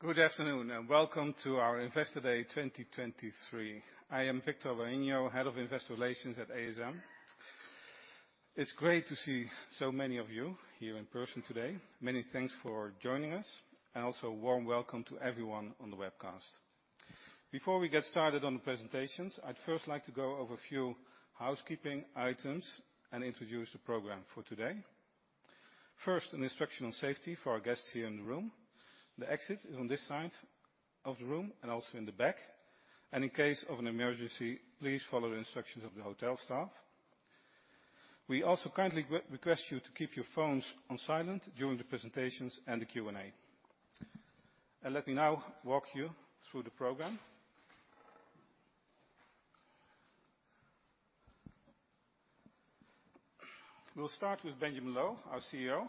Good afternoon, and welcome to our Investor Day 2023. I am Victor Bareño, Head of Investor Relations at ASM. It's great to see so many of you here in person today. Many thanks for joining us, and also a warm welcome to everyone on the webcast. Before we get started on the presentations, I'd first like to go over a few housekeeping items and introduce the program for today. First, an instruction on safety for our guests here in the room. The exit is on this side of the room and also in the back. And in case of an emergency, please follow the instructions of the hotel staff. We also kindly request you to keep your phones on silent during the presentations and the Q&A. Let me now walk you through the program. We'll start with Benjamin Loh, our CEO,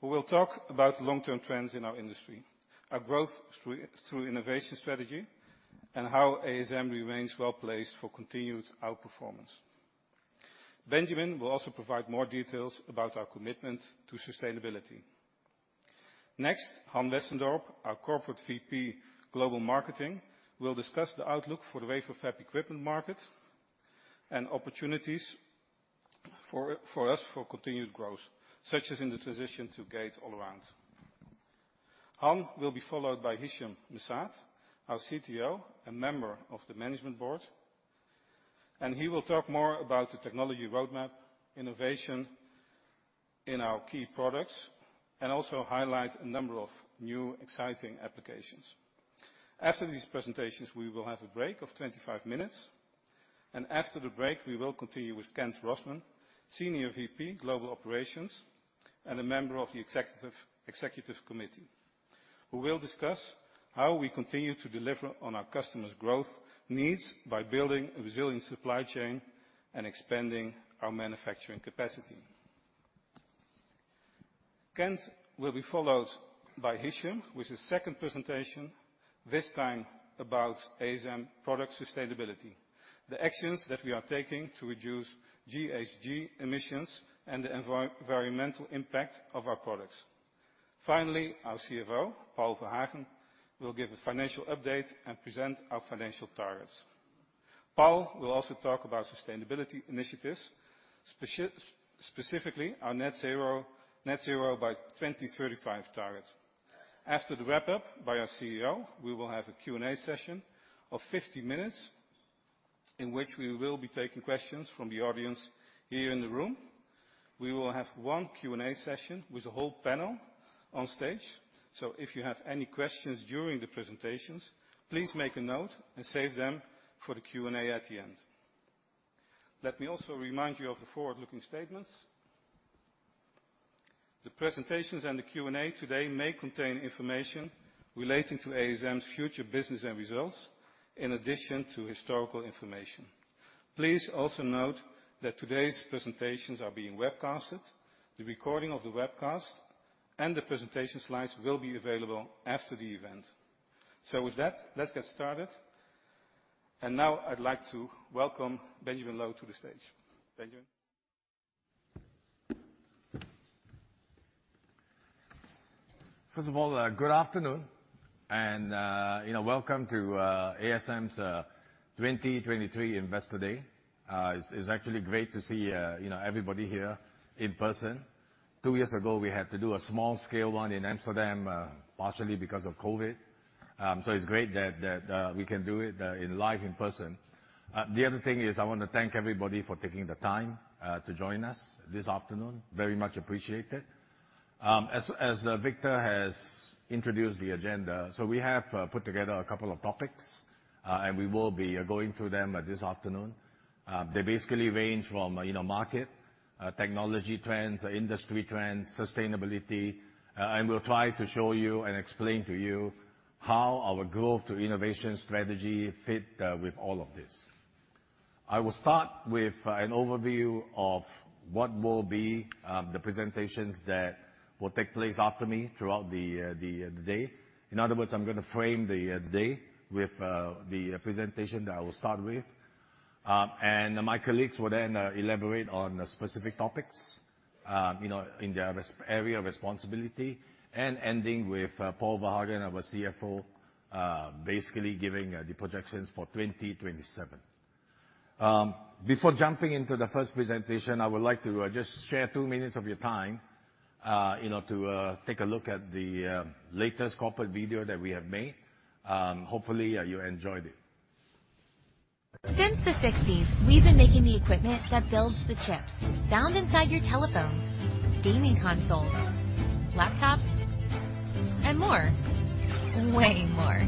who will talk about the long-term trends in our industry, our growth through innovation strategy, and how ASM remains well-placed for continued outperformance. Benjamin will also provide more details about our commitment to sustainability. Next, Han Westendorp, our Corporate VP, Global Marketing, will discuss the outlook for the wafer fab equipment market and opportunities for us for continued growth, such as in the transition to Gate-All-Around. Han will be followed by Hichem M'Saad, our CTO and member of the Management Board, and he will talk more about the technology roadmap, innovation in our key products, and also highlight a number of new, exciting applications. After these presentations, we will have a break of 25 minutes, and after the break, we will continue with Kent Rossman, Senior VP, Global Operations, and a member of the Executive Committee, who will discuss how we continue to deliver on our customers' growth needs by building a resilient supply chain and expanding our manufacturing capacity. Kent will be followed by Hichem, with his second presentation, this time about ASM product sustainability, the actions that we are taking to reduce GHG emissions and the environmental impact of our products. Finally, our CFO, Paul Verhagen, will give a financial update and present our financial targets. Paul will also talk about sustainability initiatives, specifically our net-zero by 2035 target. After the wrap-up by our CEO, we will have a Q&A session of 50 minutes, in which we will be taking questions from the audience here in the room. We will have one Q&A session with the whole panel on stage, so if you have any questions during the presentations, please make a note and save them for the Q&A at the end. Let me also remind you of the forward-looking statements. The presentations and the Q&A today may contain information relating to ASM's future business and results in addition to historical information. Please also note that today's presentations are being webcasted. The recording of the webcast and the presentation slides will be available after the event. So with that, let's get started. And now I'd like to welcome Benjamin Loh to the stage. Benjamin? First of all, good afternoon, and, you know, welcome to ASM's 2023 Investor Day. It's actually great to see, you know, everybody here in person. Two years ago, we had to do a small scale one in Amsterdam, partially because of COVID. So it's great that we can do it in live in person. The other thing is, I want to thank everybody for taking the time to join us this afternoon. Very much appreciated. As Victor has introduced the agenda, so we have put together a couple of topics, and we will be going through them this afternoon. They basically range from, you know, market, technology trends, industry trends, sustainability, and we'll try to show you and explain to you how our Growth through Innovation strategy fit with all of this. I will start with an overview of what will be the presentations that will take place after me throughout the day. In other words, I'm going to frame the day with the presentation that I will start with. And my colleagues will then elaborate on specific topics, you know, in their respective area of responsibility, and ending with Paul Verhagen, our CFO, basically giving the projections for 2027. Before jumping into the first presentation, I would like to just share two minutes of your time, you know, to take a look at the latest corporate video that we have made. Hopefully, you enjoyed it. Since the sixties, we've been making the equipment that builds the chips found inside your telephones, gaming consoles, laptops, and more, way more.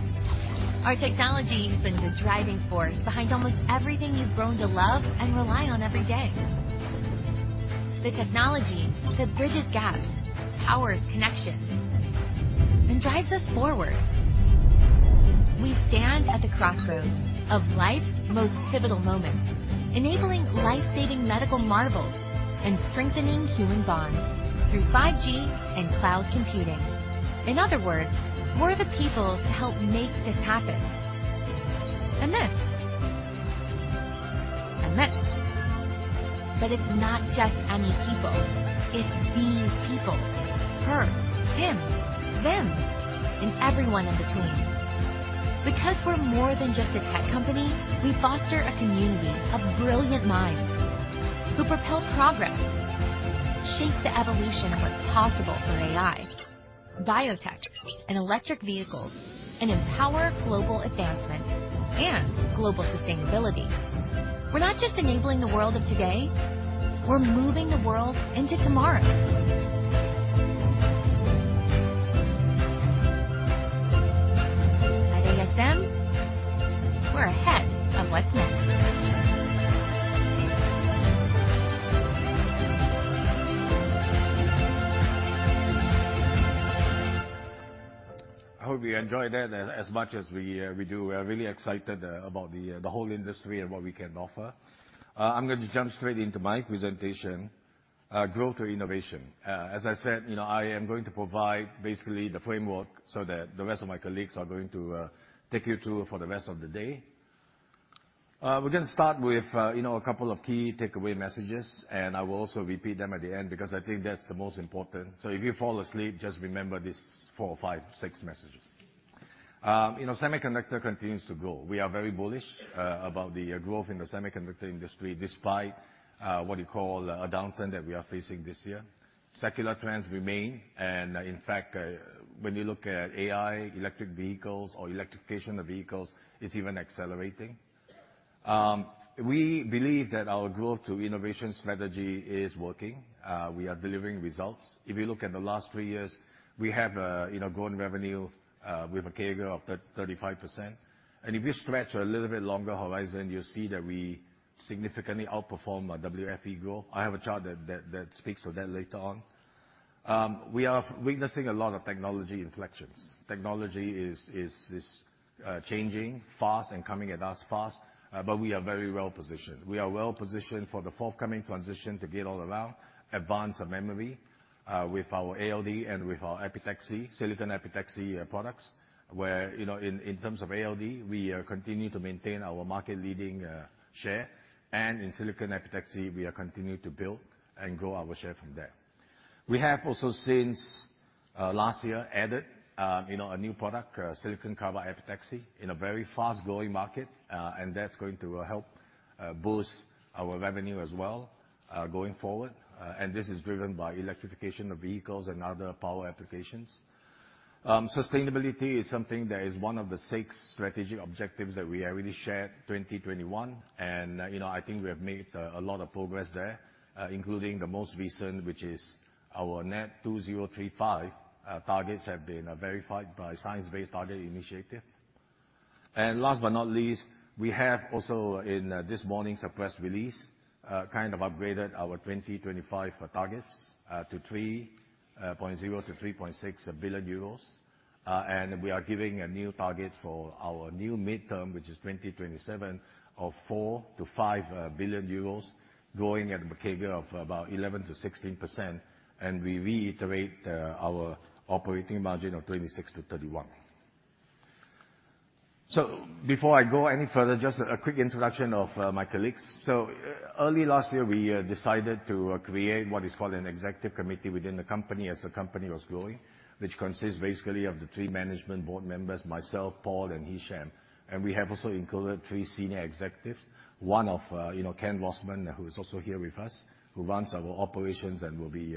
Our technology has been the driving force behind almost everything you've grown to love and rely on every day. The technology that bridges gaps, powers connections, and drives us forward. We stand at the crossroads of life's most pivotal moments, enabling life-saving medical marvels and strengthening human bonds through 5G and cloud computing. In other words, we're the people to help make this happen. And this....And next. But it's not just any people, it's these people, her, him, them, and everyone in between. Because we're more than just a tech company, we foster a community of brilliant minds who propel progress, shape the evolution of what's possible for AI, biotech and electric vehicles, and empower global advancements and global sustainability. We're not just enabling the world of today, we're moving the world into tomorrow. At ASM, we're ahead of what's next. I hope you enjoyed that as much as we do. We are really excited about the whole industry and what we can offer. I'm going to jump straight into my presentation: Growth through Innovation. As I said, you know, I am going to provide basically the framework so that the rest of my colleagues are going to take you through for the rest of the day. We're gonna start with, you know, a couple of key takeaway messages, and I will also repeat them at the end, because I think that's the most important. So if you fall asleep, just remember these four or five, six messages. You know, semiconductor continues to grow. We are very bullish about the growth in the semiconductor industry, despite what you call a downturn that we are facing this year. Secular trends remain, and in fact, when you look at AI, electric vehicles or electrification of vehicles, it's even accelerating. We believe that our Growth through Innovation strategy is working. We are delivering results. If you look at the last three years, we have, you know, grown revenue with a CAGR of 35%. And if you stretch a little bit longer horizon, you'll see that we significantly outperform our WFE growth. I have a chart that speaks to that later on. We are witnessing a lot of technology inflections. Technology is changing fast and coming at us fast, but we are very well positioned. We are well positioned for the forthcoming transition to Gate-All-Around, advance our memory with our ALD and with our epitaxy, silicon epitaxy products, where, you know, in, in terms of ALD, we continue to maintain our market-leading share. And in silicon epitaxy, we are continuing to build and grow our share from there. We have also, since last year, added, you know, a new product, silicon carbide epitaxy, in a very fast-growing market, and that's going to help boost our revenue as well, going forward. And this is driven by electrification of vehicles and other power applications. Sustainability is something that is one of the six strategic objectives that we already shared, 2021, and, you know, I think we have made a lot of progress there, including the most recent, which is our Net2035 targets have been verified by Science Based Targets Initiative. And last but not least, we have also, in this morning's press release, kind of upgraded our 2025 targets to 3.0 billion to 3.6 billion euros. And we are giving a new target for our new midterm, which is 2027, of 4 billion to 5 billion euros, growing at a CAGR of about 11% to 16%, and we reiterate our operating margin of 26% to 31%. So before I go any further, just a quick introduction of my colleagues. So early last year, we decided to create what is called an executive committee within the company as the company was growing, which consists basically of the three management board members, myself, Paul and Hichem. And we have also included three senior executives. One of, you know, Kent Rossman, who is also here with us, who runs our operations and will be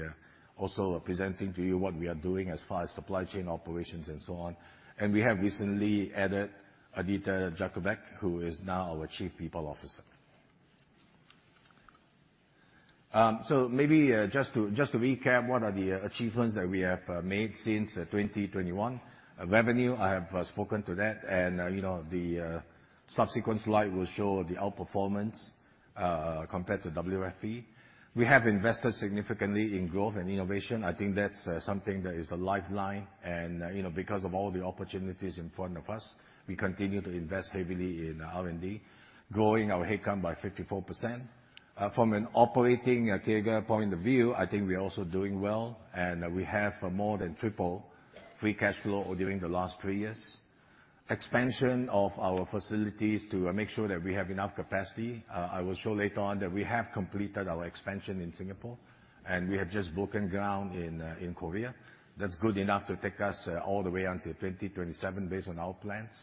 also presenting to you what we are doing as far as supply chain operations and so on. And we have recently added Edyta Jakubek, who is now our Chief People Officer. So maybe just to recap, what are the achievements that we have made since 2021? Revenue, I have spoken to that. And, you know, the subsequent slide will show the outperformance compared to WFE. We have invested significantly in growth and innovation. I think that's something that is a lifeline. And you know, because of all the opportunities in front of us, we continue to invest heavily in R&D, growing our headcount by 54%. From an operating CAGR point of view, I think we are also doing well, and we have more than triple free cash flow during the last three years. Expansion of our facilities to make sure that we have enough capacity. I will show later on that we have completed our expansion in Singapore, and we have just broken ground in Korea. That's good enough to take us all the way until 2027, based on our plans.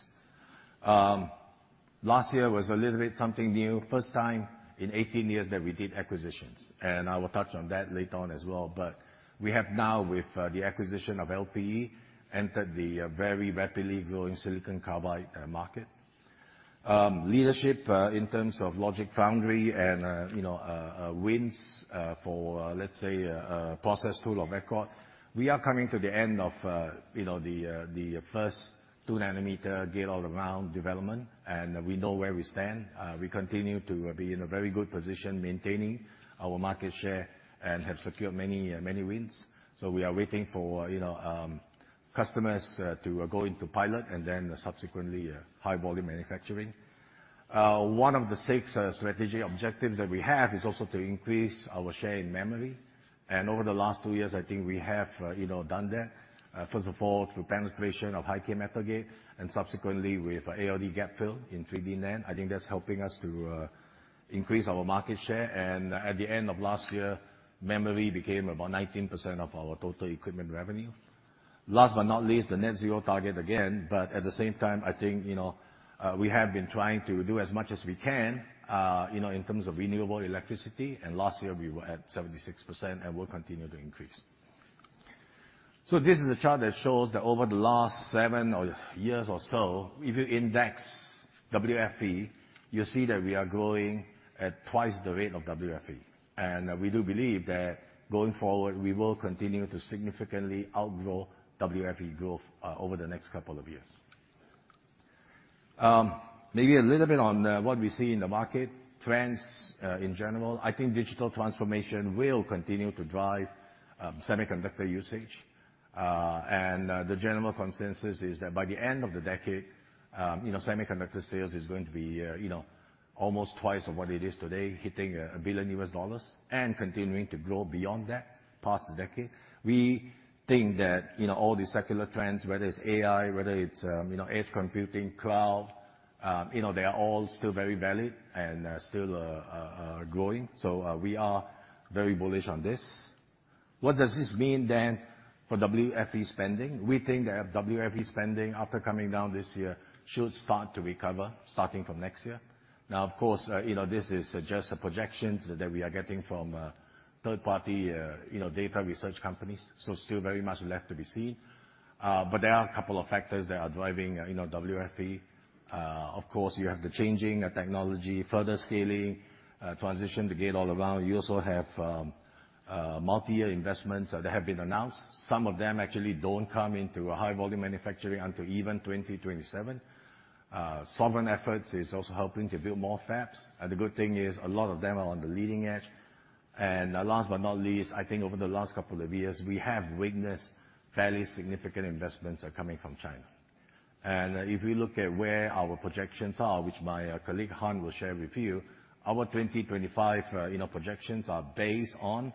Last year was a little bit something new. First time in 18 years that we did acquisitions, and I will touch on that later on as well. But we have now, with the acquisition of LPE, entered the very rapidly growing silicon carbide market. Leadership in terms of logic, foundry and, you know, wins for, let's say, process tool of record. We are coming to the end of, you know, the first 2-nanometer Gate-All-Around development, and we know where we stand. We continue to be in a very good position, maintaining our market share, and have secured many, many wins. So we are waiting for, you know, customers to go into pilot, and then subsequently high-volume manufacturing. One of the 6 strategic objectives that we have is also to increase our share in memory.... Over the last two years, I think we have, you know, done that. First of all, through penetration of high-k metal gate, and subsequently with ALD gap fill in 3D-NAND. I think that's helping us to increase our market share. And at the end of last year, memory became about 19% of our total equipment revenue. Last but not least, the net zero target again, but at the same time, I think, you know, we have been trying to do as much as we can, you know, in terms of renewable electricity, and last year we were at 76%, and we'll continue to increase. So this is a chart that shows that over the last seven years or so, if you index WFE, you'll see that we are growing at twice the rate of WFE. We do believe that going forward, we will continue to significantly outgrow WFE growth over the next couple of years. Maybe a little bit on what we see in the market. Trends in general, I think digital transformation will continue to drive semiconductor usage. And the general consensus is that by the end of the decade, you know, semiconductor sales is going to be, you know, almost twice of what it is today, hitting $1 billion, and continuing to grow beyond that, past the decade. We think that, you know, all the secular trends, whether it's AI, whether it's, you know, edge computing, cloud, you know, they are all still very valid and still growing. So we are very bullish on this. What does this mean then for WFE spending? We think that WFE spending, after coming down this year, should start to recover, starting from next year. Now, of course, you know, this is just the projections that we are getting from, third-party, you know, data research companies, so still very much left to be seen. But there are a couple of factors that are driving, you know, WFE. Of course, you have the changing of technology, further scaling, transition to Gate-All-Around. You also have, multi-year investments that have been announced. Some of them actually don't come into a high-volume manufacturing until even 2027. Sovereign efforts is also helping to build more fabs, and the good thing is, a lot of them are on the leading edge. Last but not least, I think over the last couple of years, we have witnessed fairly significant investments are coming from China. If we look at where our projections are, which my colleague, Han, will share with you, our 2025, you know, projections are based on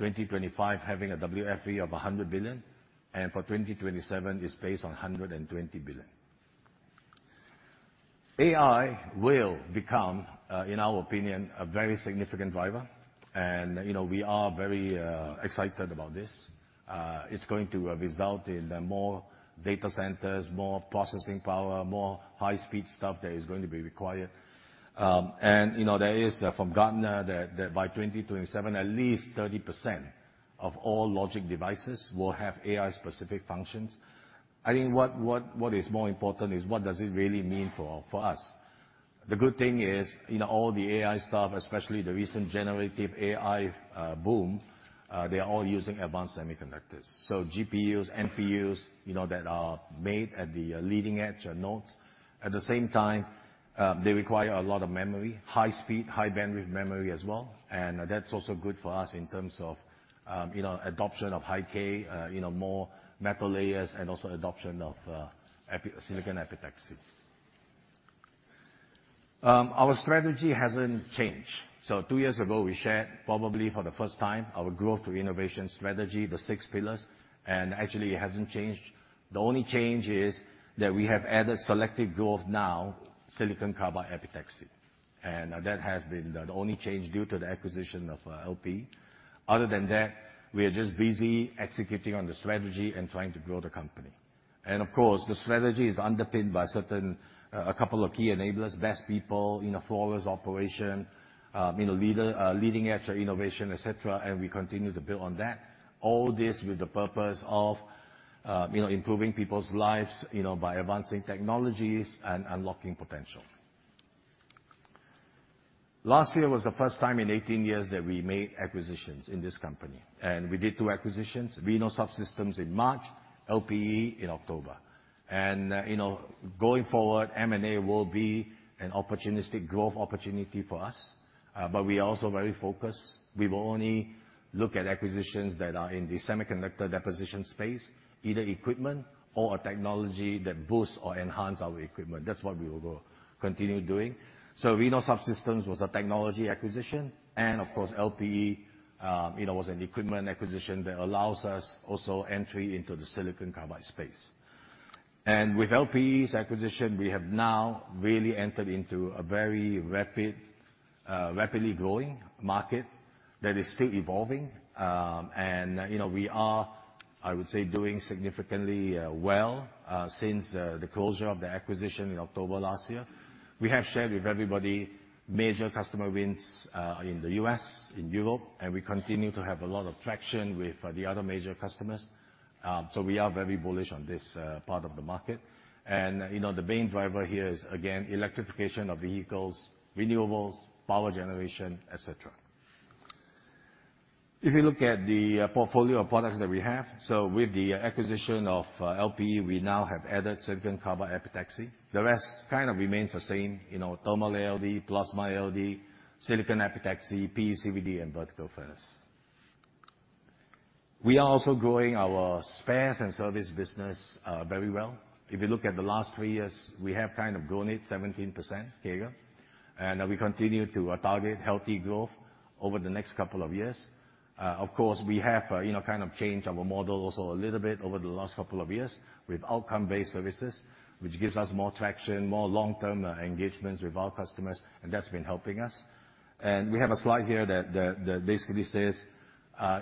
2025 having a WFE of $100 billion, and for 2027, it's based on $120 billion. AI will become, in our opinion, a very significant driver, and, you know, we are very excited about this. It's going to result in more data centers, more processing power, more high-speed stuff that is going to be required. And you know, there is from Gartner that by 2027, at least 30% of all logic devices will have AI-specific functions. I think what is more important is what does it really mean for us? The good thing is, you know, all the AI stuff, especially the recent generative AI boom, they are all using advanced semiconductors. So GPUs, NPUs, you know, that are made at the leading-edge nodes. At the same time, they require a lot of memory, high speed, high-bandwidth memory as well, and that's also good for us in terms of, you know, adoption of high-k, you know, more metal layers, and also adoption of Epi silicon epitaxy. Our strategy hasn't changed. So two years ago, we shared, probably for the first time, our Growth through Innovation strategy, the six pillars, and actually, it hasn't changed. The only change is that we have added selective growth now, silicon carbide epitaxy, and that has been the only change due to the acquisition of LPE. Other than that, we are just busy executing on the strategy and trying to grow the company. Of course, the strategy is underpinned by certain a couple of key enablers, best people, you know, flawless operation, you know, leading-edge innovation, et cetera, and we continue to build on that. All this with the purpose of, you know, improving people's lives, you know, by advancing technologies and unlocking potential. Last year was the first time in 18 years that we made acquisitions in this company, and we did 2 acquisitions: Reno Sub-Systems in March, LPE in October. You know, going forward, M&A will be an opportunistic growth opportunity for us, but we are also very focused. We will only look at acquisitions that are in the semiconductor deposition space, either equipment or a technology that boosts or enhance our equipment. That's what we will continue doing. So Reno Sub-Systems was a technology acquisition, and of course, LPE, you know, was an equipment acquisition that allows us also entry into the silicon carbide space. And with LPE's acquisition, we have now really entered into a very rapid, rapidly growing market that is still evolving. And, you know, we are, I would say, doing significantly well since the closure of the acquisition in October last year. We have shared with everybody major customer wins in the U.S., in Europe, and we continue to have a lot of traction with the other major customers. So we are very bullish on this part of the market. And, you know, the main driver here is, again, electrification of vehicles, renewables, power generation, et cetera. If you look at the portfolio of products that we have, so with the acquisition of LPE, we now have added silicon carbide epitaxy. The rest kind of remains the same, you know, thermal ALD, plasma ALD, silicon epitaxy, PECVD, and vertical furnace... We are also growing our spares and service business very well. If you look at the last three years, we have kind of grown it 17% CAGR, and we continue to target healthy growth over the next couple of years. Of course, we have, you know, kind of changed our model also a little bit over the last couple of years with outcome-based services, which gives us more traction, more long-term engagements with our customers, and that's been helping us. And we have a slide here that basically says,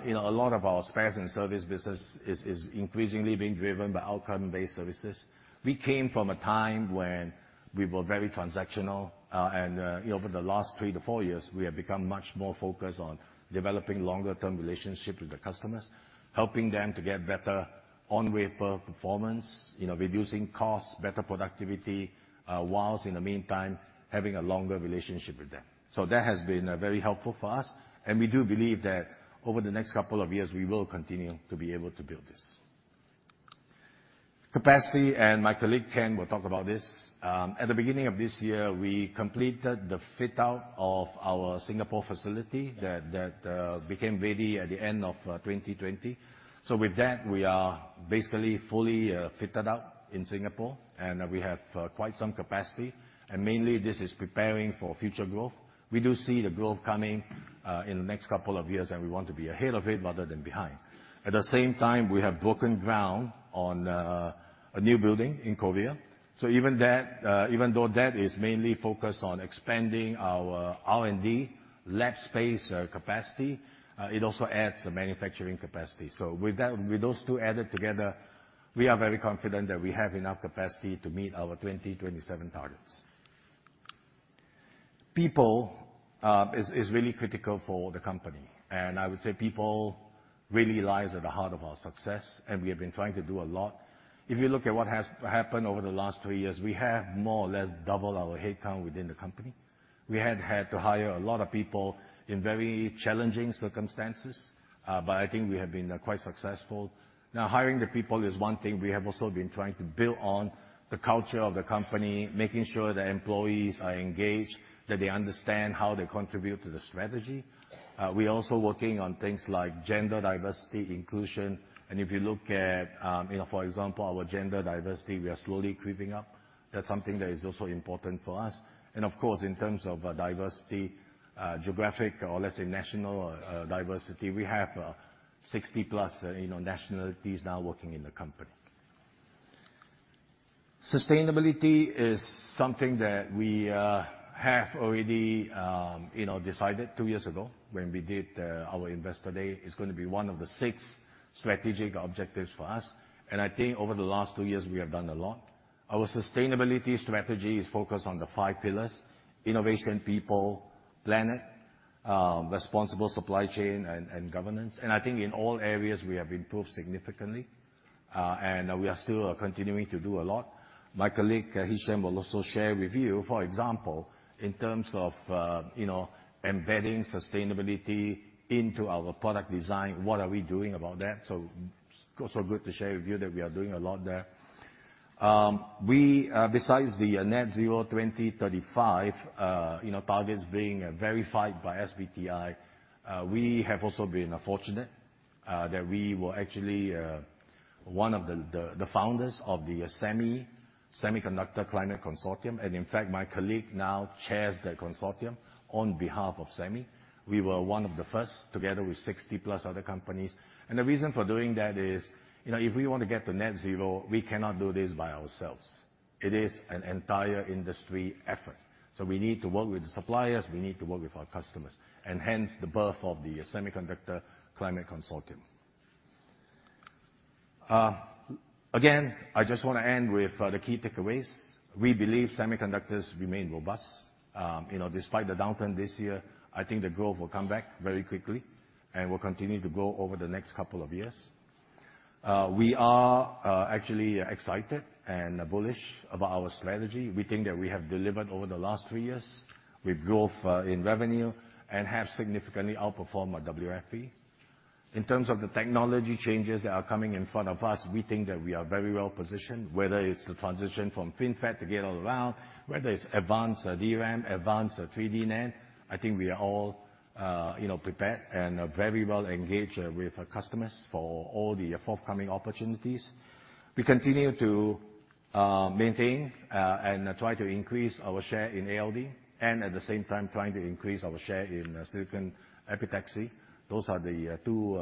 you know, a lot of our spares and service business is increasingly being driven by outcome-based services. We came from a time when we were very transactional. And over the last three to four years, we have become much more focused on developing longer-term relationships with the customers, helping them to get better on-wafer performance, you know, reducing costs, better productivity, while in the meantime, having a longer relationship with them. So that has been very helpful for us, and we do believe that over the next couple of years, we will continue to be able to build this capacity, and my colleague, Kent, will talk about this. At the beginning of this year, we completed the fit-out of our Singapore facility that became ready at the end of 2020. So with that, we are basically fully fitted out in Singapore, and we have quite some capacity, and mainly this is preparing for future growth. We do see the growth coming in the next couple of years, and we want to be ahead of it rather than behind. At the same time, we have broken ground on a new building in Korea. So even that, even though that is mainly focused on expanding our R&D lab space, capacity, it also adds a manufacturing capacity. So with that—with those two added together, we are very confident that we have enough capacity to meet our 2027 targets. People is really critical for the company, and I would say people really lies at the heart of our success, and we have been trying to do a lot. If you look at what has happened over the last three years, we have more or less doubled our headcount within the company. We had had to hire a lot of people in very challenging circumstances, but I think we have been quite successful. Now, hiring the people is one thing. We have also been trying to build on the culture of the company, making sure the employees are engaged, that they understand how they contribute to the strategy. We are also working on things like gender diversity inclusion, and if you look at, you know, for example, our gender diversity, we are slowly creeping up. That's something that is also important for us. And of course, in terms of, diversity, geographic, or let's say national, diversity, we have, 60+, you know, nationalities now working in the company. Sustainability is something that we have already, you know, decided two years ago when we did our Investor Day. It's going to be one of the six strategic objectives for us, and I think over the last two years, we have done a lot. Our sustainability strategy is focused on the five pillars: innovation, people, planet, responsible supply chain, and governance. I think in all areas we have improved significantly, and we are still continuing to do a lot. My colleague, Hichem, will also share with you, for example, in terms of, you know, embedding sustainability into our product design, what are we doing about that? So good to share with you that we are doing a lot there. Besides the net-zero 2035, you know, targets being verified by SBTi, we have also been fortunate that we were actually one of the founders of the SEMI Semiconductor Climate Consortium. In fact, my colleague now chairs the consortium on behalf of SEMI. We were one of the first, together with 60+ other companies. The reason for doing that is, you know, if we want to get to net-zero, we cannot do this by ourselves. It is an entire industry effort, so we need to work with the suppliers, we need to work with our customers, and hence, the birth of the Semiconductor Climate Consortium. Again, I just want to end with the key takeaways. We believe semiconductors remain robust. You know, despite the downturn this year, I think the growth will come back very quickly and will continue to grow over the next couple of years. We are actually excited and bullish about our strategy. We think that we have delivered over the last three years with growth in revenue and have significantly outperformed WFE. In terms of the technology changes that are coming in front of us, we think that we are very well positioned, whether it's the transition from FinFET to Gate-All-Around, whether it's advanced DRAM, advanced 3D-NAND. I think we are all, you know, prepared and, very well engaged, with our customers for all the forthcoming opportunities. We continue to, maintain, and try to increase our share in ALD and at the same time trying to increase our share in silicon epitaxy. Those are the two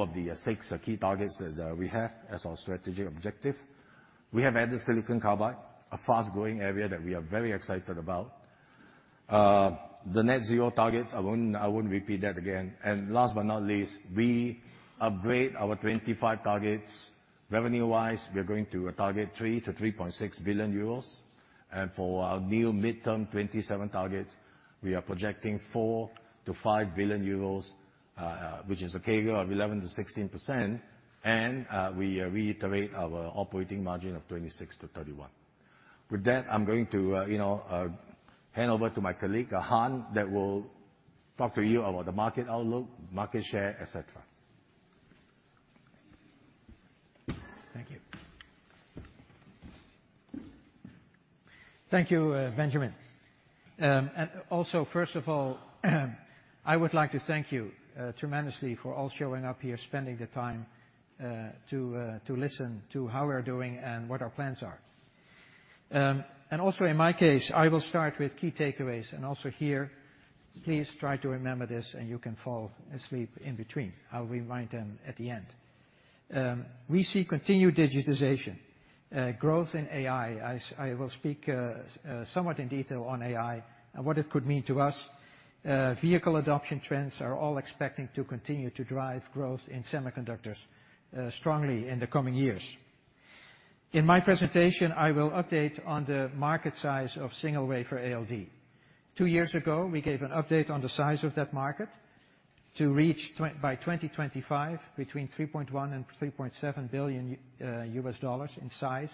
of the si- key targets that, we have as our strategic objective. We have added silicon carbide, a fast-growing area that we are very excited about. The net-zero targets, I won't, I won't repeat that again. And last but not least, we upgrade our 2025 targets. Revenue-wise, we are going to target 3 billion to 3.6 billion euros, and for our new mid-term 2027 targets, we are projecting 4 billion to 5 billion euros, which is a CAGR of 11% to 16%, and we reiterate our operating margin of 26% to 31%. With that, I'm going to, you know, hand over to my colleague, Han, that will talk to you about the market outlook, market share, etc. Thank you.... Thank you, Benjamin. And also, first of all, I would like to thank you tremendously for all showing up here, spending the time to listen to how we're doing and what our plans are. And also in my case, I will start with key takeaways, and also here, please try to remember this, and you can fall asleep in between. I'll remind them at the end. We see continued digitization, growth in AI. I will speak somewhat in detail on AI and what it could mean to us. Vehicle adoption trends are all expecting to continue to drive growth in semiconductors strongly in the coming years. In my presentation, I will update on the market size of single-wafer ALD. Two years ago, we gave an update on the size of that market to reach by 2025, between $3.1 billion and $3.7 billion in size.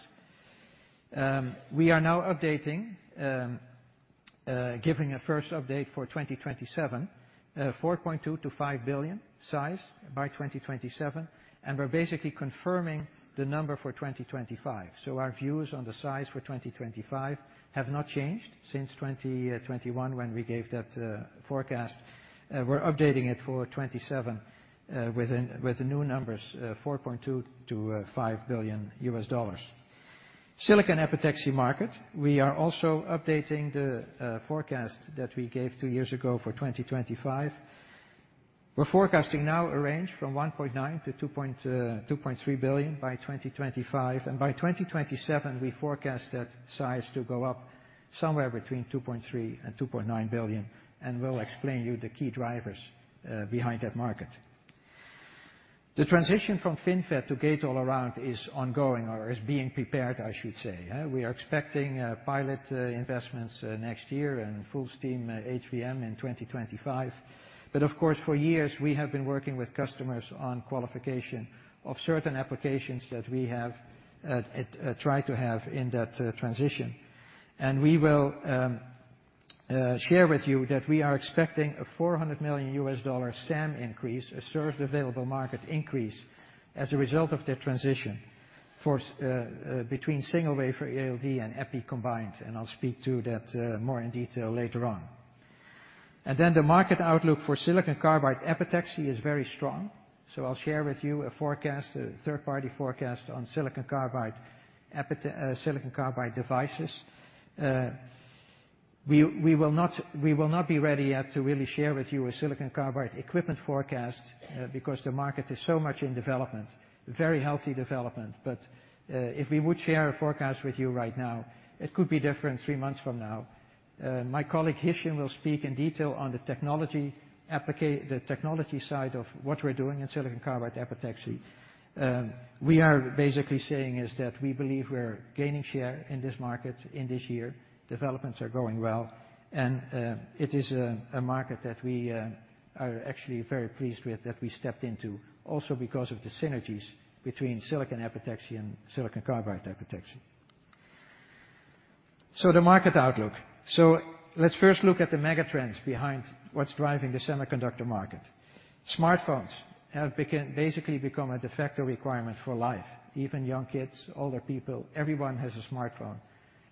We are now updating, giving a first update for 2027, $4.2 billion to $5 billion size by 2027, and we're basically confirming the number for 2025. Our views on the size for 2025 have not changed since 2021, when we gave that forecast. We're updating it for twenty-seven, with the new numbers, $4.2 billion to $5 billion. Silicon epitaxy market. We are also updating the forecast that we gave two years ago for 2025. We're forecasting now a range from $1.9 billion to $2.3 billion by 2025, and by 2027, we forecast that size to go up somewhere between $2.3 billion to $2.9 billion, and we'll explain you the key drivers behind that market. The transition from FinFET to Gate-All-Around is ongoing or is being prepared, I should say, eh? We are expecting pilot investments next year and full steam HVM in 2025. But of course, for years, we have been working with customers on qualification of certain applications that we have at try to have in that transition. We will share with you that we are expecting a $400 million SAM increase, a served available market increase, as a result of that transition for between single-wafer ALD and Epi combined, and I'll speak to that more in detail later on. Then the market outlook for silicon carbide epitaxy is very strong, so I'll share with you a forecast, a third-party forecast on silicon carbide devices. We will not be ready yet to really share with you a silicon carbide equipment forecast because the market is so much in development, very healthy development. But if we would share a forecast with you right now, it could be different three months from now. My colleague, Hichem, will speak in detail on the technology side of what we're doing in silicon carbide epitaxy. We are basically saying is that we believe we're gaining share in this market in this year. Developments are going well, and it is a market that we are actually very pleased with, that we stepped into, also because of the synergies between silicon epitaxy and silicon carbide epitaxy. So the market outlook. Let's first look at the mega trends behind what's driving the semiconductor market. Smartphones have become, basically become a de facto requirement for life. Even young kids, older people, everyone has a smartphone,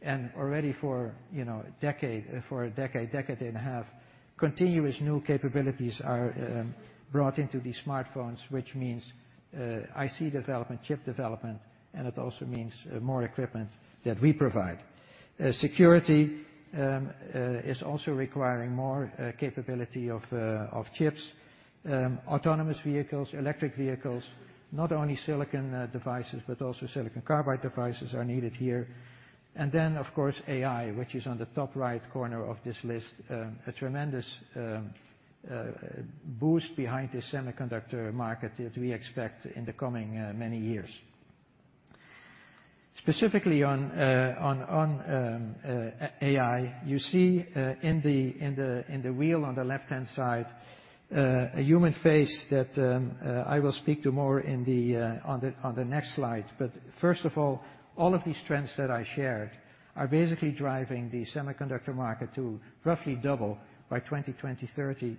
and already for, you know, a decade, for a decade, decade and a half, continuous new capabilities are brought into these smartphones, which means, IC development, chip development, and it also means, more equipment that we provide. Security is also requiring more capability of of chips. Autonomous vehicles, electric vehicles, not only silicon devices, but also silicon carbide devices are needed here. And then, of course, AI, which is on the top right corner of this list, a tremendous boost behind the semiconductor market that we expect in the coming many years. Specifically on AI, you see, in the wheel on the left-hand side, a human face that I will speak to more on the next slide. But first of all, all of these trends that I shared are basically driving the semiconductor market to roughly double by 2030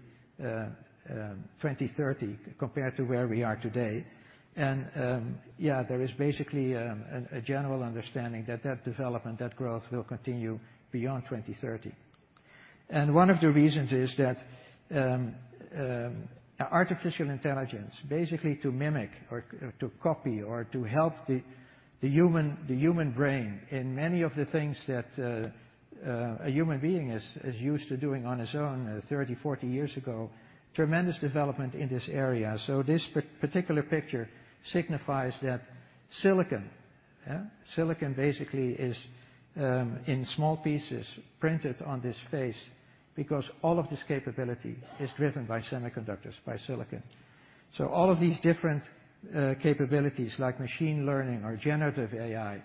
compared to where we are today. And yeah, there is basically a general understanding that that development, that growth, will continue beyond 2030. And one of the reasons is that, artificial intelligence, basically to mimic or, or to copy or to help the, the human, the human brain in many of the things that, a human being is, is used to doing on his own, 30, 40 years ago, tremendous development in this area. So this particular picture signifies that silicon, yeah, silicon basically is, in small pieces printed on this face because all of this capability is driven by semiconductors, by silicon. So all of these different, capabilities, like machine learning or generative AI,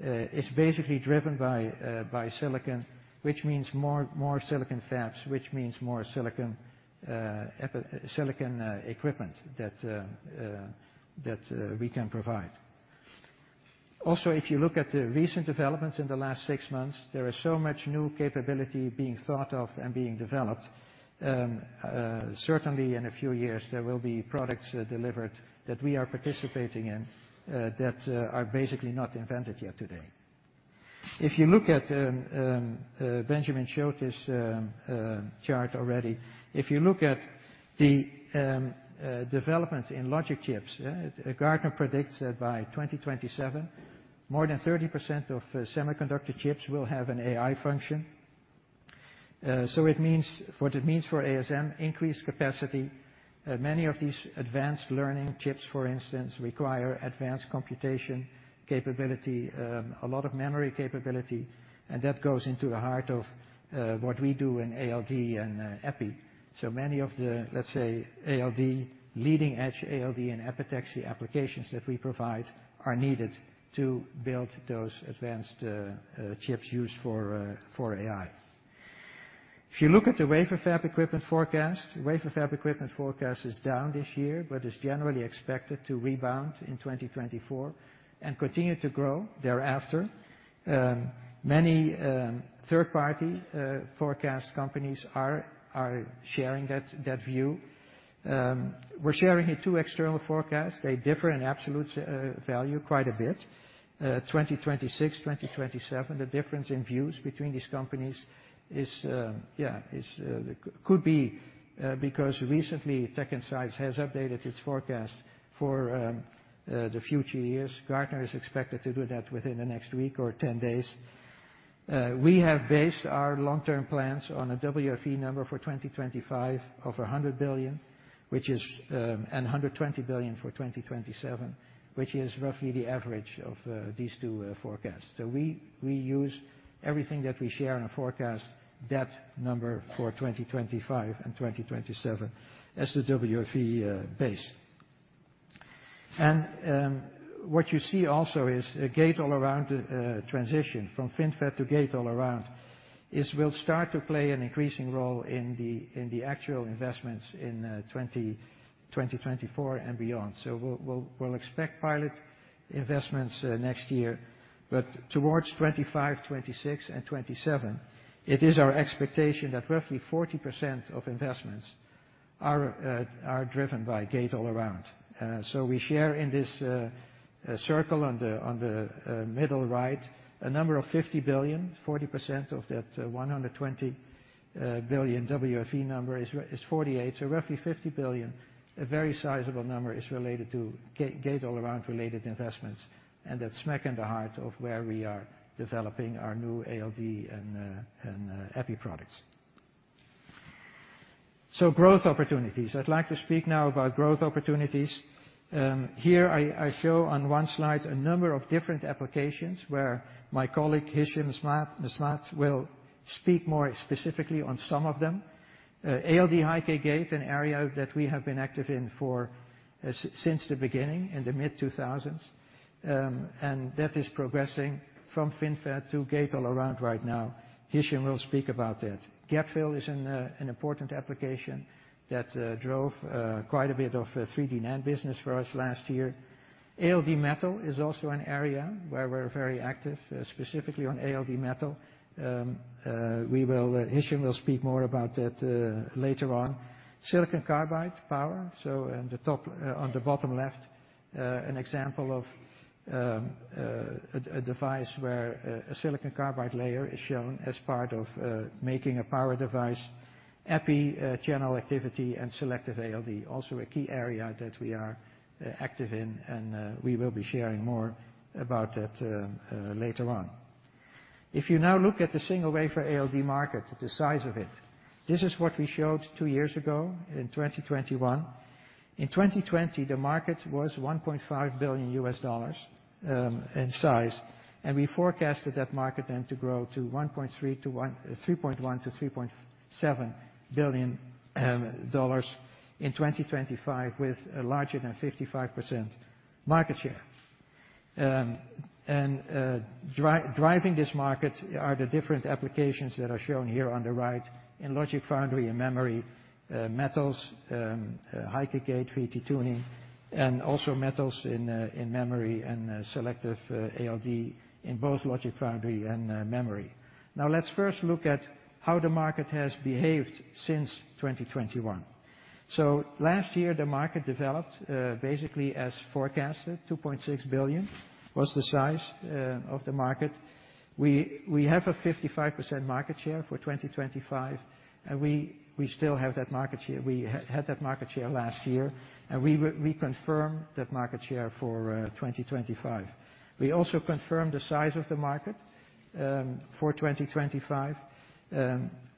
is basically driven by, by silicon, which means more, more silicon fabs, which means more silicon, epi silicon, equipment that, that, we can provide. Also, if you look at the recent developments in the last six months, there is so much new capability being thought of and being developed. Certainly in a few years, there will be products delivered that we are participating in, that are basically not invented yet today. If you look at, Benjamin showed this chart already. If you look at the development in logic chips, yeah, Gartner predicts that by 2027, more than 30% of semiconductor chips will have an AI function. So it means, what it means for ASM, increased capacity. Many of these advanced learning chips, for instance, require advanced computation capability, a lot of memory capability, and that goes into the heart of what we do in ALD and Epi. So many of the, let's say, ALD, leading-edge ALD and epitaxy applications that we provide are needed to build those advanced chips used for AI. If you look at the wafer fab equipment forecast, wafer fab equipment forecast is down this year, but is generally expected to rebound in 2024 and continue to grow thereafter. Many third-party forecast companies are sharing that view. We're sharing here two external forecasts. They differ in absolute value quite a bit. 2026, 2027, the difference in views between these companies is, yeah, could be because recently, TechInsights has updated its forecast for the future years. Gartner is expected to do that within the next week or 10 days. We have based our long-term plans on a WFE number for 2025 of $100 billion, which is, and $120 billion for 2027, which is roughly the average of these two forecasts. So we, we use everything that we share in a forecast, that number for 2025 and 2027 as the WFE base. What you see also is a Gate-All-Around transition from FinFET to Gate-All-Around, is will start to play an increasing role in the, in the actual investments in 2024 and beyond. So we'll, we'll, we'll expect pilot investments next year, but towards 2025, 2026, and 2027, it is our expectation that roughly 40% of investments are, are driven by Gate-All-Around. So we share in this circle on the middle right a number of $50 billion. 40% of that $120 billion WFE number is 48. So roughly $50 billion, a very sizable number, is related to Gate-All-Around related investments, and that's smack in the heart of where we are developing our new ALD and Epi products. So growth opportunities. I'd like to speak now about growth opportunities. Here I show on one slide a number of different applications where my colleague, Hichem M'Saad, will speak more specifically on some of them. ALD high-k gate, an area that we have been active in for since the beginning, in the mid-2000s, and that is progressing from FinFET to Gate-All-Around right now. Hichem M'Saad will speak about that. Gap-fill is an important application that drove quite a bit of 3D-NAND business for us last year. ALD metal is also an area where we're very active, specifically on ALD metal. Hichem will speak more about that later on. Silicon carbide power, so in the top, on the bottom left, an example of a device where a silicon carbide layer is shown as part of making a power device. Epi, general activity, and selective ALD, also a key area that we are active in, and we will be sharing more about that later on. If you now look at the single wafer ALD market, the size of it, this is what we showed two years ago in 2021. In 2020, the market was $1.5 billion in size, and we forecasted that market then to grow to $3.1 billion to $3.7 billion in 2025, with a larger than 55% market share. Driving this market are the different applications that are shown here on the right in logic foundry, in memory, metals, high-k gate, VT tuning, and also metals in memory and selective ALD in both logic foundry and memory. Now, let's first look at how the market has behaved since 2021. So last year, the market developed basically as forecasted, $2.6 billion was the size of the market. We have a 55% market share for 2025, and we still have that market share. We had that market share last year, and we confirm that market share for 2025. We also confirm the size of the market for 2025.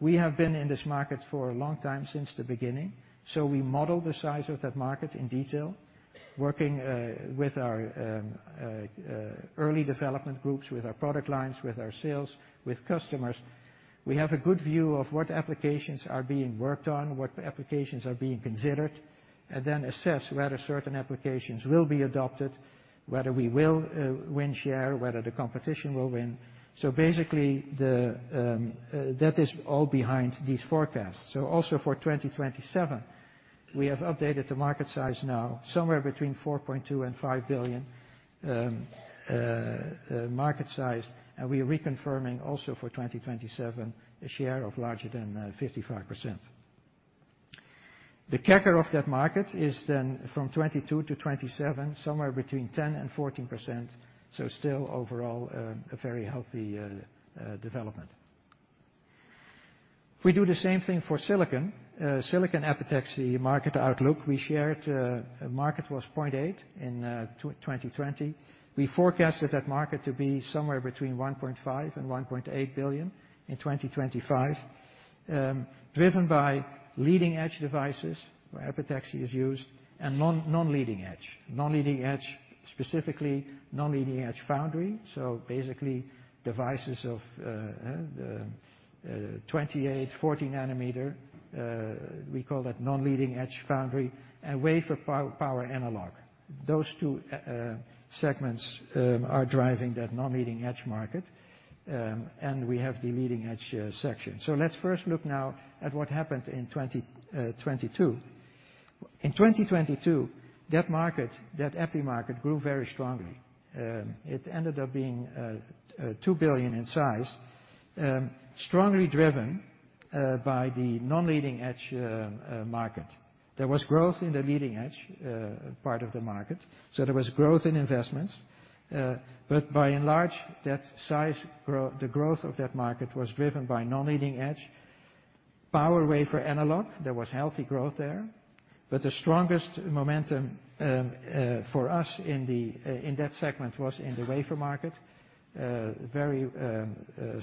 We have been in this market for a long time, since the beginning, so we model the size of that market in detail, working with our early development groups, with our product lines, with our sales, with customers. We have a good view of what applications are being worked on, what applications are being considered, and then assess whether certain applications will be adopted, whether we will win share, whether the competition will win. So basically, that is all behind these forecasts. So also for 2027, we have updated the market size now, somewhere between $4.2 billion to $5 billion, market size, and we are reconfirming also for 2027, a share of larger than 55%.... The CAGR of that market is then from 2022 to 2027, somewhere between 10% to 14%, so still overall, a very healthy development. If we do the same thing for silicon epitaxy market outlook, we shared market was 0.8 in 2020. We forecasted that market to be somewhere between $1.5 billion to $1.8 billion in 2025, driven by leading-edge devices, where epitaxy is used, and non-leading edge. Non-leading edge, specifically non-leading-edge foundry, so basically devices of 28-nanometer, 40-nanometer, we call that non-leading-edge foundry, and wafer power analog. Those two segments are driving that non-leading edge market, and we have the leading-edge section. So let's first look now at what happened in 2022. In 2022, that market, that Epi market, grew very strongly. It ended up being 2 billion in size, strongly driven by the non-leading-edge market. There was growth in the leading-edge part of the market, so there was growth in investments, but by and large, the growth of that market was driven by non-leading edge. Power wafer analog, there was healthy growth there, but the strongest momentum for us in that segment was in the wafer market. Very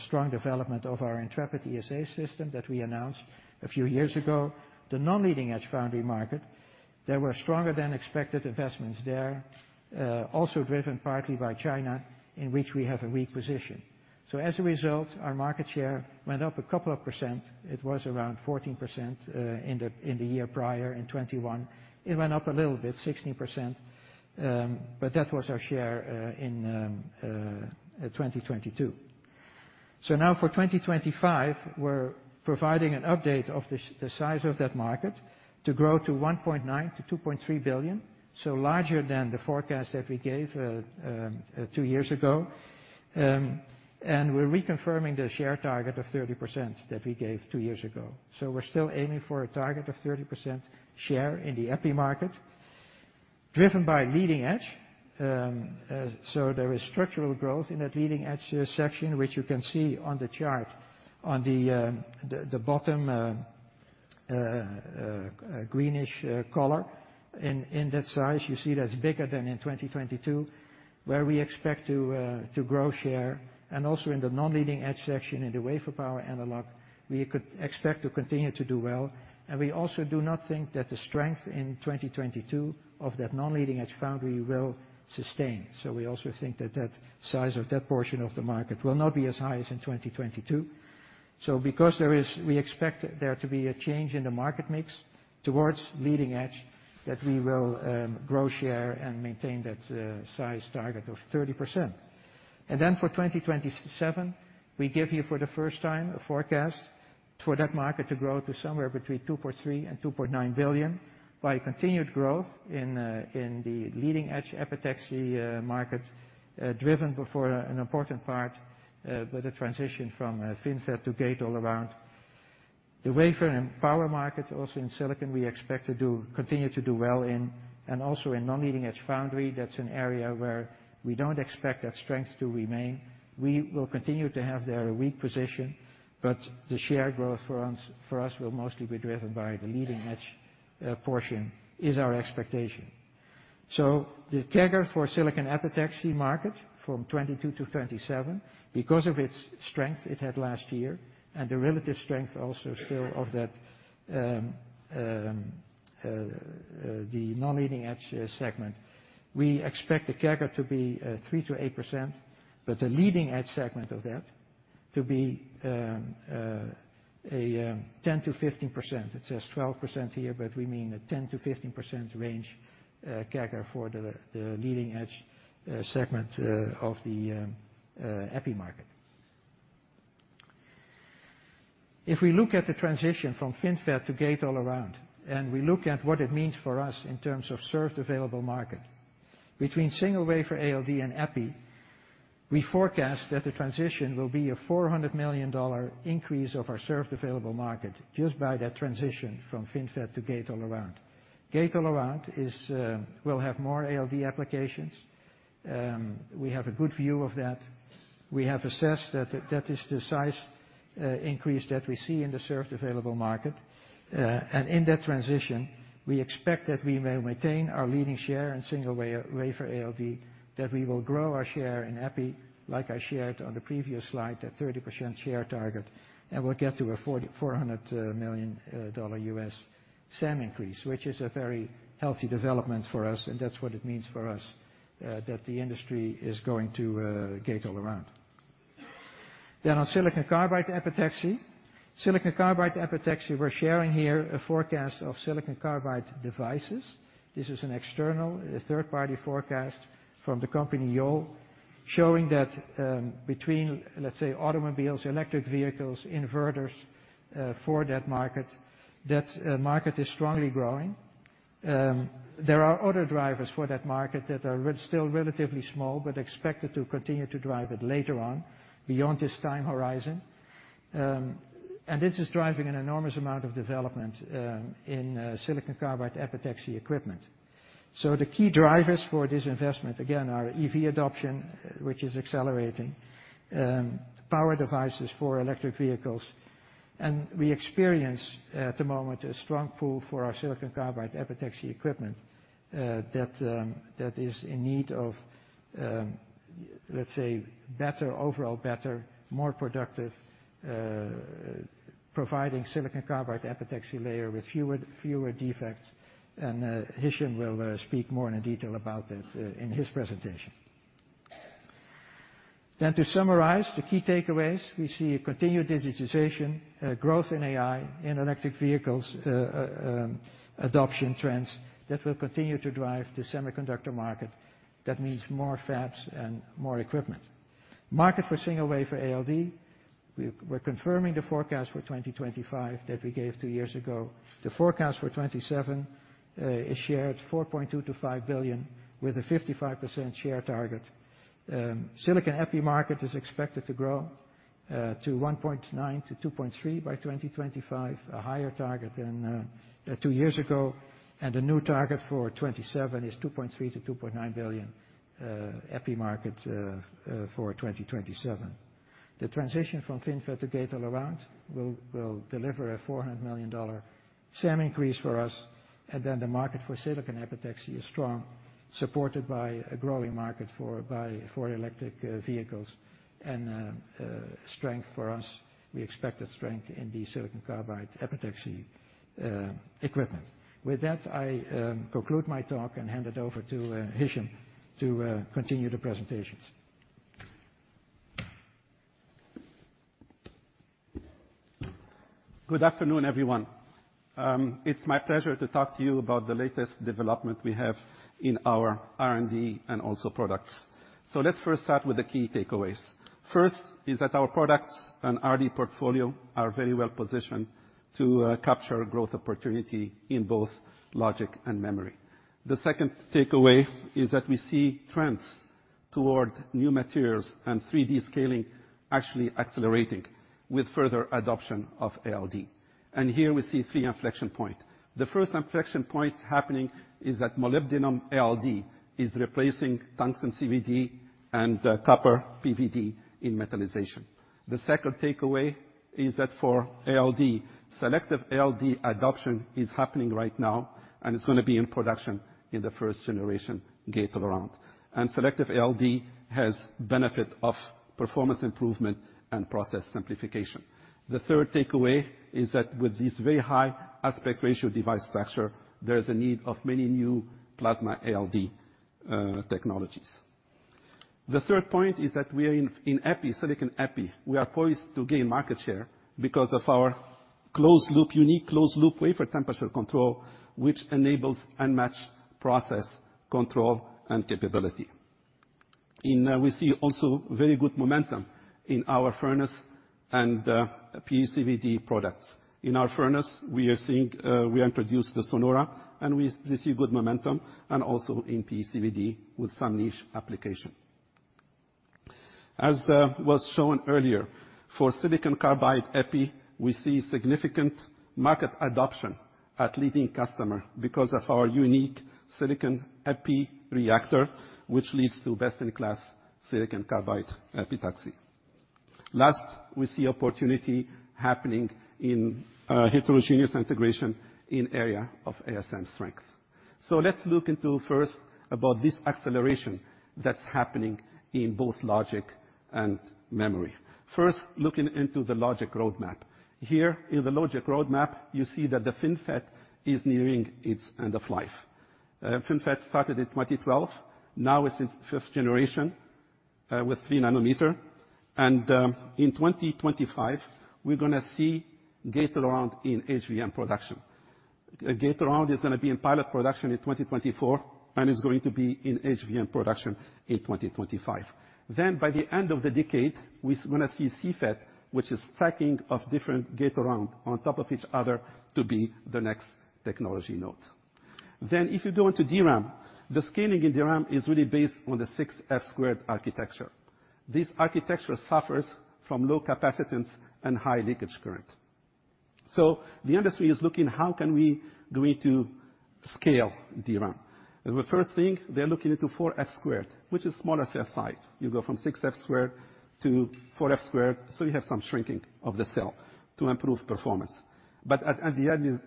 strong development of our Intrepid ES system that we announced a few years ago. The non-leading-edge foundry market, there were stronger than expected investments there, also driven partly by China, in which we have a weak position. So as a result, our market share went up a couple of percent. It was around 14%, in the year prior, in 2021. It went up a little bit, 16%, but that was our share in 2022. So now for 2025, we're providing an update of the size of that market to grow to $1.9 billion to $2.3 billion, so larger than the forecast that we gave two years ago. And we're reconfirming the share target of 30% that we gave two years ago. So we're still aiming for a target of 30% share in the epi market, driven by leading edge. So there is structural growth in that leading-edge section, which you can see on the chart on the bottom, greenish color. In that size, you see that's bigger than in 2022, where we expect to grow share. And also in the non-leading-edge section, in the wafer power analog, we could expect to continue to do well, and we also do not think that the strength in 2022 of that non-leading-edge foundry will sustain. So we also think that that size of that portion of the market will not be as high as in 2022. So because there is... We expect there to be a change in the market mix towards leading edge, that we will grow share and maintain that size target of 30%. Then for 2027, we give you, for the first time, a forecast for that market to grow to somewhere between $2.3 billion and $2.9 billion by continued growth in, in the leading-edge epitaxy, market, driven before an important part, by the transition from, FinFET to Gate-All-Around. The wafer and power market, also in silicon, we expect to do, continue to do well in, and also in non-leading-edge foundry. That's an area where we don't expect that strength to remain. We will continue to have there a weak position, but the share growth for us, for us, will mostly be driven by the leading-edge, portion, is our expectation. So the CAGR for silicon epitaxy market from 2022 to 2027, because of its strength it had last year, and the relative strength also still of that, the non-leading-edge segment, we expect the CAGR to be 3% to 8%, but the leading-edge segment of that to be 10% to 15%. It says 12% here, but we mean a 10% to 15% range, CAGR for the leading-edge segment of the Epi market. If we look at the transition from FinFET to Gate-All-Around, and we look at what it means for us in terms of served available market, between single wafer ALD and Epi, we forecast that the transition will be a $400 million increase of our served available market, just by that transition from FinFET to Gate-All-Around. Gate-All-Around is, will have more ALD applications. We have a good view of that. We have assessed that that is the size, increase that we see in the served available market. And in that transition, we expect that we will maintain our leading share in single wafer ALD, that we will grow our share in Epi, like I shared on the previous slide, that 30% share target, and we'll get to a $4,400 million SAM increase, which is a very healthy development for us, and that's what it means for us, that the industry is going to, Gate-All-Around. Then on silicon carbide epitaxy. Silicon carbide epitaxy, we're sharing here a forecast of silicon carbide devices. This is an external, third-party forecast from the company Yole, showing that, between, let's say, automobiles, electric vehicles, inverters, for that market, that market is strongly growing. There are other drivers for that market that are still relatively small, but expected to continue to drive it later on, beyond this time horizon. And this is driving an enormous amount of development in silicon carbide epitaxy equipment. So the key drivers for this investment, again, are EV adoption, which is accelerating, power devices for electric vehicles. And we experience, at the moment, a strong pull for our silicon carbide epitaxy equipment that is in need of, let's say, better, overall better, more productive, providing silicon carbide epitaxy layer with fewer defects. And Hichem will speak more in detail about that in his presentation. To summarize, the key takeaways: we see a continued digitization, growth in AI and electric vehicles, adoption trends that will continue to drive the semiconductor market. That means more fabs and more equipment. Market for single wafer ALD, we're confirming the forecast for 2025 that we gave two years ago. The forecast for 2027 is shared $4.2 billion to 5 billion, with a 55% share target. Silicon Epi market is expected to grow to $1.9 billion to $2.3 billion by 2025, a higher target than two years ago. The new target for 2027 is $2.3 billion to $2.9 billion, Epi market for 2027. The transition from FinFET to Gate-All-Around will deliver a $400 million SAM increase for us, and then the market for silicon epitaxy is strong, supported by a growing market for electric vehicles. Strength for us, we expect a strength in the silicon carbide epitaxy equipment. With that, I conclude my talk and hand it over to Hichem to continue the presentations. Good afternoon, everyone. It's my pleasure to talk to you about the latest development we have in our R&D, and also products. Let's first start with the key takeaways. First, our products and R&D portfolio are very well positioned to capture growth opportunity in both logic and memory. The second takeaway is that we see trends toward new materials and 3D scaling actually accelerating with further adoption of ALD. Here we see three inflection point. The first inflection point happening is that molybdenum ALD is replacing tungsten CVD and copper PVD in metallization. The second takeaway is that for ALD, selective ALD adoption is happening right now, and it's gonna be in production in the first generation Gate-All-Around. Selective ALD has benefit of performance improvement and process simplification. The third takeaway is that with this very high aspect ratio device structure, there is a need of many new plasma ALD technologies. The third point is that we are in Epi, silicon Epi, we are poised to gain market share because of our closed-loop, unique closed-loop wafer temperature control, which enables unmatched process control and capability. In, we see also very good momentum in our furnace and PECVD products. In our furnace, we are seeing... we introduced the SONORA, and we see good momentum, and also in PECVD with some niche application. As was shown earlier, for silicon carbide Epi, we see significant market adoption at leading customer because of our unique silicon Epi reactor, which leads to best-in-class silicon carbide epitaxy. Last, we see opportunity happening in heterogeneous integration in area of ASM strength. So let's look into first about this acceleration that's happening in both logic and memory. First, looking into the logic roadmap. Here in the logic roadmap, you see that the FinFET is nearing its end of life. FinFET started in 2012, now it's in fifth generation with 3-nanometer. And in 2025, we're gonna see Gate-All-Around in HVM production. A Gate-All-Around is gonna be in pilot production in 2024, and is going to be in HVM production in 2025. Then by the end of the decade, we're gonna see CFET, which is stacking of different Gate-All-Around on top of each other, to be the next technology node. Then, if you go into DRAM, the scaling in DRAM is really based on the 6F-squared architecture. This architecture suffers from low capacitance and high leakage current. So the industry is looking, how can we going to scale DRAM? And the first thing, they're looking into 4F-squared, which is smaller cell size. You go from 6F-squared to 4F-squared, so you have some shrinking of the cell to improve performance. But at the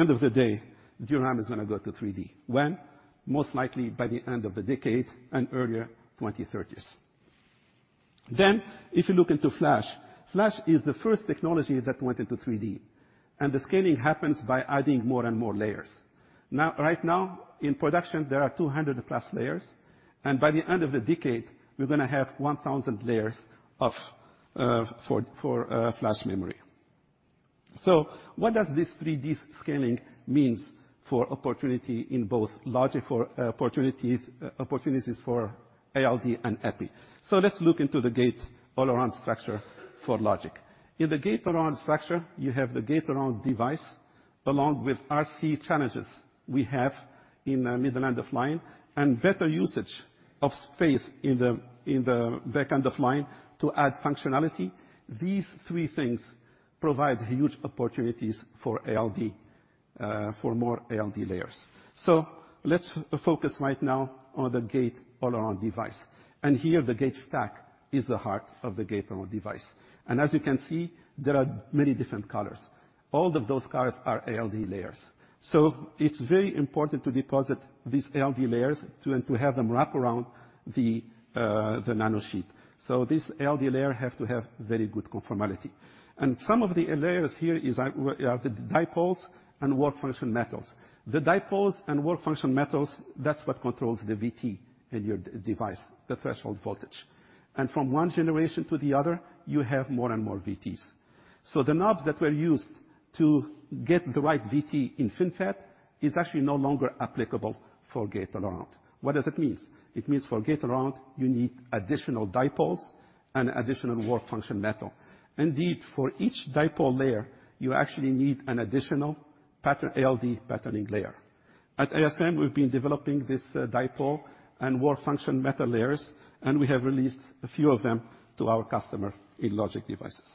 end of the day, DRAM is gonna go to 3D. When? Most likely by the end of the decade, and earlier, 2030s. Then, if you look into flash, flash is the first technology that went into 3D, and the scaling happens by adding more and more layers. Now, right now, in production, there are 200+ layers, and by the end of the decade, we're gonna have 1,000 layers of flash memory. So what does this 3D scaling means for opportunity in both logic for opportunities for ALD and Epi? So let's look into the Gate-All-Around structure for logic. In the Gate-All-Around structure, you have the Gate-All-Around device along with RC challenges we have in the middle end of line, and better usage of space in the back end of line to add functionality. These three things provide huge opportunities for ALD for more ALD layers. So let's focus right now on the Gate-All-Around device. Here, the gate stack is the heart of the Gate-All-Around device, and as you can see, there are many different colors. All of those colors are ALD layers. So it's very important to deposit these ALD layers to, and to have them wrap around the nanosheet. So this ALD layer have to have very good conformality. And some of the layers here is like, are the dipoles and work function metals. The dipoles and work function metals, that's what controls the VT in your d-device, the threshold voltage. From one generation to the other, you have more and more VTs. So the knobs that were used to get the right VT in FinFET is actually no longer applicable for Gate-All-Around. What does it means? It means for Gate-All-Around, you need additional dipoles and additional work function metal. Indeed, for each dipole layer, you actually need an additional pattern, ALD patterning layer. At ASM, we've been developing this, dipole and work function metal layers, and we have released a few of them to our customer in logic devices.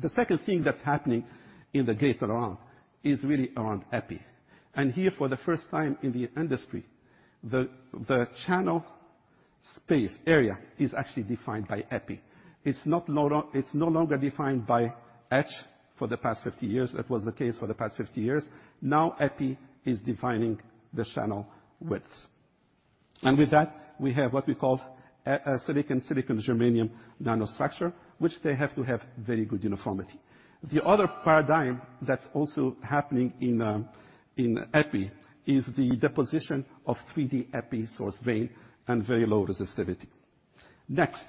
The second thing that's happening in the Gate-All-Around is really around Epi. Here, for the first time in the industry, the channel space area is actually defined by Epi. It's no longer defined by etch. For the past 50 years, that was the case for the past 50 years. Now, Epi is defining the channel width. And with that, we have what we call a, a silicon, silicon germanium nanostructure, which they have to have very good uniformity. The other paradigm that's also happening in, in Epi is the deposition of 3D Epi source drain and very low resistivity. Next,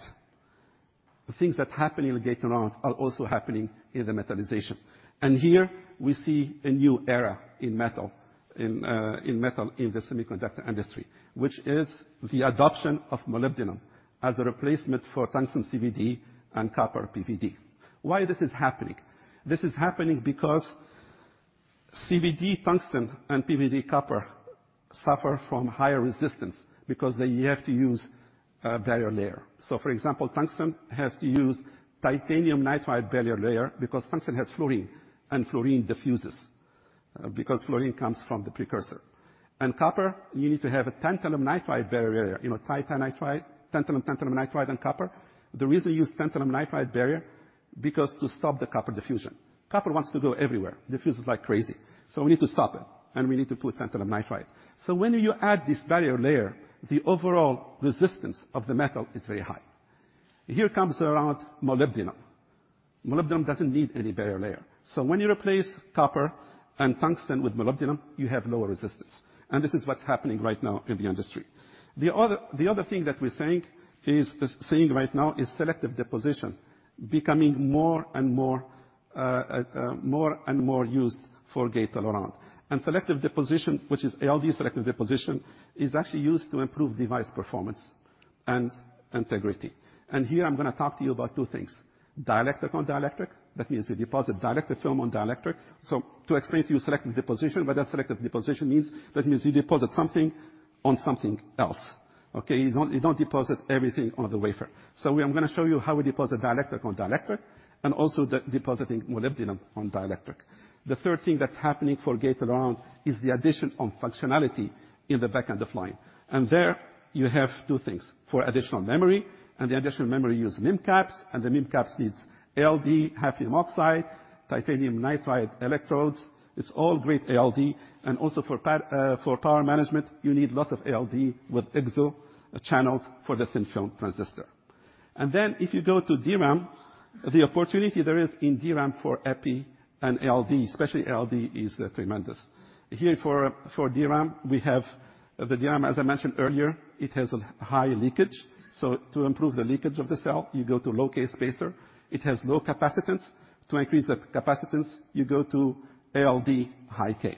the things that happen in the Gate-All-Around are also happening in the metallization, and here we see a new era in metal, in, in metal, in the semiconductor industry, which is the adoption of molybdenum as a replacement for tungsten CVD and copper PVD. Why this is happening? This is happening because CVD tungsten and PVD copper suffer from higher resistance because they have to use a barrier layer. So, for example, tungsten has to use titanium nitride barrier layer because tungsten has fluorine, and fluorine diffuses, because fluorine comes from the precursor. And copper, you need to have a tantalum nitride barrier, you know, titanium nitride, tantalum, tantalum nitride and copper. The reason you use tantalum nitride barrier, because to stop the copper diffusion. Copper wants to go everywhere, diffuses like crazy, so we need to stop it, and we need to put tantalum nitride. So when you add this barrier layer, the overall resistance of the metal is very high. Here comes around molybdenum. Molybdenum doesn't need any barrier layer, so when you replace copper and tungsten with molybdenum, you have lower resistance, and this is what's happening right now in the industry. The other, the other thing that we're saying is, seeing right now is selective deposition becoming more and more, more and more used for Gate-All-Around. And selective deposition, which is ALD selective deposition, is actually used to improve device performance and integrity. And here, I'm gonna talk to you about two things: dielectric on dielectric, that means you deposit dielectric film on dielectric. So to explain to you selective deposition, what does selective deposition means? That means you deposit something on something else, okay? You don't, you don't deposit everything on the wafer. So I'm gonna show you how we deposit dielectric on dielectric, and also depositing molybdenum on dielectric. The third thing that's happening for Gate-All-Around is the addition of functionality in the back end of line, and there you have two things: for additional memory, and the additional memory use MIM caps, and the MIM caps needs ALD high-k oxide, titanium nitride electrodes. It's all great ALD, and also for power management, you need lots of ALD with oxide channels for the thin film transistor. Then, if you go to DRAM, the opportunity there is in DRAM for Epi and ALD, especially ALD, is tremendous. Here, for DRAM, we have the DRAM, as I mentioned earlier. It has a high leakage, so to improve the leakage of the cell, you go to low-k spacer. It has low capacitance. To increase the capacitance, you go to ALD high-k.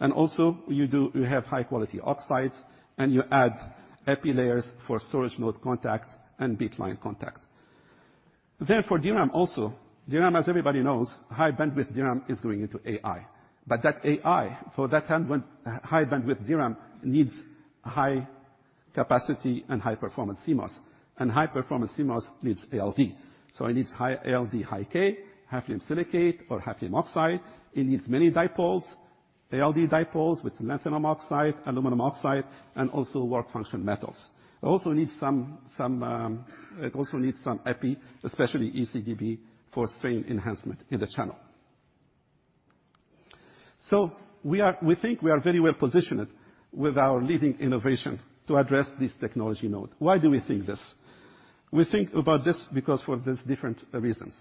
And also, you do, you have high-quality oxides, and you add Epi layers for storage node contact and bitline contact. Therefore, DRAM also. DRAM, as everybody knows, high bandwidth DRAM is going into AI. But that AI, for that high bandwidth DRAM, needs high capacity and high performance CMOS, and high performance CMOS needs ALD. So it needs high ALD, high-k, high-k silicate or high-k oxide. It needs many dipoles, ALD dipoles with lanthanum oxide, aluminum oxide, and also work function metals. It also needs some Epi, especially a SiGeB, for strain enhancement in the channel. So we are, we think we are very well positioned with our leading innovation to address this technology node. Why do we think this? We think about this because for these different reasons.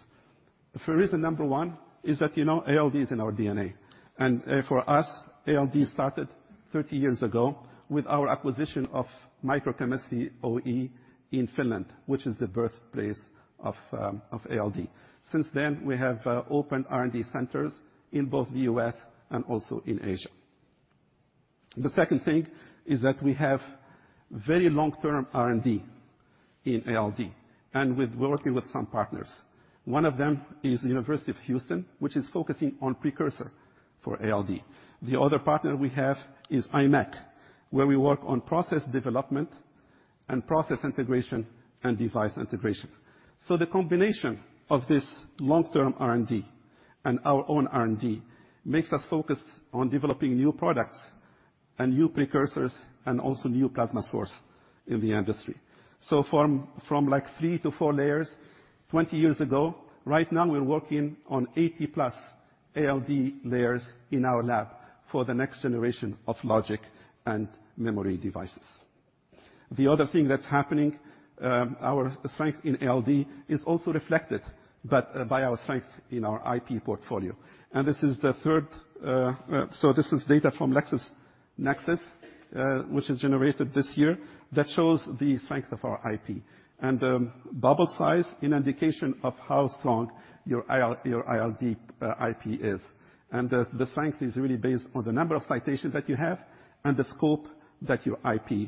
For reason number one is that, you know, ALD is in our DNA, and, for us, ALD started 30 years ago with our acquisition of Microchemistry Oy in Finland, which is the birthplace of, of ALD. Since then, we have, opened R&D centers in both the U.S. and also in Asia.... The second thing is that we have very long-term R&D in ALD, and we're working with some partners. One of them is University of Houston, which is focusing on precursor for ALD. The other partner we have is IMEC, where we work on process development and process integration and device integration. So the combination of this long-term R&D and our own R&D, makes us focus on developing new products and new precursors, and also new plasma source in the industry. So from like three to four layers 20 years ago, right now, we're working on 80+ ALD layers in our lab for the next generation of logic and memory devices. The other thing that's happening, our strength in ALD is also reflected by our strength in our IP portfolio, and this is the third. So this is data from LexisNexis, which is generated this year, that shows the strength of our IP. And the strength is really based on the number of citations that you have and the scope that your IP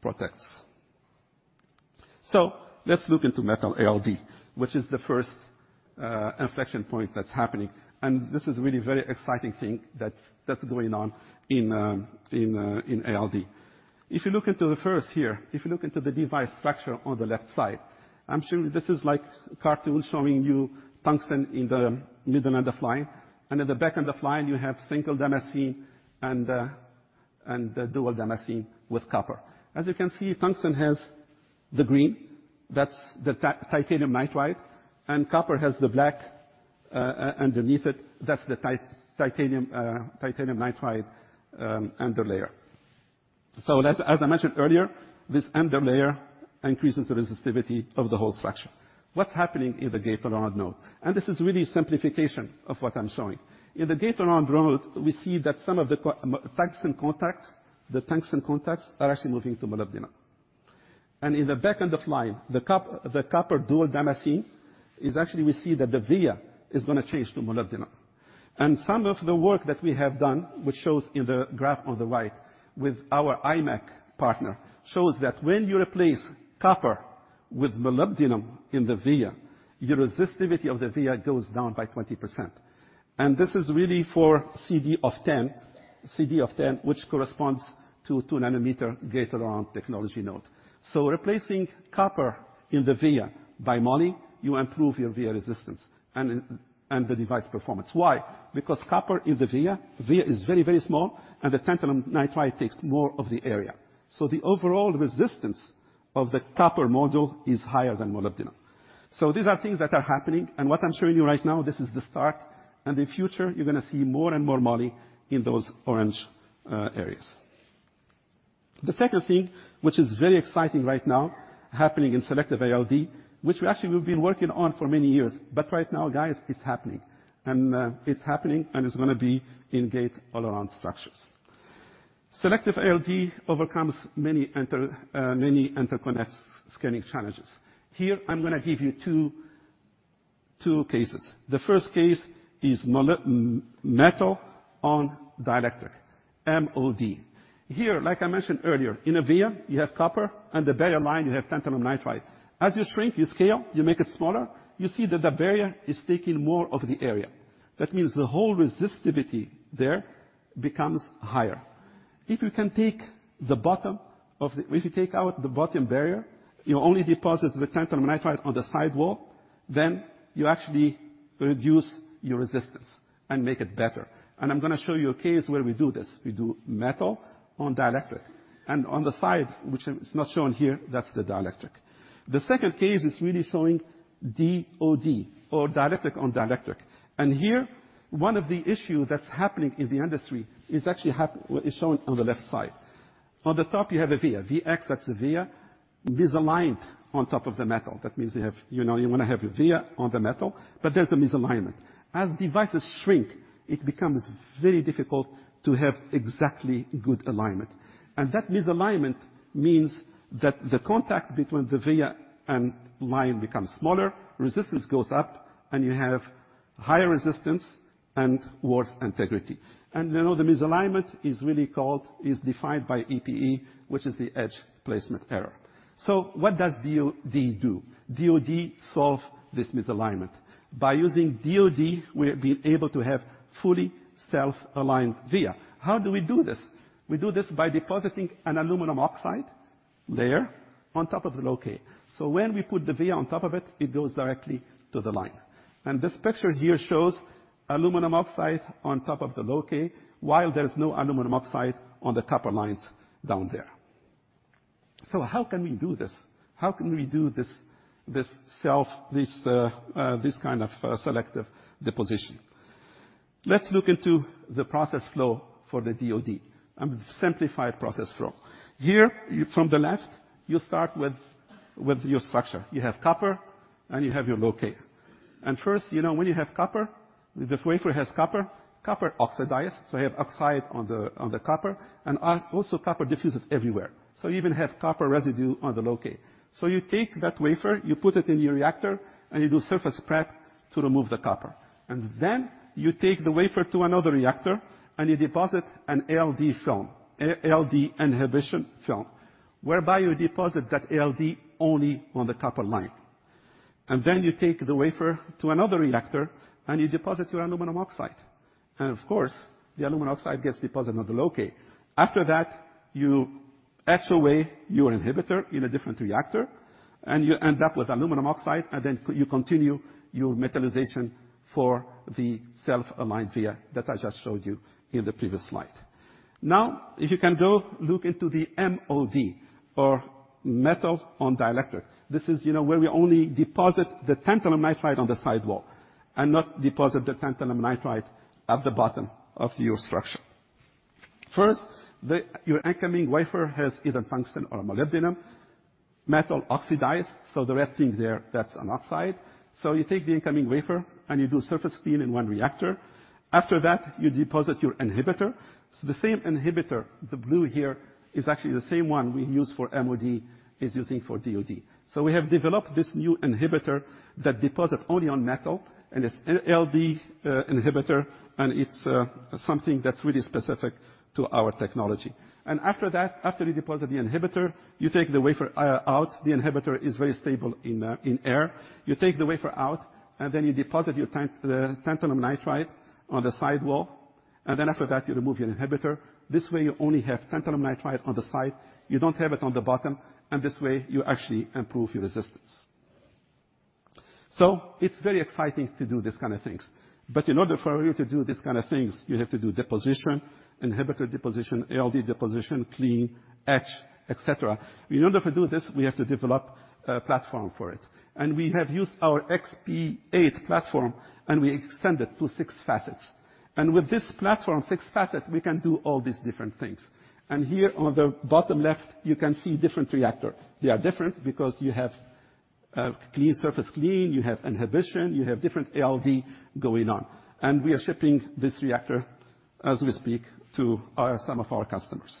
protects. So let's look into metal ALD, which is the first inflection point that's happening, and this is really very exciting thing that's going on in ALD. If you look into the first here, if you look into the device structure on the left side, I'm sure this is like cartoon showing you tungsten in the middle end of line. And at the back end of line, you have single damascene and dual damascene with copper. As you can see, tungsten has the green, that's the titanium nitride, and copper has the black, underneath it, that's the titanium nitride underlayer. So as I mentioned earlier, this underlayer increases the resistivity of the whole structure. What's happening in the Gate-All-Around node? And this is really simplification of what I'm showing. In the Gate-All-Around node, we see that some of the tungsten contacts, the tungsten contacts are actually moving to molybdenum. In the back end of line, the copper dual damascene is actually we see that the via is gonna change to molybdenum. Some of the work that we have done, which shows in the graph on the right with our imec partner, shows that when you replace copper with molybdenum in the via, your resistivity of the via goes down by 20%. This is really for CD of 10, CD of 10, which corresponds to 2-nanometer Gate-All-Around technology node. Replacing copper in the via by moly, you improve your via resistance and the device performance. Why? Because copper in the via is very, very small, and the tantalum nitride takes more of the area. The overall resistance of the copper module is higher than molybdenum. These are things that are happening. And what I'm showing you right now, this is the start, and in future, you're gonna see more and more moly in those orange areas. The second thing, which is very exciting right now, happening in selective ALD, which we actually we've been working on for many years, but right now, guys, it's happening, and it's happening, and it's gonna be in Gate-All-Around structures. Selective ALD overcomes many interconnects scaling challenges. Here, I'm gonna give you two, two cases. The first case is metal on dielectric, MOD. Here, like I mentioned earlier, in a via, you have copper, and the barrier layer, you have tantalum nitride. As you shrink, you scale, you make it smaller, you see that the barrier is taking more of the area. That means the whole resistivity there becomes higher. If you can take the bottom of the—If you take out the bottom barrier, you only deposit the tantalum nitride on the sidewall, then you actually reduce your resistance and make it better. And I'm gonna show you a case where we do this. We do metal on dielectric, and on the side, which is not shown here, that's the dielectric. The second case is really showing DOD or dielectric on dielectric. And here, one of the issue that's happening in the industry is actually is shown on the left side. On the top, you have a via, VX, that's a via, misaligned on top of the metal. That means you have... You know, you want to have your via on the metal, but there's a misalignment. As devices shrink, it becomes very difficult to have exactly good alignment. And that misalignment means that the contact between the via and line becomes smaller, resistance goes up, and you have higher resistance and worse integrity. And, you know, the misalignment is really called, is defined by EPE, which is the Edge Placement Error. So what does DOD do? DOD solve this misalignment. By using DOD, we're being able to have fully self-aligned via. How do we do this? We do this by depositing an aluminum oxide layer on top of the low-K. So when we put the via on top of it, it goes directly to the line. And this picture here shows aluminum oxide on top of the low-k, while there is no aluminum oxide on the copper lines down there. So how can we do this? How can we do this, this self, this, this kind of, selective deposition? Let's look into the process flow for the DOD, a simplified process flow. Here, from the left, you start with your structure. You have copper, and you have your low-K. And first, you know, when you have copper, the wafer has copper, copper oxidized, so you have oxide on the copper, and also copper diffuses everywhere. So you even have copper residue on the low-K. So you take that wafer, you put it in your reactor, and you do surface prep to remove the copper, and then you take the wafer to another reactor, and you deposit an ALD film, ALD inhibition film, whereby you deposit that ALD only on the copper line. And then you take the wafer to another reactor, and you deposit your aluminum oxide, and of course, the aluminum oxide gets deposited on the low-K. After that, you etch away your inhibitor in a different reactor, and you end up with aluminum oxide, and then you continue your metallization for the self-aligned via that I just showed you in the previous slide. Now, if you can go look into the MOD, or metal on dielectric, this is, you know, where we only deposit the tantalum nitride on the side wall and not deposit the tantalum nitride at the bottom of your structure. First, your incoming wafer has either tungsten or molybdenum. Metal oxidized, so the red thing there, that's an oxide. So you take the incoming wafer, and you do surface clean in one reactor. After that, you deposit your inhibitor. So the same inhibitor, the blue here, is actually the same one we use for MOD is using for DOD. So we have developed this new inhibitor that deposit only on metal, and it's an ALD inhibitor, and it's something that's really specific to our technology. And after that, after you deposit the inhibitor, you take the wafer out. The inhibitor is very stable in air. You take the wafer out, and then you deposit the tantalum nitride on the side wall, and then after that, you remove your inhibitor. This way, you only have tantalum nitride on the side. You don't have it on the bottom, and this way, you actually improve your resistance. So it's very exciting to do these kind of things, but in order for you to do these kind of things, you have to do deposition, inhibitor deposition, ALD deposition, clean, etch, et cetera. In order to do this, we have to develop a platform for it, and we have used our XP8 platform, and we extend it to six facets. And with this platform, six facets, we can do all these different things. And here on the bottom left, you can see different reactor. They are different because you have, clean, surface clean, you have inhibition, you have different ALD going on, and we are shipping this reactor as we speak to our, some of our customers.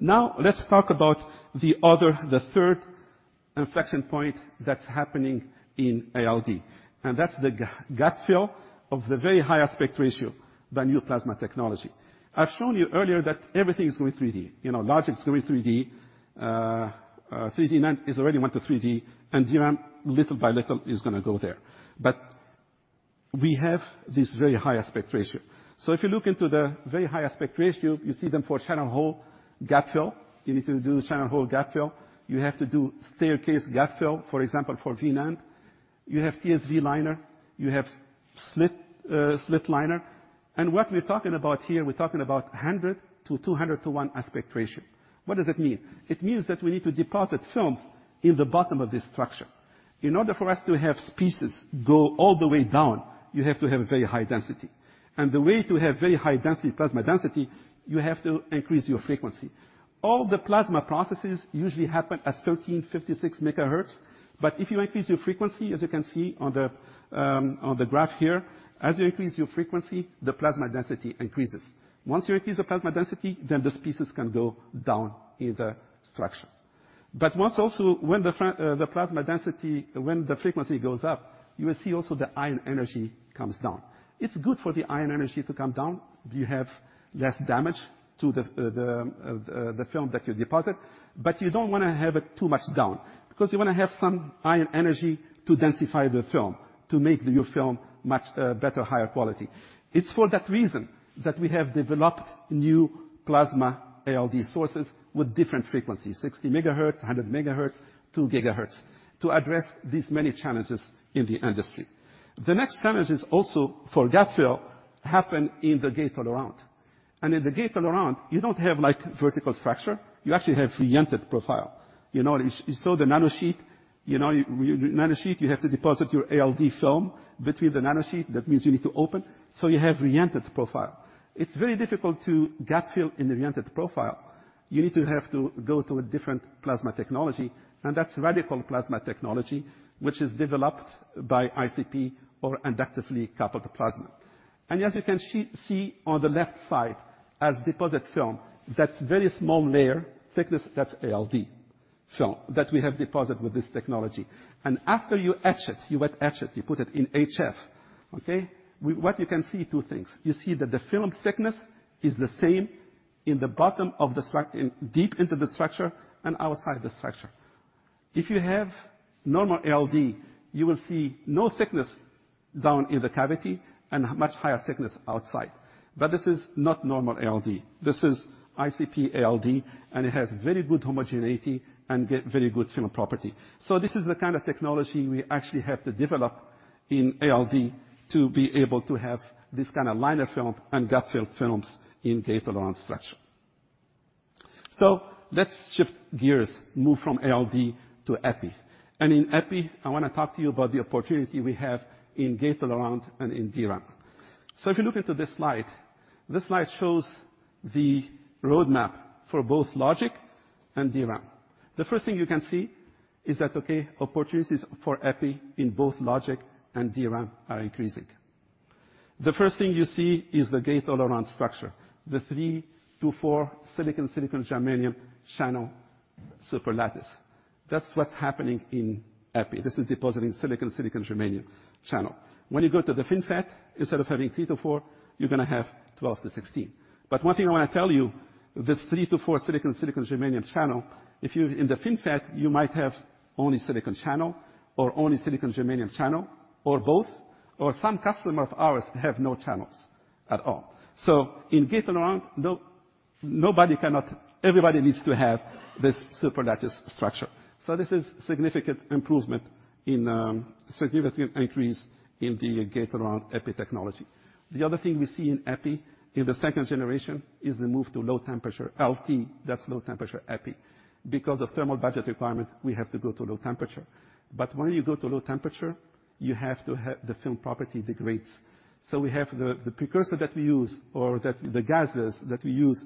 Now, let's talk about the other, the third inflection point that's happening in ALD, and that's the gap fill of the very high aspect ratio, the new plasma technology. I've shown you earlier that everything is going 3D. You know, logic is going 3D, 3D-NAND is already went to 3D, and DRAM, little by little, is gonna go there. But we have this very high aspect ratio. So if you look into the very high aspect ratio, you see them for channel hole gap fill. You need to do channel hole gap fill. You have to do staircase gap fill. For example, for 3D-NAND, you have TSV liner, you have slit slit liner. And what we're talking about here, we're talking about 100 to 200 to 1 aspect ratio. What does it mean? It means that we need to deposit films in the bottom of this structure. In order for us to have species go all the way down, you have to have a very high density, and the way to have very high density, plasma density, you have to increase your frequency. All the plasma processes usually happen at 13.56 MHz, but if you increase your frequency, as you can see on the, on the graph here, as you increase your frequency, the plasma density increases. Once you increase the plasma density, then the species can go down in the structure. But once also, when the, the plasma density, when the frequency goes up, you will see also the ion energy comes down. It's good for the ion energy to come down. You have less damage to the film that you deposit, but you don't want to have it too much down, because you want to have some ion energy to densify the film, to make your film much better, higher quality. It's for that reason that we have developed new plasma ALD sources with different frequencies, 60 MHz, 100 MHz, 2 GHz, to address these many challenges in the industry. The next challenge is also for gap fill happen in the Gate-All-Around. And in the Gate-All-Around, you don't have like vertical structure. You actually have reentrant profile. You know, you saw the nanosheet. You know, nanosheet, you have to deposit your ALD film between the nanosheet. That means you need to open, so you have reentrant profile. It's very difficult to gap fill in the reentrant profile. You need to have to go to a different plasma technology, and that's radical plasma technology, which is developed by ICP or inductively coupled plasma. And as you can see, see on the left side, a deposited film, that's very small layer thickness, that's ALD film, that we have deposited with this technology. And after you etch it, you wet etch it, you put it in HF, okay? What you can see two things. You see that the film thickness is the same in the bottom of the structure, deep into the structure and outside the structure. If you have normal ALD, you will see no thickness down in the cavity and much higher thickness outside. But this is not normal ALD. This is ICP ALD, and it has very good homogeneity and very good film property. So this is the kind of technology we actually have to develop in ALD to be able to have this kind of liner fill and gap-fill films in Gate-All-Around structure. So let's shift gears, move from ALD to Epi, and in Epi, I want to talk to you about the opportunity we have in Gate-All-Around and in DRAM. So if you look into this slide, this slide shows the roadmap for both logic and DRAM. The first thing you can see is that, okay, opportunities for Epi in both logic and DRAM are increasing. The first thing you see is the Gate-All-Around structure. The 3-4 silicon, silicon germanium channel superlattice. That's what's happening in Epi. This is depositing silicon, silicon germanium channel. When you go to the FinFET, instead of having 3-4, you're gonna have 12-16. But one thing I want to tell you, this 3-4 silicon, silicon germanium channel, if you in the FinFET, you might have only silicon channel or only silicon germanium channel, or both, or some customer of ours have no channels at all. So in Gate-All-Around, nobody cannot-- everybody needs to have this superlattice structure. So this is significant improvement in, significant increase in the Gate-All-Around Epi technology. The other thing we see in Epi, in the second generation, is the move to low temperature, LT, that's low temperature Epi. Because of thermal budget requirements, we have to go to low temperature. But when you go to low temperature, you have to have-- the film property degrades. So we have the precursor that we use, or that the gases that we use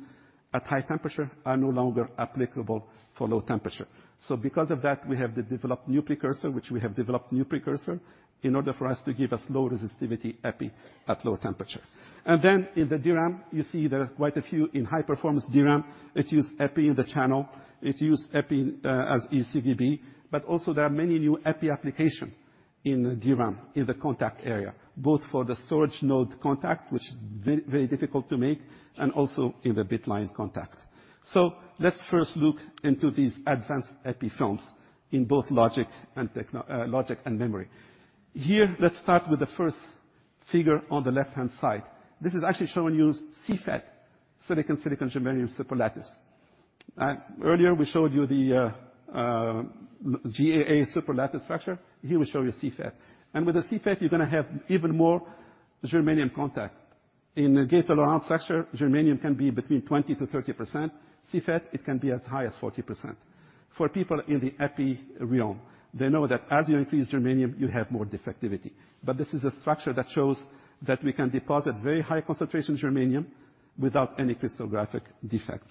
at high temperature are no longer applicable for low temperature. So because of that, we have developed new precursor, which we have developed new precursor, in order for us to give us low resistivity Epi at low temperature. And then in the DRAM, you see there are quite a few in high-performance DRAM. It use Epi in the channel. It use Epi, as a c-SiGe, but also there are many new Epi application in DRAM, in the contact area, both for the storage node contact, which very, very difficult to make, and also in the bitline contact. So let's first look into these advanced Epi films in both logic and memory. Here, let's start with the first figure on the left-hand side. This is actually showing you CFET, silicon, silicon germanium superlattice. And earlier, we showed you the GAA superlattice structure. Here, we show you CFET. With the CFET, you're gonna have even more germanium content. In a Gate-All-Around structure, germanium can be between 20% to 30%. CFET, it can be as high as 40%. For people in the Epi realm, they know that as you increase germanium, you have more defectivity. But this is a structure that shows that we can deposit very high concentration germanium without any crystallographic defects.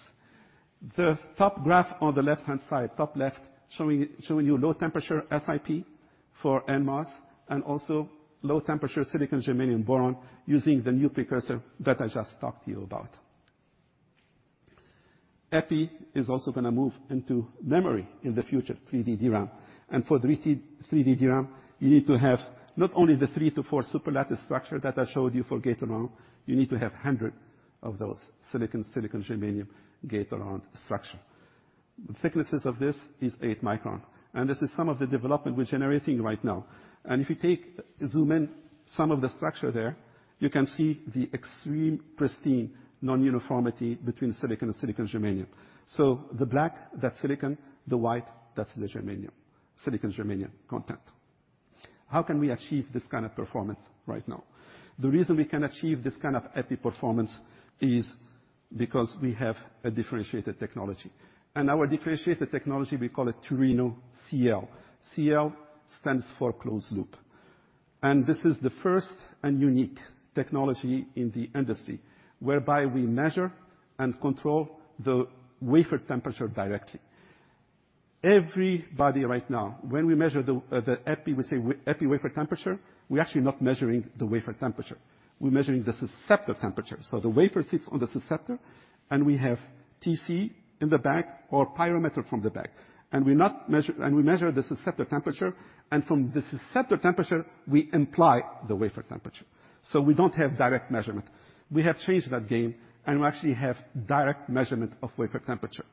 The top graph on the left-hand side, top left, showing you low temperature Si Epi for NMOS, and also low temperature silicon germanium boron, using the new precursor that I just talked to you about. Epi is also gonna move into memory in the future, 3D DRAM. And for 3D DRAM, you need to have not only the 3-4 superlattice structure that I showed you for Gate-All-Around, you need to have hundreds of those silicon germanium Gate-All-Around structures. The thicknesses of this is 8 micron, and this is some of the development we're generating right now. And if you take-- zoom in some of the structure there, you can see the extreme pristine non-uniformity between silicon and silicon germanium. So the black, that's silicon, the white, that's the germanium. Silicon germanium content. How can we achieve this kind of performance right now? The reason we can achieve this kind of Epi performance is because we have a differentiated technology. And our differentiated technology, we call it Turino-CL. CL stands for Closed Loop, and this is the first and unique technology in the industry, whereby we measure and control the wafer temperature directly. Everybody right now, when we measure the, the Epi, we say Epi wafer temperature, we're actually not measuring the wafer temperature. We're measuring the susceptor temperature. So the wafer sits on the susceptor, and we have TC in the back or pyrometer from the back, and we measure the susceptor temperature, and from the susceptor temperature, we imply the wafer temperature. So we don't have direct measurement. We have changed that game, and we actually have direct measurement of wafer temperature.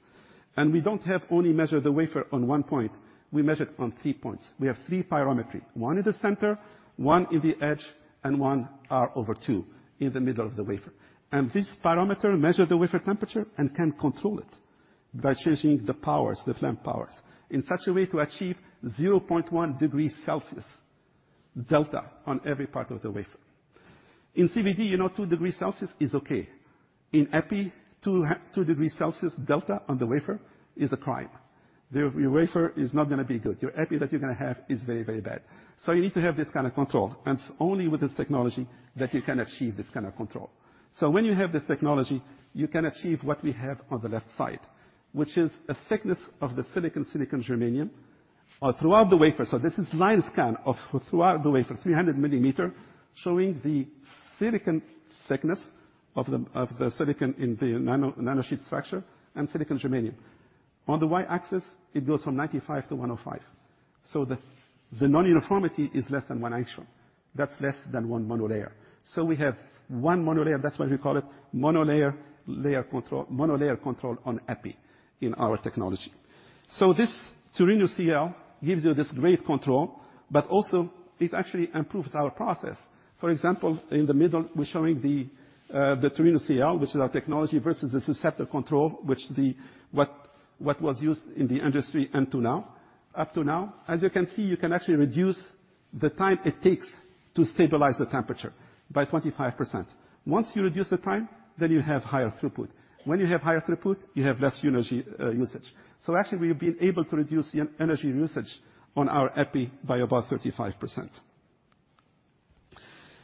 And we don't have only measure the wafer on one point, we measure it on 3 points. We have three pyrometers, one in the center, one in the edge, and one R/2 in the middle of the wafer. And this pyrometer measure the wafer temperature and can control it by changing the powers, the flame powers, in such a way to achieve 0.1 degrees Celsius delta on every part of the wafer. In CVD, you know, 2 degrees Celsius is okay. In Epi, 2 degrees Celsius delta on the wafer is a crime. The wafer is not gonna be good. Your Epi that you're gonna have is very, very bad. So you need to have this kind of control, and it's only with this technology that you can achieve this kind of control. So when you have this technology, you can achieve what we have on the left side, which is a thickness of the silicon, silicon germanium, throughout the wafer. So this is line scan of throughout the wafer, 300 millimeter, showing the silicon thickness of the silicon in the nanosheet structure and silicon germanium. On the Y-axis, it goes from 95 to 105, so the non-uniformity is less than 1 angstrom. That's less than 1 monolayer. So we have 1 monolayer. That's why we call it monolayer layer control, monolayer control on Epi in our technology. So this Turino-CL gives you this great control, but also it actually improves our process. For example, in the middle, we're showing the Turino-CL, which is our technology, versus the susceptor control, which was used in the industry until now, up to now. As you can see, you can actually reduce the time it takes to stabilize the temperature by 25%. Once you reduce the time, then you have higher throughput. When you have higher throughput, you have less energy usage. So actually, we've been able to reduce the energy usage on our Epi by about 35%.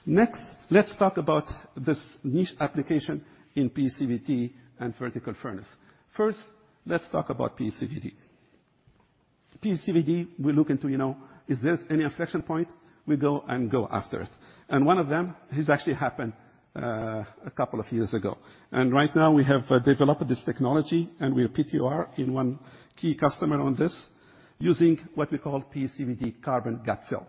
Next, let's talk about this niche application in PECVD and vertical furnace. First, let's talk about PECVD.... PECVD, we look into, you know, is there any inflection point? We go and go after it. One of them has actually happened a couple of years ago. Right now, we have developed this technology, and we are PTOR in one key customer on this, using what we call PECVD carbon gap fill.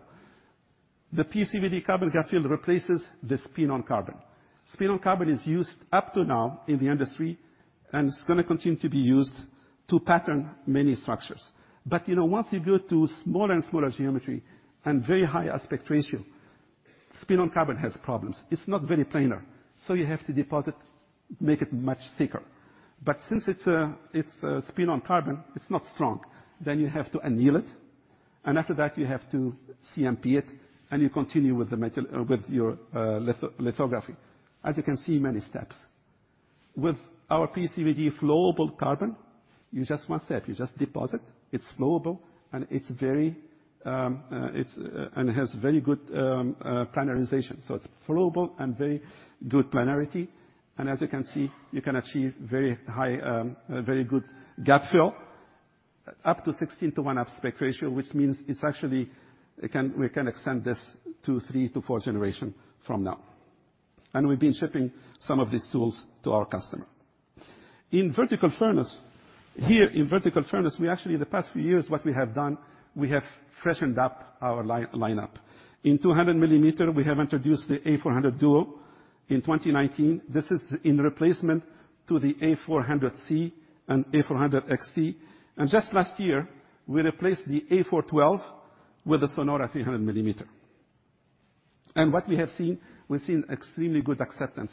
The PECVD carbon gap fill replaces the spin-on carbon. Spin-on carbon is used up to now in the industry, and it's gonna continue to be used to pattern many structures. But, you know, once you go to smaller and smaller geometry and very high aspect ratio, spin-on carbon has problems. It's not very planar, so you have to make it much thicker. But since it's a spin-on carbon, it's not strong. Then you have to anneal it, and after that you have to CMP it, and you continue with your lithography. As you can see, many steps. With our PECVD flowable carbon, you just one step. You just deposit, it's flowable, and it's very, and has very good planarization. So it's flowable and very good planarity, and as you can see, you can achieve very high, very good gap fill, up to 16-to-1 aspect ratio, which means it's actually, it can, we can extend this to three to four generation from now. And we've been shipping some of these tools to our customer. In vertical furnace, here in vertical furnace, we actually, in the past few years, what we have done, we have freshened up our lineup. In 200 millimeter, we have introduced the A400 DUO in 2019. This is in replacement to the A400C and A400XC. Just last year, we replaced the A412 with the SONORA 300 millimeter. What we have seen, we've seen extremely good acceptance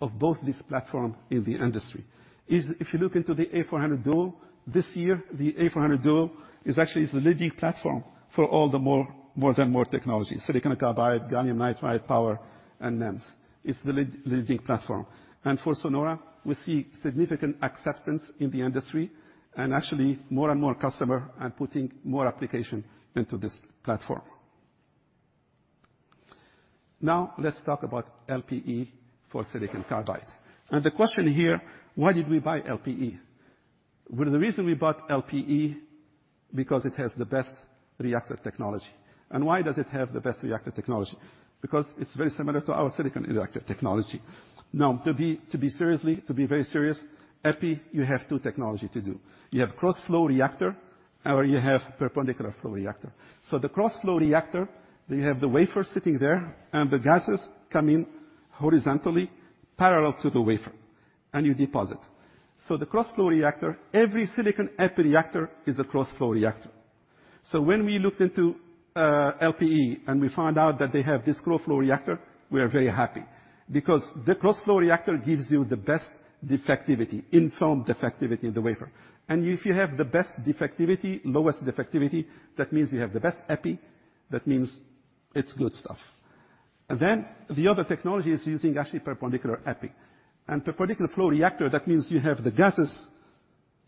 of both these platform in the industry. If you look into the A400 DUO, this year, the A400 DUO is actually the leading platform for all the more, more than more technology, silicon carbide, gallium nitride, power, and NEMS. It's the leading platform. For SONORA, we see significant acceptance in the industry, and actually, more and more customer are putting more application into this platform. Now, let's talk about LPE for silicon carbide. The question here: Why did we buy LPE? Well, the reason we bought LPE, because it has the best reactor technology. Why does it have the best reactor technology? Because it's very similar to our silicon reactor technology. Now, to be very serious, Epi, you have two technology to do. You have cross flow reactor or you have perpendicular flow reactor. So the cross flow reactor, you have the wafer sitting there and the gases come in horizontally, parallel to the wafer, and you deposit. So the cross flow reactor, every silicon Epi reactor is a cross flow reactor. So when we looked into LPE and we found out that they have this cross flow reactor, we are very happy because the cross flow reactor gives you the best defectivity, uniform defectivity in the wafer. And if you have the best defectivity, lowest defectivity, that means you have the best Epi, that means it's good stuff. Then, the other technology is using actually perpendicular Epi. Perpendicular flow reactor, that means you have the gases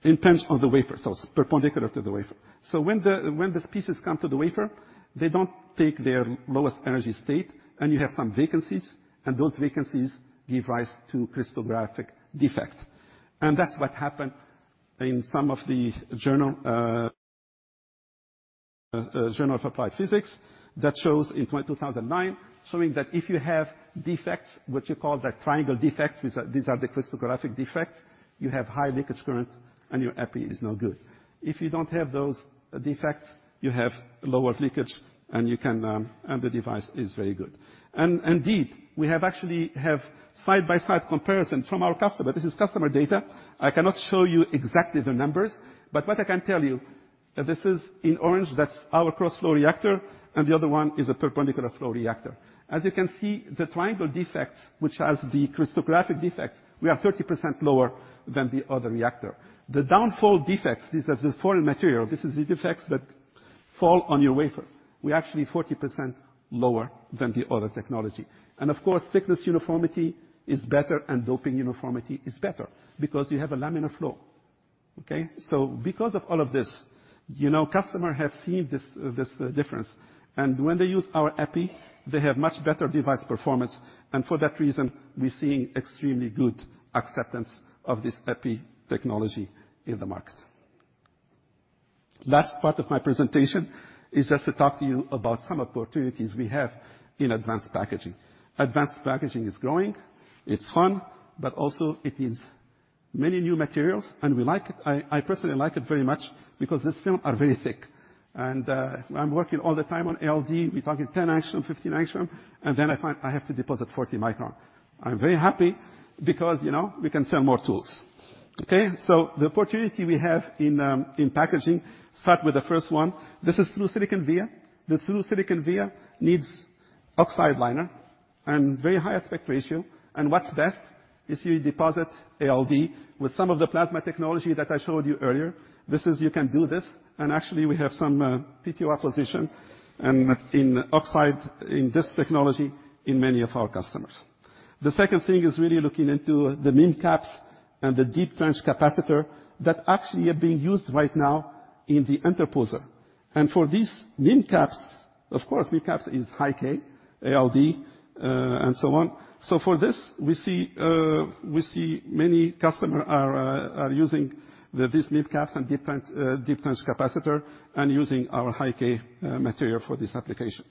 in terms of the wafer, so it's perpendicular to the wafer. So when the pieces come to the wafer, they don't take their lowest energy state, and you have some vacancies, and those vacancies give rise to crystallographic defect. And that's what happened in some of the journal, Journal of Applied Physics, that shows in 2009, showing that if you have defects, what you call the triangle defects, these are the crystallographic defects, you have high leakage current and your Epi is no good. If you don't have those defects, you have lower leakage, and you can, and the device is very good. And indeed, we actually have side-by-side comparison from our customer. This is customer data. I cannot show you exactly the numbers, but what I can tell you, this is in orange, that's our cross-flow reactor, and the other one is a perpendicular flow reactor. As you can see, the triangle defects, which has the crystallographic defects, we are 30% lower than the other reactor. The downfall defects, these are the foreign material, this is the defects that fall on your wafer. We're actually 40% lower than the other technology. And of course, thickness uniformity is better and doping uniformity is better because you have a laminar flow. Okay? So because of all of this, you know, customer have seen this, this difference, and when they use our Epi, they have much better device performance, and for that reason, we're seeing extremely good acceptance of this Epi technology in the market. Last part of my presentation is just to talk to you about some opportunities we have in advanced packaging. Advanced packaging is growing, it's fun, but also it is many new materials, and we like it. I personally like it very much because these films are very thick, and I'm working all the time on ALD. We're talking 10 angstrom, 15 angstrom, and then I find I have to deposit 40 micron. I'm very happy because, you know, we can sell more tools. Okay? So the opportunity we have in packaging start with the first one. This is through-silicon via. The through-silicon via needs oxide liner and very high aspect ratio. And what's best is you deposit ALD with some of the plasma technology that I showed you earlier. This is, you can do this, and actually, we have some PTR position and in oxide, in this technology, in many of our customers. The second thing is really looking into the MIMCAPs and the deep trench capacitor that actually are being used right now in the interposer. And for these MIMCAPs— Of course, MIMCAPs is high-k, ALD, and so on. So for this, we see, we see many customer are, are using this MIMCAPs and deep trench capacitor and using our high-k material for this application.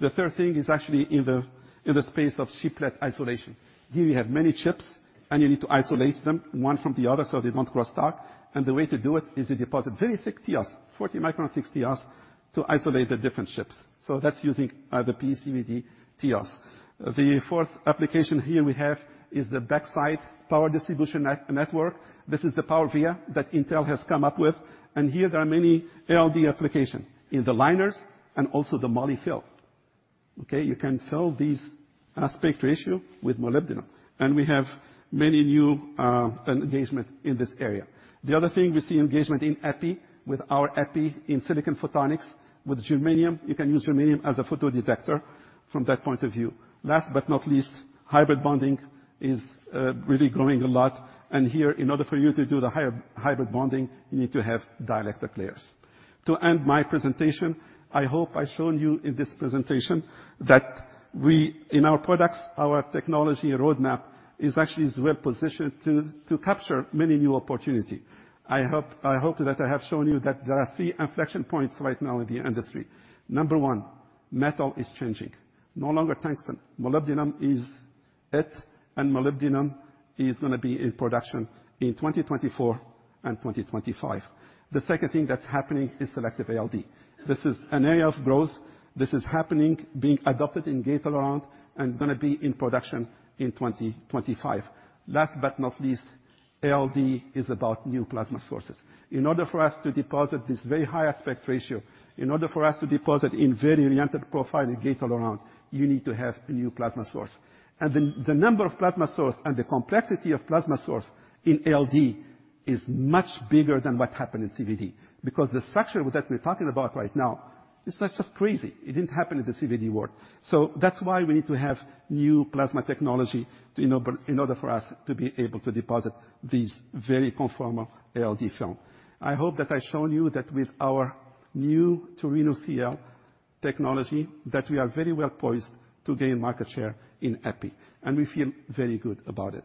The third thing is actually in the space of chiplet isolation. Here, you have many chips, and you need to isolate them one from the other, so they don't cross talk, and the way to do it is you deposit very thick TEOS, 40-micron thick TEOS, to isolate the different chips. So that's using the PECVD TEOS. The fourth application here we have is the backside power distribution network. This is the PowerVia that Intel has come up with, and here there are many ALD applications in the liners and also the moly fill. Okay, you can fill these aspect ratio with molybdenum, and we have many new engagement in this area. The other thing, we see engagement in Epi, with our Epi in silicon photonics. With germanium, you can use germanium as a photodetector from that point of view. Last but not least, hybrid bonding is really growing a lot, and here, in order for you to do the higher hybrid bonding, you need to have dielectric layers. To end my presentation, I hope I've shown you in this presentation that we, in our products, our technology roadmap is actually is well positioned to, to capture many new opportunity. I hope, I hope that I have shown you that there are three inflection points right now in the industry. Number one, metal is changing. No longer tungsten, molybdenum is it, and molybdenum is gonna be in production in 2024 and 2025. The second thing that's happening is selective ALD. This is an area of growth. This is happening, being adopted in Gate-All-Around, and gonna be in production in 2025. Last but not least, ALD is about new plasma sources. In order for us to deposit this very high aspect ratio, in order for us to deposit in very re-entrant profile in Gate-All-Around, you need to have a new plasma source. And the number of plasma source and the complexity of plasma source in ALD is much bigger than what happened in CVD. Because the structure that we're talking about right now is just crazy. It didn't happen in the CVD world. So that's why we need to have new plasma technology to enable in order for us to be able to deposit these very conformal ALD film. I hope that I've shown you that with our new Turino-CL technology, that we are very well poised to gain market share in Epi, and we feel very good about it.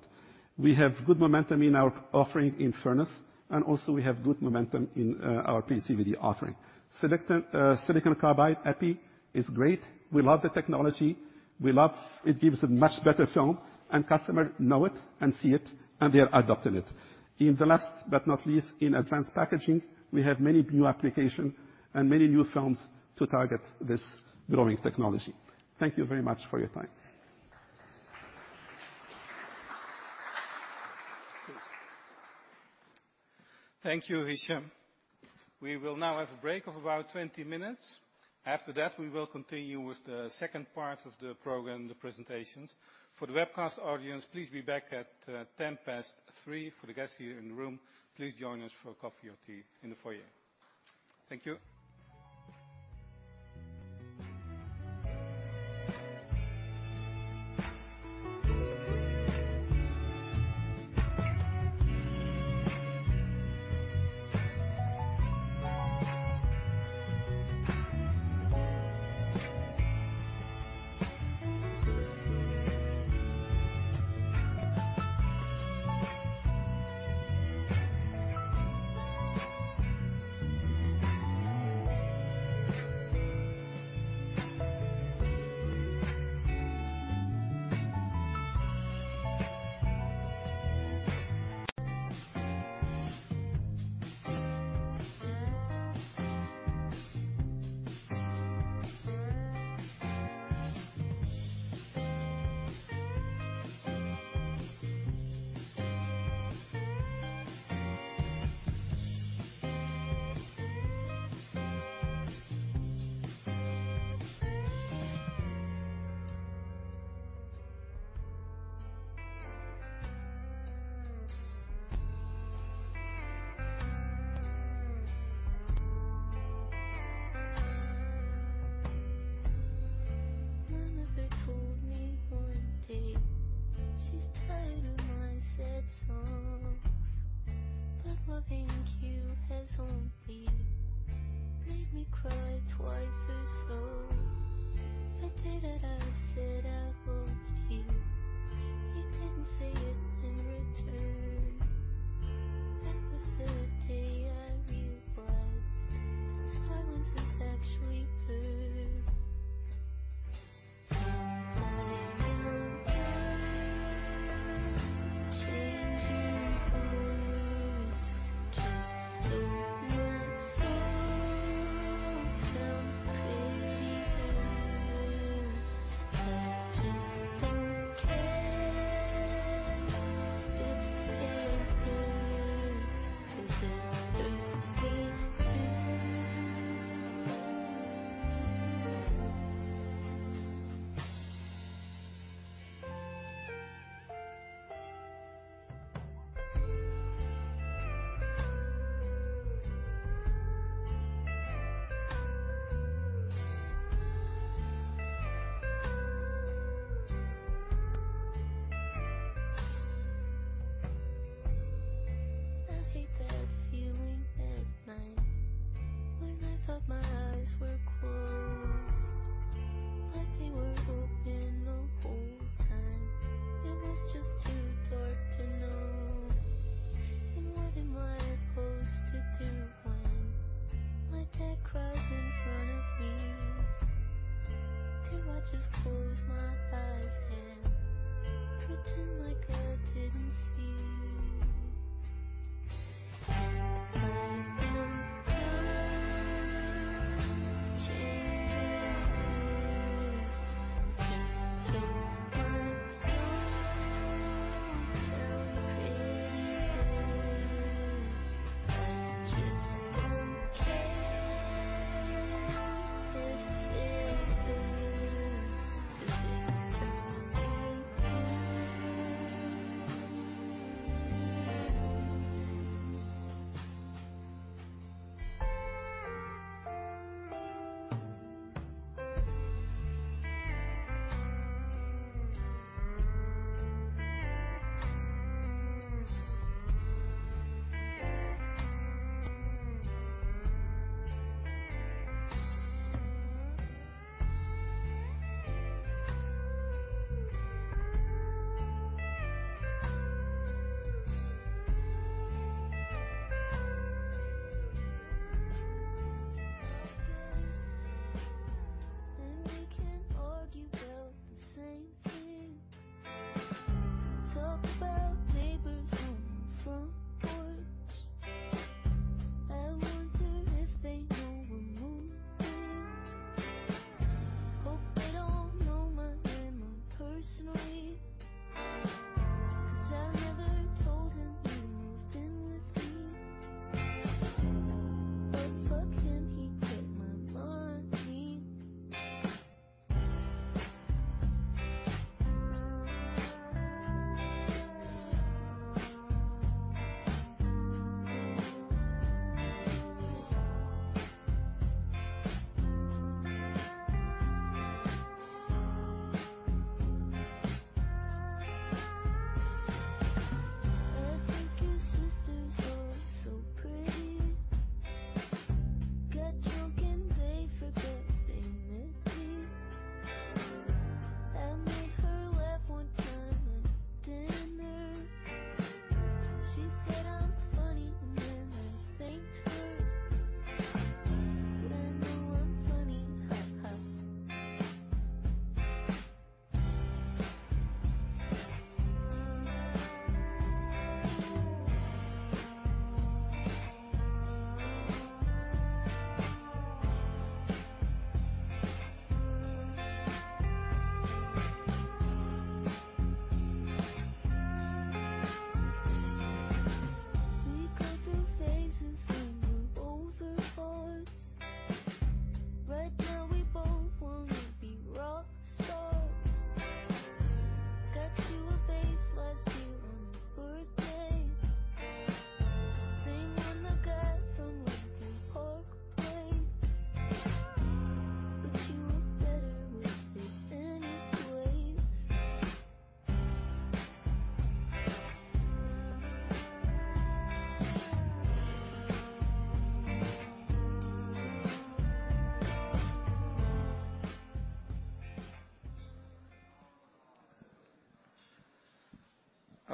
We have good momentum in our offering in furnace, and also we have good momentum in our PECVD offering. Silicon carbide Epi is great. We love the technology. We love... It gives a much better film, and customers know it and see it, and they are adopting it. Last but not least, in advanced packaging, we have many new applications and many new films to target this growing technology. Thank you very much for your time. Thank you, Hichem. We will now have a break of about 20 minutes. After that, we will continue with the second part of the program, the presentations. For the webcast audience, please be back at 10 past three. For the guests here in the room, please join us for coffee or tea in the foyer. Thank you.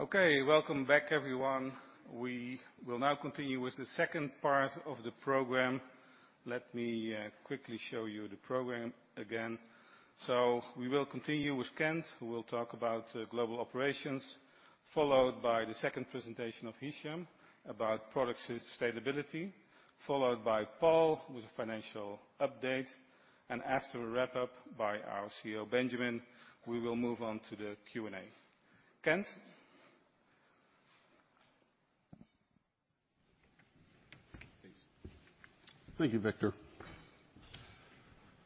Okay, welcome back, everyone. We will now continue with the second part of the program. Let me quickly show you the program again. So we will continue with Kent, who will talk about global operations, followed by the second presentation of Hichem, about product sustainability, followed by Paul, with a financial update. After a wrap up by our CEO, Benjamin, we will move on to the Q&A. Kent? Please. Thank you, Victor Bareño.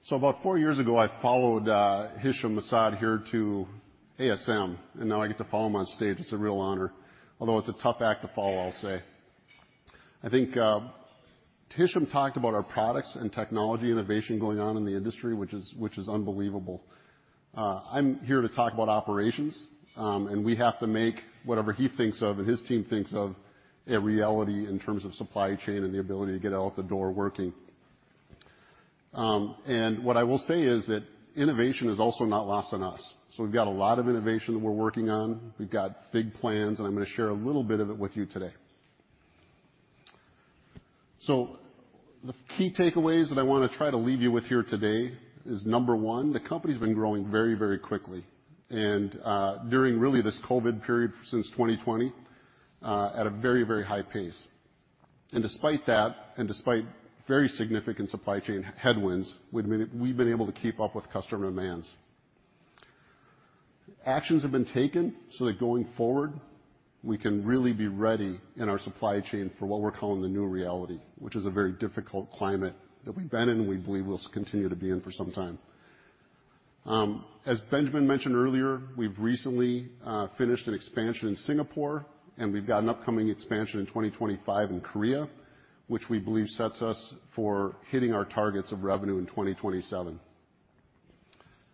So about four years ago, I followed Hichem M'Saad here to ASM, and now I get to follow him on stage. It's a real honor, although it's a tough act to follow, I'll say. I think Hichem M'Saad talked about our products and technology innovation going on in the industry, which is, which is unbelievable. I'm here to talk about operations, and we have to make whatever he thinks of and his team thinks of a reality in terms of supply chain and the ability to get out the door working. And what I will say is that innovation is also not lost on us. So we've got a lot of innovation that we're working on. We've got big plans, and I'm going to share a little bit of it with you today. So the key takeaways that I want to try to leave you with here today is, number one, the company's been growing very, very quickly and, during really this COVID period since 2020, at a very, very high pace. And despite that, and despite very significant supply chain headwinds, we've been able to keep up with customer demands. Actions have been taken, so that going forward, we can really be ready in our supply chain for what we're calling the new reality, which is a very difficult climate that we've been in and we believe will continue to be in for some time. As Benjamin mentioned earlier, we've recently finished an expansion in Singapore, and we've got an upcoming expansion in 2025 in Korea, which we believe sets us for hitting our targets of revenue in 2027.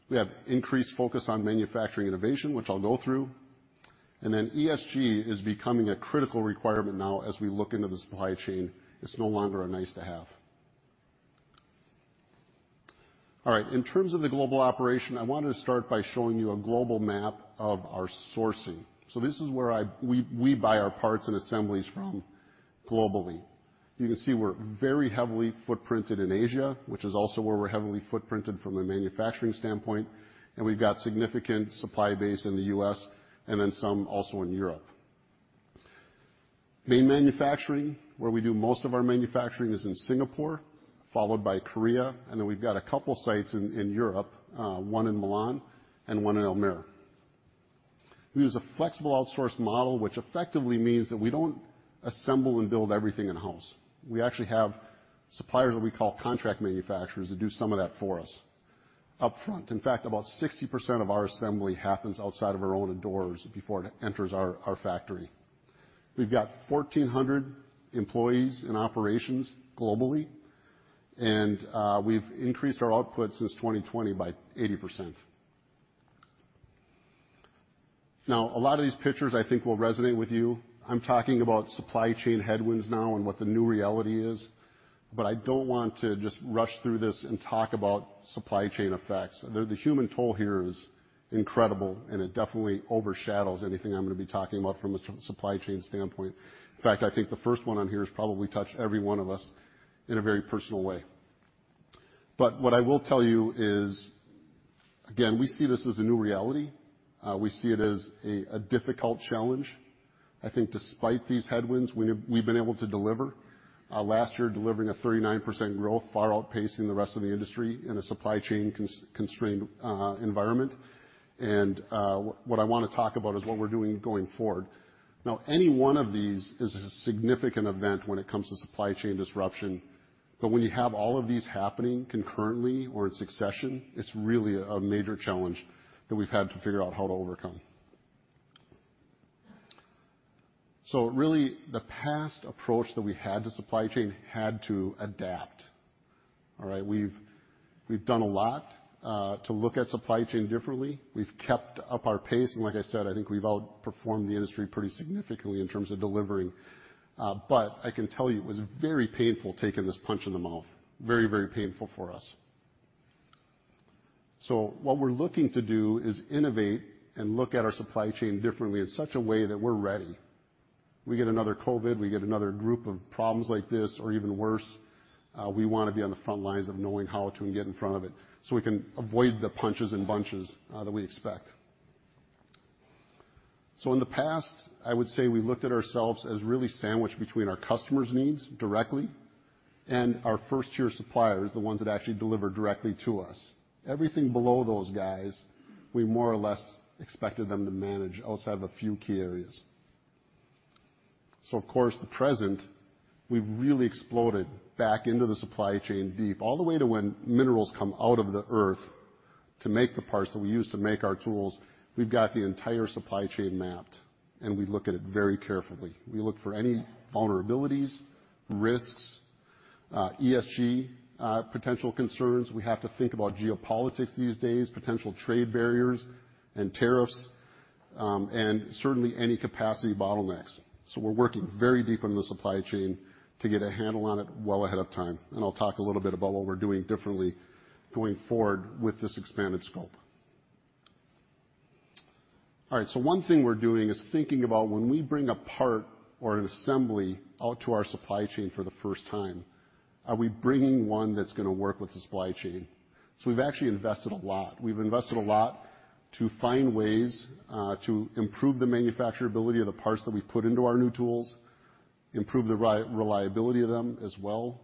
We have increased focus on manufacturing innovation, which I'll go through, and then ESG is becoming a critical requirement now as we look into the supply chain. It's no longer a nice-to-have. All right, in terms of the global operation, I wanted to start by showing you a global map of our sourcing. So this is where we buy our parts and assemblies from globally. You can see we're very heavily footprinted in Asia, which is also where we're heavily footprinted from a manufacturing standpoint, and we've got significant supply base in the US, and then some also in Europe. Main manufacturing, where we do most of our manufacturing, is in Singapore, followed by Korea, and then we've got a couple sites in Europe, one in Milan and one in Almere. We use a flexible outsource model, which effectively means that we don't assemble and build everything in-house. We actually have suppliers that we call contract manufacturers that do some of that for us upfront. In fact, about 60% of our assembly happens outside of our own doors before it enters our factory. We've got 1,400 employees in operations globally, and we've increased our output since 2020 by 80%. Now, a lot of these pictures, I think, will resonate with you. I'm talking about supply chain headwinds now and what the new reality is, but I don't want to just rush through this and talk about supply chain effects. The human toll here is incredible, and it definitely overshadows anything I'm going to be talking about from a supply chain standpoint. In fact, I think the first one on here has probably touched every one of us in a very personal way. But what I will tell you is, again, we see this as a new reality. We see it as a difficult challenge. I think despite these headwinds, we have—we've been able to deliver last year, delivering a 39% growth, far outpacing the rest of the industry in a supply chain constrained environment. And what I wanna talk about is what we're doing going forward. Now, any one of these is a significant event when it comes to supply chain disruption, but when you have all of these happening concurrently or in succession, it's really a major challenge that we've had to figure out how to overcome. So really, the past approach that we had to supply chain had to adapt. All right? We've, we've done a lot to look at supply chain differently. We've kept up our pace, and like I said, I think we've outperformed the industry pretty significantly in terms of delivering. But I can tell you, it was very painful taking this punch in the mouth. Very, very painful for us. So what we're looking to do is innovate and look at our supply chain differently in such a way that we're ready. We get another COVID, we get another group of problems like this, or even worse, we wanna be on the front lines of knowing how to get in front of it, so we can avoid the punches in bunches that we expect. So in the past, I would say we looked at ourselves as really sandwiched between our customers' needs directly and our first-tier suppliers, the ones that actually deliver directly to us. Everything below those guys, we more or less expected them to manage outside of a few key areas. So of course, the present, we've really exploded back into the supply chain, deep. All the way to when minerals come out of the Earth to make the parts that we use to make our tools, we've got the entire supply chain mapped, and we look at it very carefully. We look for any vulnerabilities, risks, ESG, potential concerns. We have to think about geopolitics these days, potential trade barriers and tariffs, and certainly any capacity bottlenecks. So we're working very deep in the supply chain to get a handle on it well ahead of time, and I'll talk a little bit about what we're doing differently going forward with this expanded scope. All right, so one thing we're doing is thinking about when we bring a part or an assembly out to our supply chain for the first time, are we bringing one that's gonna work with the supply chain? So we've actually invested a lot. We've invested a lot to find ways to improve the manufacturability of the parts that we put into our new tools, improve the reliability of them as well,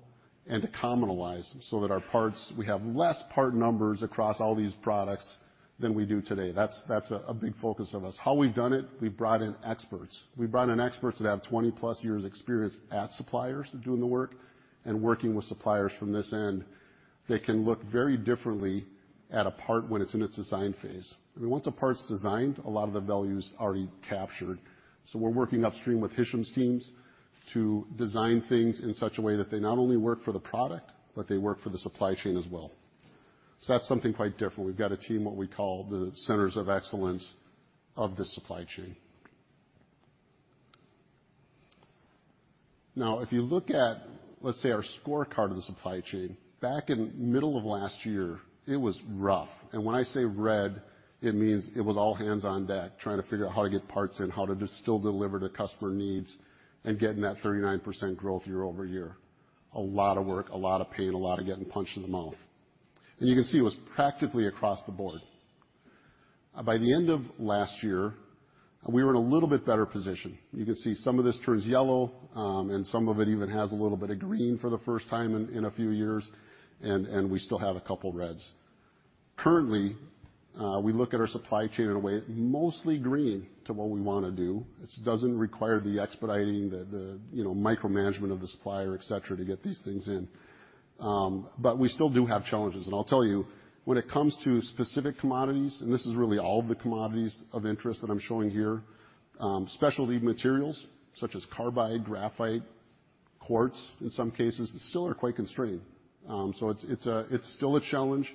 and to commonalize them so that our parts, we have less part numbers across all these products than we do today. That's a big focus of us. How we've done it? We've brought in experts. We've brought in experts that have 20+ years' experience at suppliers doing the work and working with suppliers from this end. They can look very differently at a part when it's in its design phase. I mean, once a part's designed, a lot of the value is already captured. So we're working upstream with Hichem's teams to design things in such a way that they not only work for the product, but they work for the supply chain as well. So that's something quite different. We've got a team, what we call the centers of excellence of the supply chain. Now, if you look at, let's say, our scorecard of the supply chain, back in middle of last year, it was rough. When I say red, it means it was all hands on deck, trying to figure out how to get parts in, how to still deliver the customer needs, and getting that 39% growth year-over-year. A lot of work, a lot of pain, a lot of getting punched in the mouth. You can see it was practically across the board. By the end of last year, we were in a little bit better position. You can see some of this turns yellow, and some of it even has a little bit of green for the first time in a few years, and we still have a couple reds. Currently, we look at our supply chain in a way, mostly green to what we want to do. It doesn't require the expediting, the you know, micromanagement of the supplier, et cetera, to get these things in. But we still do have challenges, and I'll tell you, when it comes to specific commodities, and this is really all of the commodities of interest that I'm showing here, specialty materials such as carbide, graphite, quartz in some cases, still are quite constrained. So it's still a challenge,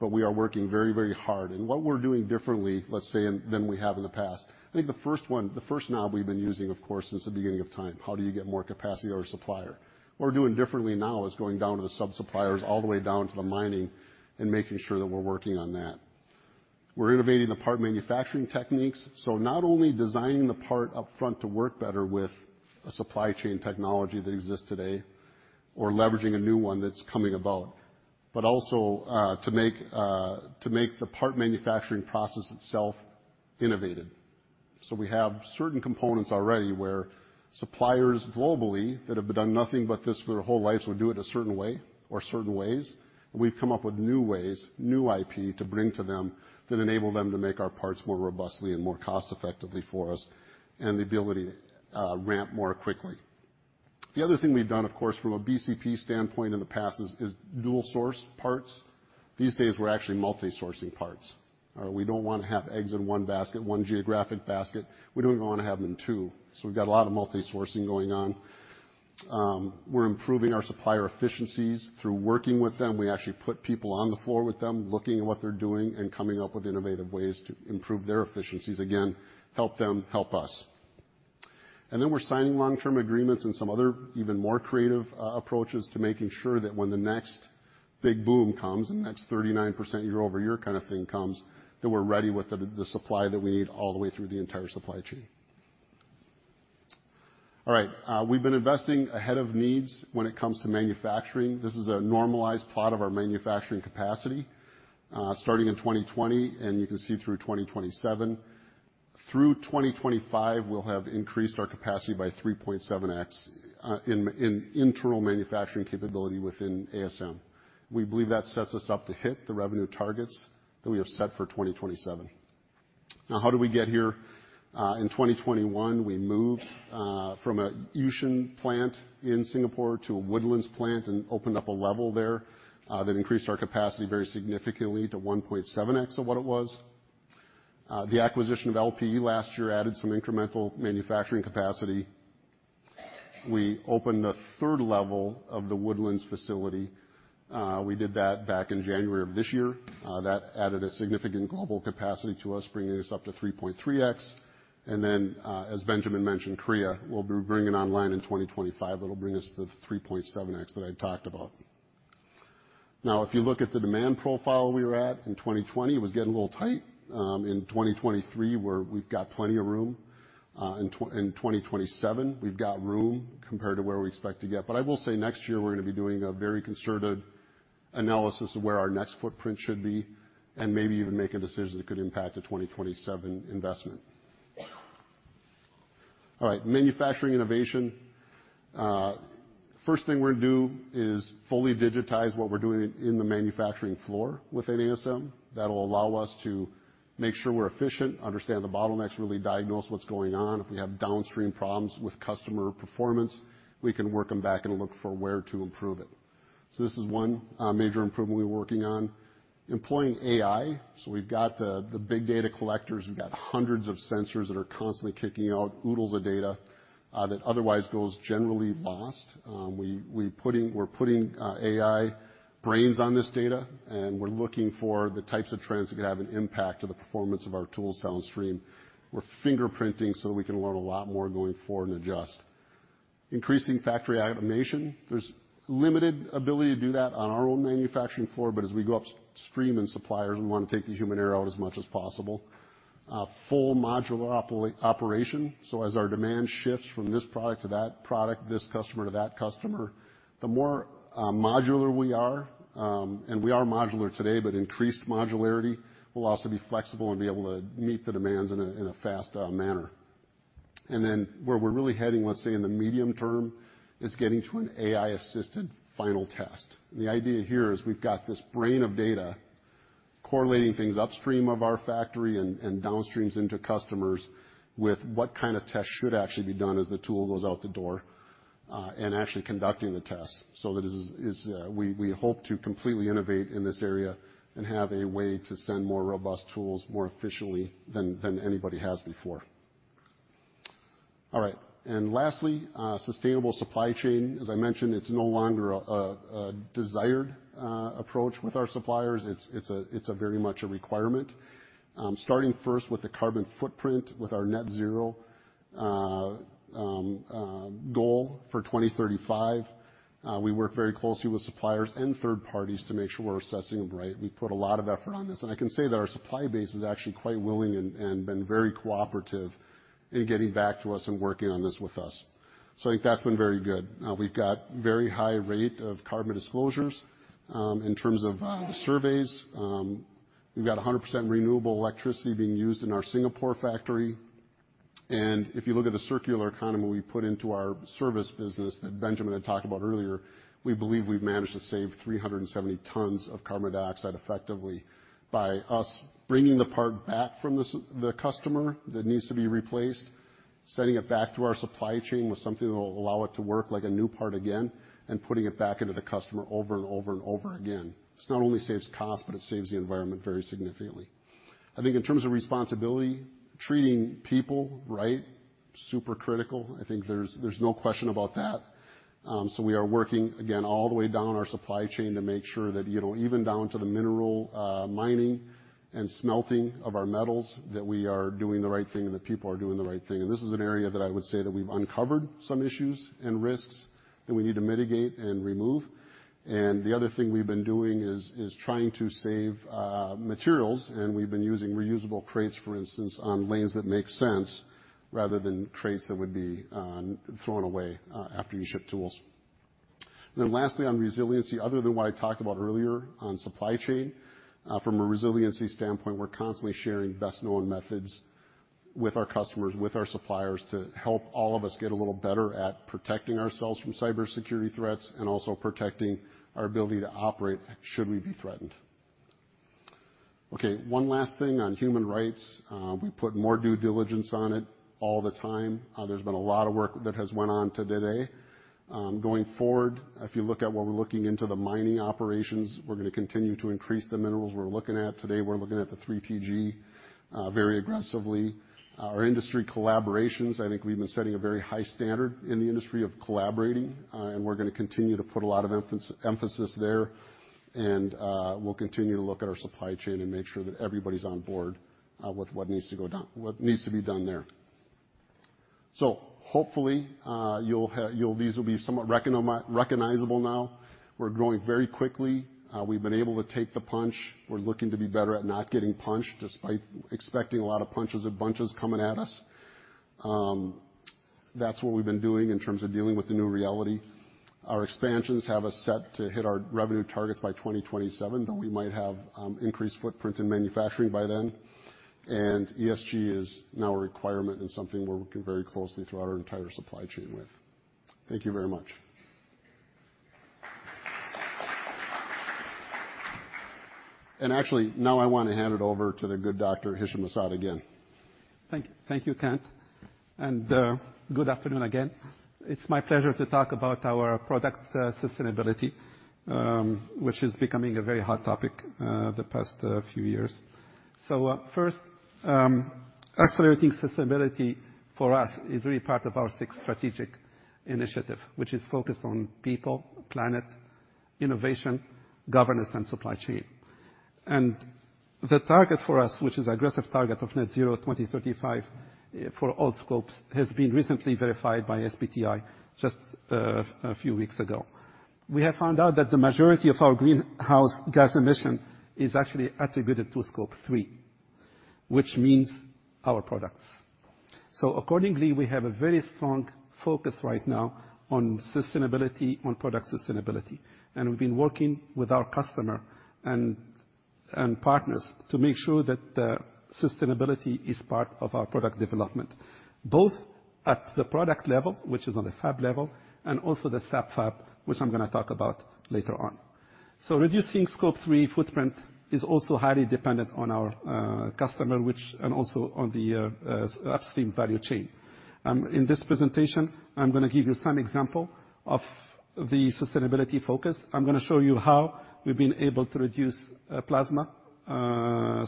but we are working very, very hard. And what we're doing differently, let's say, than we have in the past, I think the first one, the first knob we've been using, of course, since the beginning of time: How do you get more capacity or supplier? What we're doing differently now is going down to the sub-suppliers, all the way down to the mining, and making sure that we're working on that. We're innovating the part manufacturing techniques, so not only designing the part up front to work better with a supply chain technology that exists today or leveraging a new one that's coming about, but also to make the part manufacturing process itself innovated. So we have certain components already where suppliers globally that have done nothing but this for their whole lives will do it a certain way or certain ways. We've come up with new ways, new IP, to bring to them that enable them to make our parts more robustly and more cost-effectively for us, and the ability to ramp more quickly. The other thing we've done, of course, from a BCP standpoint in the past is dual source parts. These days, we're actually multi-sourcing parts. We don't want to have eggs in one basket, one geographic basket. We don't even want to have them in two, so we've got a lot of multi-sourcing going on. We're improving our supplier efficiencies through working with them. We actually put people on the floor with them, looking at what they're doing and coming up with innovative ways to improve their efficiencies. Again, help them help us. And then we're signing long-term agreements and some other even more creative approaches to making sure that when the next big boom comes, and the next 39% year-over-year kind of thing comes, that we're ready with the supply that we need all the way through the entire supply chain. All right, we've been investing ahead of needs when it comes to manufacturing. This is a normalized plot of our manufacturing capacity, starting in 2020, and you can see through 2027. Through 2025, we'll have increased our capacity by 3.7x in internal manufacturing capability within ASM. We believe that sets us up to hit the revenue targets that we have set for 2027. Now, how did we get here? In 2021, we moved from a Yishun plant in Singapore to a Woodlands plant and opened up a level there that increased our capacity very significantly to 1.7x of what it was. The acquisition of LPE last year added some incremental manufacturing capacity. We opened a third level of the Woodlands facility. We did that back in January of this year. That added a significant global capacity to us, bringing us up to 3.3x. And then, as Benjamin mentioned, Korea, we'll be bringing online in 2025. That'll bring us to the 3.7x that I talked about. Now, if you look at the demand profile we were at in 2020, it was getting a little tight. In 2023, where we've got plenty of room. In 2027, we've got room compared to where we expect to get. But I will say next year, we're going to be doing a very concerted analysis of where our next footprint should be, and maybe even make a decision that could impact the 2027 investment. All right, manufacturing innovation. First thing we're going to do is fully digitize what we're doing in the manufacturing floor within ASM. That'll allow us to make sure we're efficient, understand the bottlenecks, really diagnose what's going on. If we have downstream problems with customer performance, we can work them back and look for where to improve it. So this is one major improvement we're working on. Employing AI, so we've got the big data collectors. We've got hundreds of sensors that are constantly kicking out oodles of data that otherwise goes generally lost. We're putting AI brains on this data, and we're looking for the types of trends that could have an impact on the performance of our tools downstream. We're fingerprinting so we can learn a lot more going forward and adjust. Increasing factory automation. There's limited ability to do that on our own manufacturing floor, but as we go upstream in suppliers, we want to take the human error out as much as possible. Full modular operation, so as our demand shifts from this product to that product, this customer to that customer, the more modular we are, and we are modular today, but increased modularity will also be flexible and be able to meet the demands in a fast manner. And then, where we're really heading, let's say in the medium term, is getting to an AI-assisted final test. The idea here is we've got this brain of data correlating things upstream of our factory and downstream into customers with what kind of test should actually be done as the tool goes out the door, and actually conducting the test. So that is, we hope to completely innovate in this area and have a way to send more robust tools more efficiently than anybody has before. All right. And lastly, sustainable supply chain. As I mentioned, it's no longer a desired approach with our suppliers. It's a very much a requirement. Starting first with the carbon footprint, with our net-zero goal for 2035, we work very closely with suppliers and third parties to make sure we're assessing them right. We put a lot of effort on this, and I can say that our supply base is actually quite willing and been very cooperative in getting back to us and working on this with us. So I think that's been very good. We've got very high rate of carbon disclosures. In terms of surveys, we've got 100% renewable electricity being used in our Singapore factory. If you look at the circular economy we put into our service business that Benjamin had talked about earlier, we believe we've managed to save 370 tons of carbon dioxide effectively by us bringing the part back from the customer that needs to be replaced, sending it back through our supply chain with something that will allow it to work like a new part again, and putting it back into the customer over and over and over again. This not only saves cost, but it saves the environment very significantly. I think in terms of responsibility, treating people right... super critical. I think there's no question about that. So we are working, again, all the way down our supply chain to make sure that, you know, even down to the mineral mining and smelting of our metals, that we are doing the right thing and that people are doing the right thing. And this is an area that I would say that we've uncovered some issues and risks that we need to mitigate and remove. And the other thing we've been doing is trying to save materials, and we've been using reusable crates, for instance, on lanes that make sense, rather than crates that would be thrown away after you ship tools. Then lastly, on resiliency, other than what I talked about earlier on supply chain, from a resiliency standpoint, we're constantly sharing best known methods with our customers, with our suppliers, to help all of us get a little better at protecting ourselves from cybersecurity threats, and also protecting our ability to operate, should we be threatened. Okay, one last thing on human rights. We put more due diligence on it all the time. There's been a lot of work that has went on to today. Going forward, if you look at what we're looking into the mining operations, we're gonna continue to increase the minerals we're looking at. Today, we're looking at the 3TG, very aggressively. Our industry collaborations, I think we've been setting a very high standard in the industry of collaborating, and we're gonna continue to put a lot of emphasis there. And we'll continue to look at our supply chain and make sure that everybody's on board with what needs to be done there. So hopefully, these will be somewhat recognizable now. We're growing very quickly. We've been able to take the punch. We're looking to be better at not getting punched, despite expecting a lot of punches and bunches coming at us. That's what we've been doing in terms of dealing with the new reality. Our expansions have us set to hit our revenue targets by 2027, though we might have increased footprint in manufacturing by then. ESG is now a requirement and something we're working very closely through our entire supply chain with. Thank you very much. Actually, now I want to hand it over to the good doctor, Hichem M'Saad, again. Thank you. Thank you, Kent, and good afternoon again. It's my pleasure to talk about our product sustainability, which is becoming a very hot topic the past few years. So first, accelerating sustainability for us is really part of our six strategic initiative, which is focused on people, planet, innovation, governance, and supply chain. And the target for us, which is aggressive target of net-zero 2035 for all scopes, has been recently verified by SBTi just a few weeks ago. We have found out that the majority of our greenhouse gas emission is actually attributed to Scope 3, which means our products. So accordingly, we have a very strong focus right now on sustainability, on product sustainability, and we've been working with our customer and partners to make sure that sustainability is part of our product development. Both at the product level, which is on the fab level, and also the sub-fab, which I'm gonna talk about later on. So reducing Scope 3 footprint is also highly dependent on our customer, which and also on the upstream value chain. In this presentation, I'm gonna give you some example of the sustainability focus. I'm gonna show you how we've been able to reduce plasma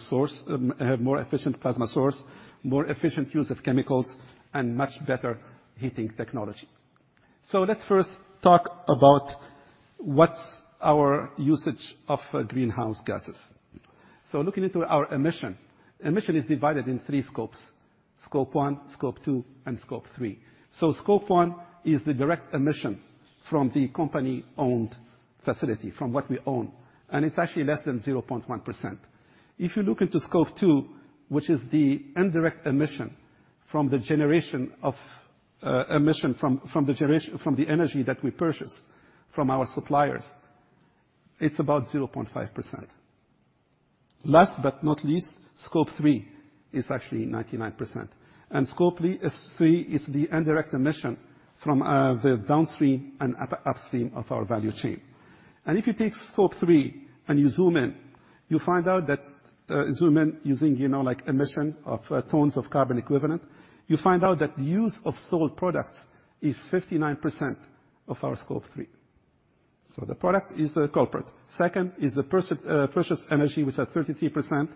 source, have more efficient plasma source, more efficient use of chemicals, and much better heating technology. So let's first talk about what's our usage of greenhouse gases. So looking into our emission, emission is divided in three scopes: Scope 1, Scope 2, and Scope 3. So Scope 1 is the direct emission from the company-owned facility, from what we own, and it's actually less than 0.1%. If you look into Scope 2, which is the indirect emission from the generation of energy that we purchase from our suppliers, it's about 0.5%. Last but not least, Scope 3 is actually 99%, and Scope 3 is the indirect emission from the downstream and upstream of our value chain. And if you take Scope 3 and you zoom in, you'll find out that zoom in using, you know, like, emission of tons of carbon equivalent, you find out that the use of sold products is 59% of our Scope 3. So the product is the culprit. Second is the purchased energy with a 33%.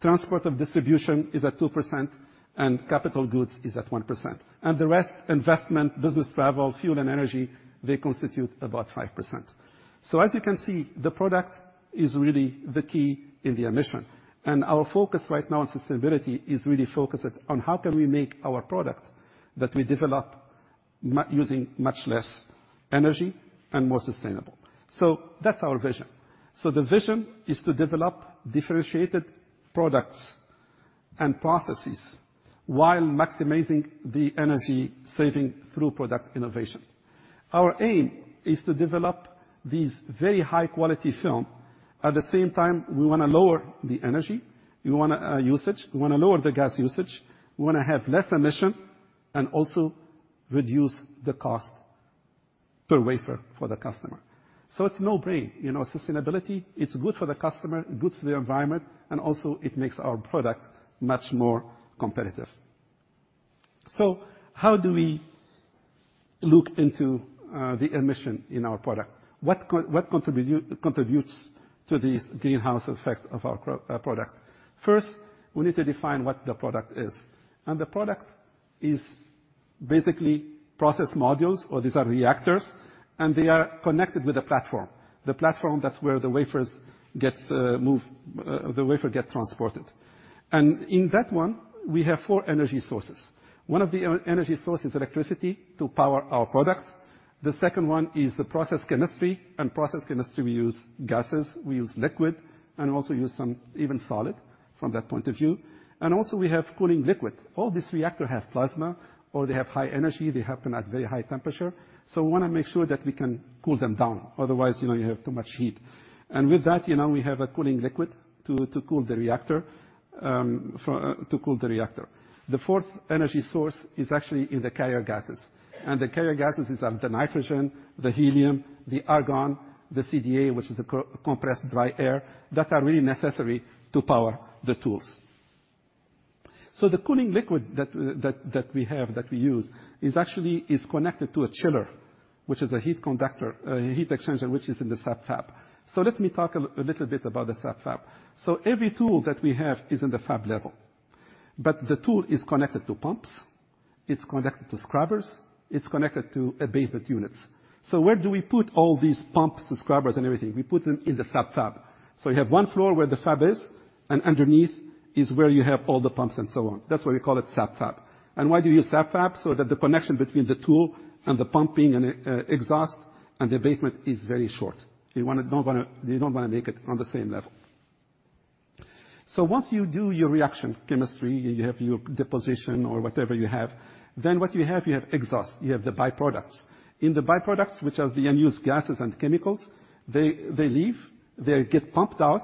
Transportation and distribution is at 2%, and capital goods is at 1%, and the rest, investment, business travel, fuel and energy, they constitute about 5%. So as you can see, the product is really the key in the emission, and our focus right now on sustainability is really focused at, on how can we make our product that we develop using much less energy and more sustainable? So that's our vision. So the vision is to develop differentiated products and processes while maximizing the energy saving through product innovation. Our aim is to develop these very high-quality film. At the same time, we wanna lower the energy. We wanna usage. We wanna lower the gas usage. We wanna have less emission and also reduce the cost per wafer for the customer. So it's no-brain. You know, sustainability, it's good for the customer, good for the environment, and also it makes our product much more competitive. So how do we look into the emission in our product? What contributes to these greenhouse effects of our product? First, we need to define what the product is, and the product is basically process modules, or these are reactors, and they are connected with a platform. The platform, that's where the wafers gets moved, the wafer get transported. And in that one, we have four energy sources. One of the energy source is electricity to power our products. The second one is the process chemistry, and process chemistry we use gases, we use liquid, and also use some even solid from that point of view. And also we have cooling liquid. All this reactor have plasma or they have high energy, they happen at very high temperature, so we wanna make sure that we can cool them down. Otherwise, you know, you have too much heat. With that, you know, we have a cooling liquid to, to cool the reactor, to cool the reactor. The fourth energy source is actually in the carrier gases, and the carrier gases is the nitrogen, the helium, the argon, the CDA, which is the compressed dry air, that are really necessary to power the tools. So the cooling liquid that we, that we have, that we use, is actually, is connected to a chiller, which is a heat conductor, heat exchanger, which is in the sub-fab. Let me talk a little bit about the sub-fab. So every tool that we have is in the fab level, but the tool is connected to pumps, it's connected to scrubbers, it's connected to abatement units. So where do we put all these pumps, the scrubbers, and everything? We put them in the sub-fab. So you have one floor where the fab is, and underneath is where you have all the pumps and so on. That's why we call it sub-fab. And why do you use sub-fab? So that the connection between the tool and the pumping and exhaust and the abatement is very short. You don't wanna make it on the same level. So once you do your reaction chemistry, and you have your deposition or whatever you have, then what you have, you have exhaust, you have the byproducts. In the byproducts, which are the unused gases and chemicals, they leave, they get pumped out.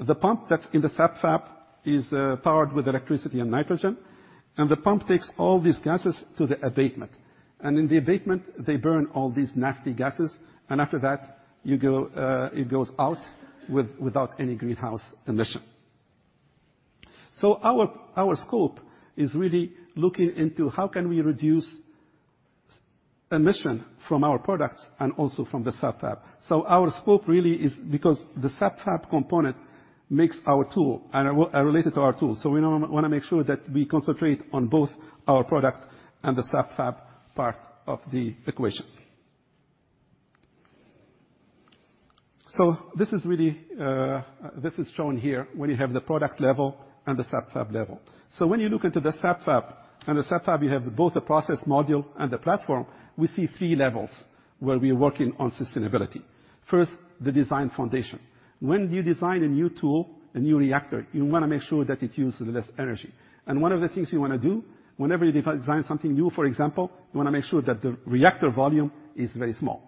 The pump that's in the sub-fab is powered with electricity and nitrogen, and the pump takes all these gases to the abatement. And in the abatement, they burn all these nasty gases, and after that, you go, it goes out without any greenhouse emission. So our scope is really looking into how can we reduce emission from our products and also from the sub-fab. So our scope really is because the sub-fab component makes our tool and related to our tool, so we wanna make sure that we concentrate on both our products and the sub-fab part of the equation. So this is really, this is shown here, when you have the product level and the sub-fab level. So when you look into the sub-fab, and the sub-fab, you have both the process module and the platform, we see three levels where we are working on sustainability. First, the design foundation. When you design a new tool, a new reactor, you wanna make sure that it uses less energy. And one of the things you wanna do whenever you design something new, for example, you wanna make sure that the reactor volume is very small.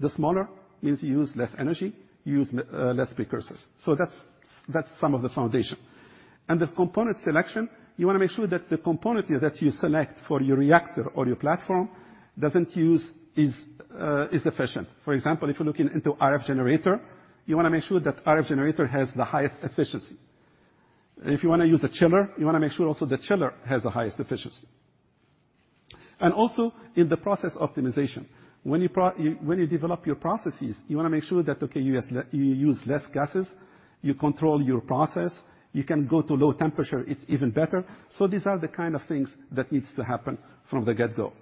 The smaller, is you use less energy, you use less precursors. So that's, that's some of the foundation. And the component selection, you wanna make sure that the component that you select for your reactor or your platform doesn't use is, is efficient. For example, if you're looking into RF generator, you wanna make sure that RF generator has the highest efficiency. If you wanna use a chiller, you wanna make sure also the chiller has the highest efficiency. And also, in the process optimization, when you develop your processes, you wanna make sure that, okay, you use less gases, you control your process, you can go to low temperature, it's even better. So these are the kind of things that needs to happen from the get-go.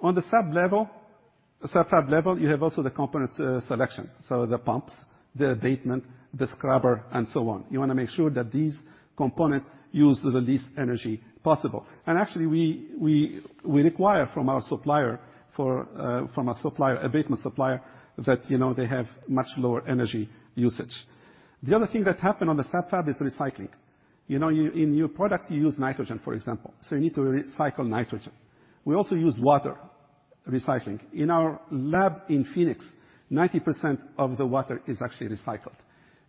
On the sub-level, sub-fab level, you have also the component selection, so the pumps, the abatement, the scrubber, and so on. You wanna make sure that these components use the least energy possible. And actually, we require from our supplier for, from our supplier, abatement supplier, that, you know, they have much lower energy usage. The other thing that happened on the sub-fab is recycling. You know, in your product, you use nitrogen, for example, so you need to recycle nitrogen. We also use water recycling. In our lab in Phoenix, 90% of the water is actually recycled.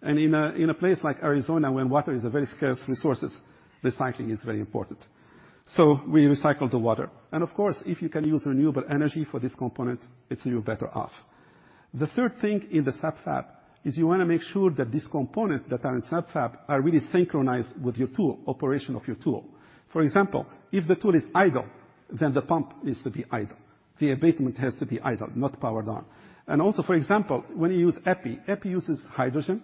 In a place like Arizona, where water is a very scarce resources, recycling is very important, so we recycle the water. Of course, if you can use renewable energy for this component, it's you're better off. The third thing in the sub-fab is you wanna make sure that these components that are in sub-fab are really synchronized with your tool, operation of your tool. For example, if the tool is idle, then the pump needs to be idle. The abatement has to be idle, not powered on. And also, for example, when you use Epi, Epi uses hydrogen,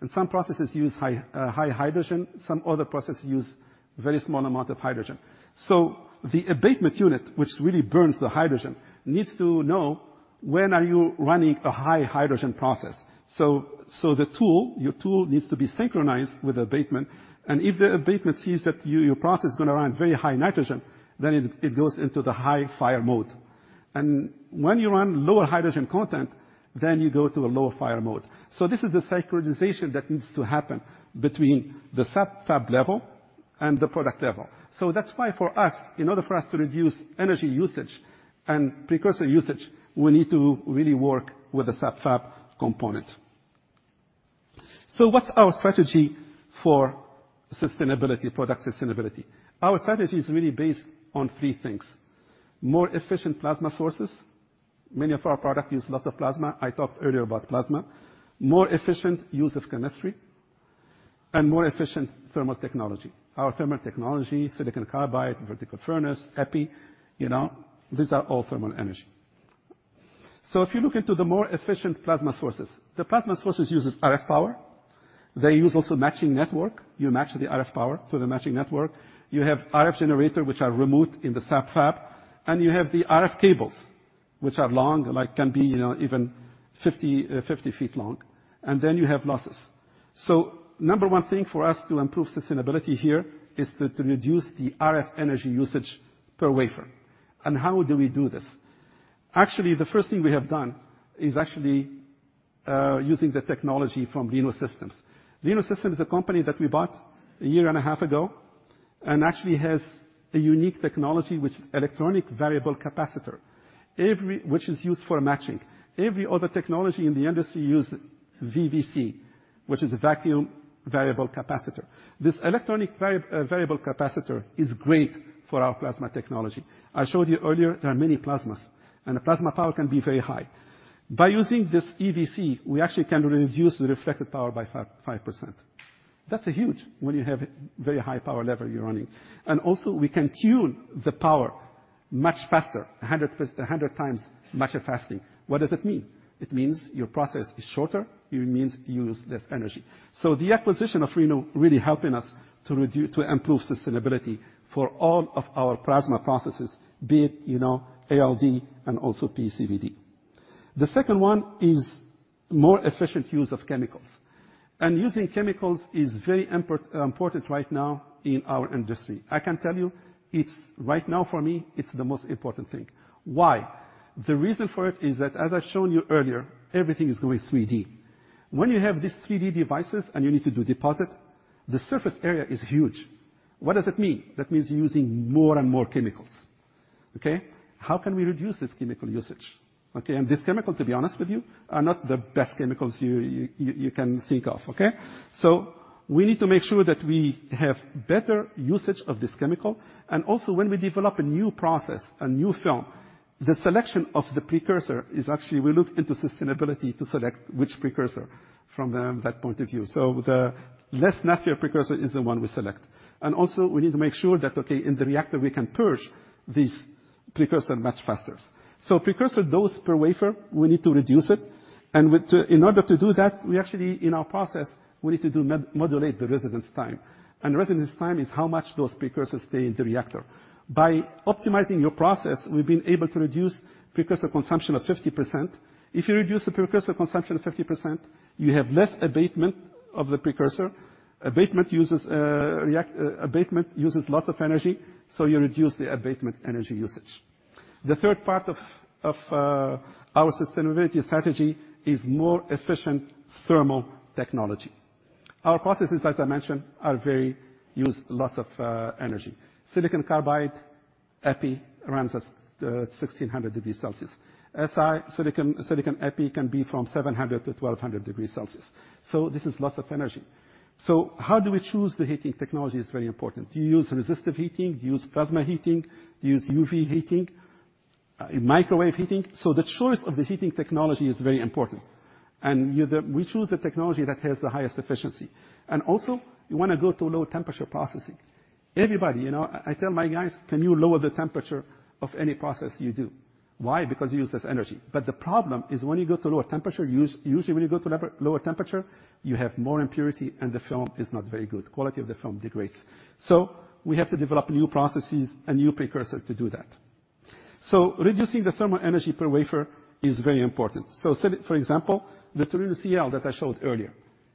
and some processes use high, high hydrogen, some other processes use very small amount of hydrogen. So the abatement unit, which really burns the hydrogen, needs to know when are you running a high hydrogen process. So, so the tool, your tool needs to be synchronized with abatement, and if the abatement sees that your, your process is gonna run very high nitrogen, then it, it goes into the high fire mode. And when you run lower hydrogen content, then you go to a lower fire mode. So this is the synchronization that needs to happen between the sub-fab level and the product level. So that's why, for us, in order for us to reduce energy usage and precursor usage, we need to really work with the sub-fab component. So what's our strategy for sustainability, product sustainability? Our strategy is really based on three things: more efficient plasma sources. Many of our products use lots of plasma. I talked earlier about plasma. More efficient use of chemistry... and more efficient thermal technology. Our thermal technology, silicon carbide, vertical furnace, epi, you know, these are all thermal energy. So if you look into the more efficient plasma sources, the plasma sources uses RF power. They use also matching network. You match the RF power to the matching network. You have RF generator, which are removed in the fab fab, and you have the RF cables, which are long, like can be, you know, even 50, 50 ft long, and then you have losses. So number one thing for us to improve sustainability here is to reduce the RF energy usage per wafer. And how do we do this? Actually, the first thing we have done is actually, using the technology from Reno Sub-Systems. Reno Sub-Systems is a company that we bought a year and a half ago, and actually has a unique technology, which electronic variable capacitor which is used for matching. Every other technology in the industry use VVC, which is a Vacuum Variable Capacitor. This electronic variable capacitor is great for our plasma technology. I showed you earlier, there are many plasmas, and the plasma power can be very high. By using this VVC, we actually can reduce the reflected power by 5, 5%. That's a huge when you have very high power level you're running. And also, we can tune the power much faster, 100%, 100 times much faster. What does it mean? It means your process is shorter, it means you use less energy. So the acquisition of Reno really helping us to reduce, to improve sustainability for all of our plasma processes, be it, you know, ALD and also PECVD. The second one is more efficient use of chemicals, and using chemicals is very important right now in our industry. I can tell you, it's right now, for me, it's the most important thing. Why? The reason for it is that, as I've shown you earlier, everything is going 3D. When you have these 3D devices, and you need to do deposit, the surface area is huge. What does it mean? That means you're using more and more chemicals. Okay? How can we reduce this chemical usage? Okay, and this chemical, to be honest with you, are not the best chemicals you, you, you can think of, okay? So we need to make sure that we have better usage of this chemical, and also, when we develop a new process, a new film, the selection of the precursor is actually we look into sustainability to select which precursor from the, that point of view. So the less nastier precursor is the one we select. And also, we need to make sure that, okay, in the reactor, we can purge this precursor much faster. So precursor dose per wafer, we need to reduce it. In order to do that, we actually, in our process, we need to do modulate the residence time. And residence time is how much those precursors stay in the reactor. By optimizing your process, we've been able to reduce precursor consumption of 50%. If you reduce the precursor consumption of 50%, you have less abatement of the precursor. Abatement uses lots of energy, so you reduce the abatement energy usage. The third part of our sustainability strategy is more efficient thermal technology. Our processes, as I mentioned, are very use lots of energy. Silicon carbide Epi runs at 1600 degrees Celsius. Silicon silicon Epi can be from 700 degree Celsius to 1200 degrees Celsius, so this is lots of energy. So how do we choose the heating technology is very important. Do you use resistive heating? Do you use plasma heating? Do you use UV heating, microwave heating? So the choice of the heating technology is very important, and we choose the technology that has the highest efficiency. And also, you want to go to low temperature processing. Everybody, you know, I tell my guys, "Can you lower the temperature of any process you do?" Why? Because you use less energy. But the problem is when you go to lower temperature, usually when you go to lower temperature, you have more impurity, and the film is not very good. Quality of the film degrades. So we have to develop new processes and new precursor to do that. So reducing the thermal energy per wafer is very important. So say, for example, the Turino-CL that I showed earlier,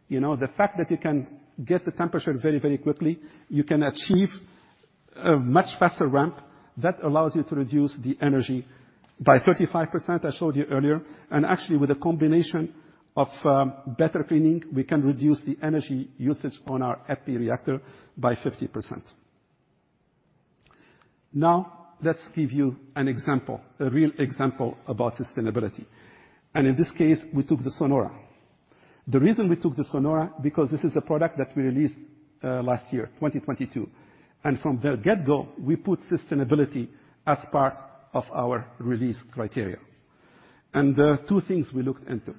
you know, the fact that you can get the temperature very, very quickly, you can achieve a much faster ramp that allows you to reduce the energy by 35%, I showed you earlier. And actually, with a combination of better cleaning, we can reduce the energy usage on our Epi reactor by 50%. Now, let's give you an example, a real example about sustainability. In this case, we took the SONORA. The reason we took the SONORA, because this is a product that we released last year, 2022, and from the get-go, we put sustainability as part of our release criteria. There are two things we looked into.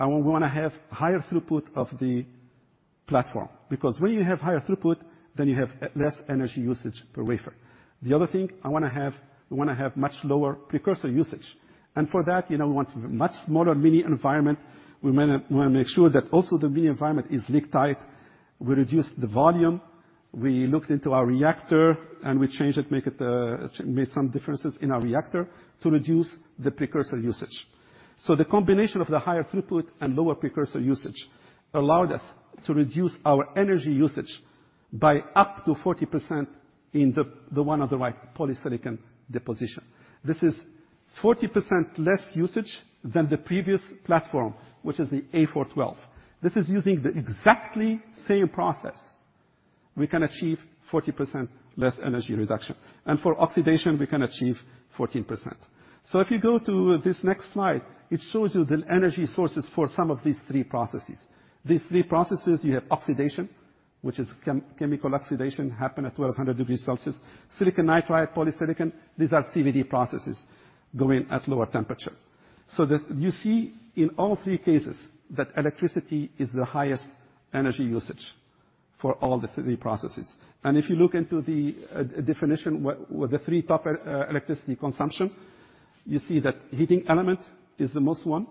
We want to have higher throughput of the platform, because when you have higher throughput, then you have less energy usage per wafer. The other thing I wanna have- we wanna have much lower precursor usage, and for that, you know, we want a much smaller mini environment. We wanna make sure that also the mini environment is leak-tight. We reduced the volume, we looked into our reactor, and we changed it, made some differences in our reactor to reduce the precursor usage. So the combination of the higher throughput and lower precursor usage allowed us to reduce our energy usage by up to 40% in the, the one on the right, polysilicon deposition. This is 40% less usage than the previous platform, which is the A412. This is using the exactly same process. We can achieve 40% less energy reduction, and for oxidation, we can achieve 14%. So if you go to this next slide, it shows you the energy sources for some of these three processes. These three processes, you have oxidation, which is chemical oxidation, happen at 1,200 degrees Celsius. Silicon nitride, polysilicon, these are CVD processes going at lower temperature. So that you see in all three cases, that electricity is the highest energy usage for all the three processes. If you look into the definition with the three top electricity consumption, you see that heating element is the most one,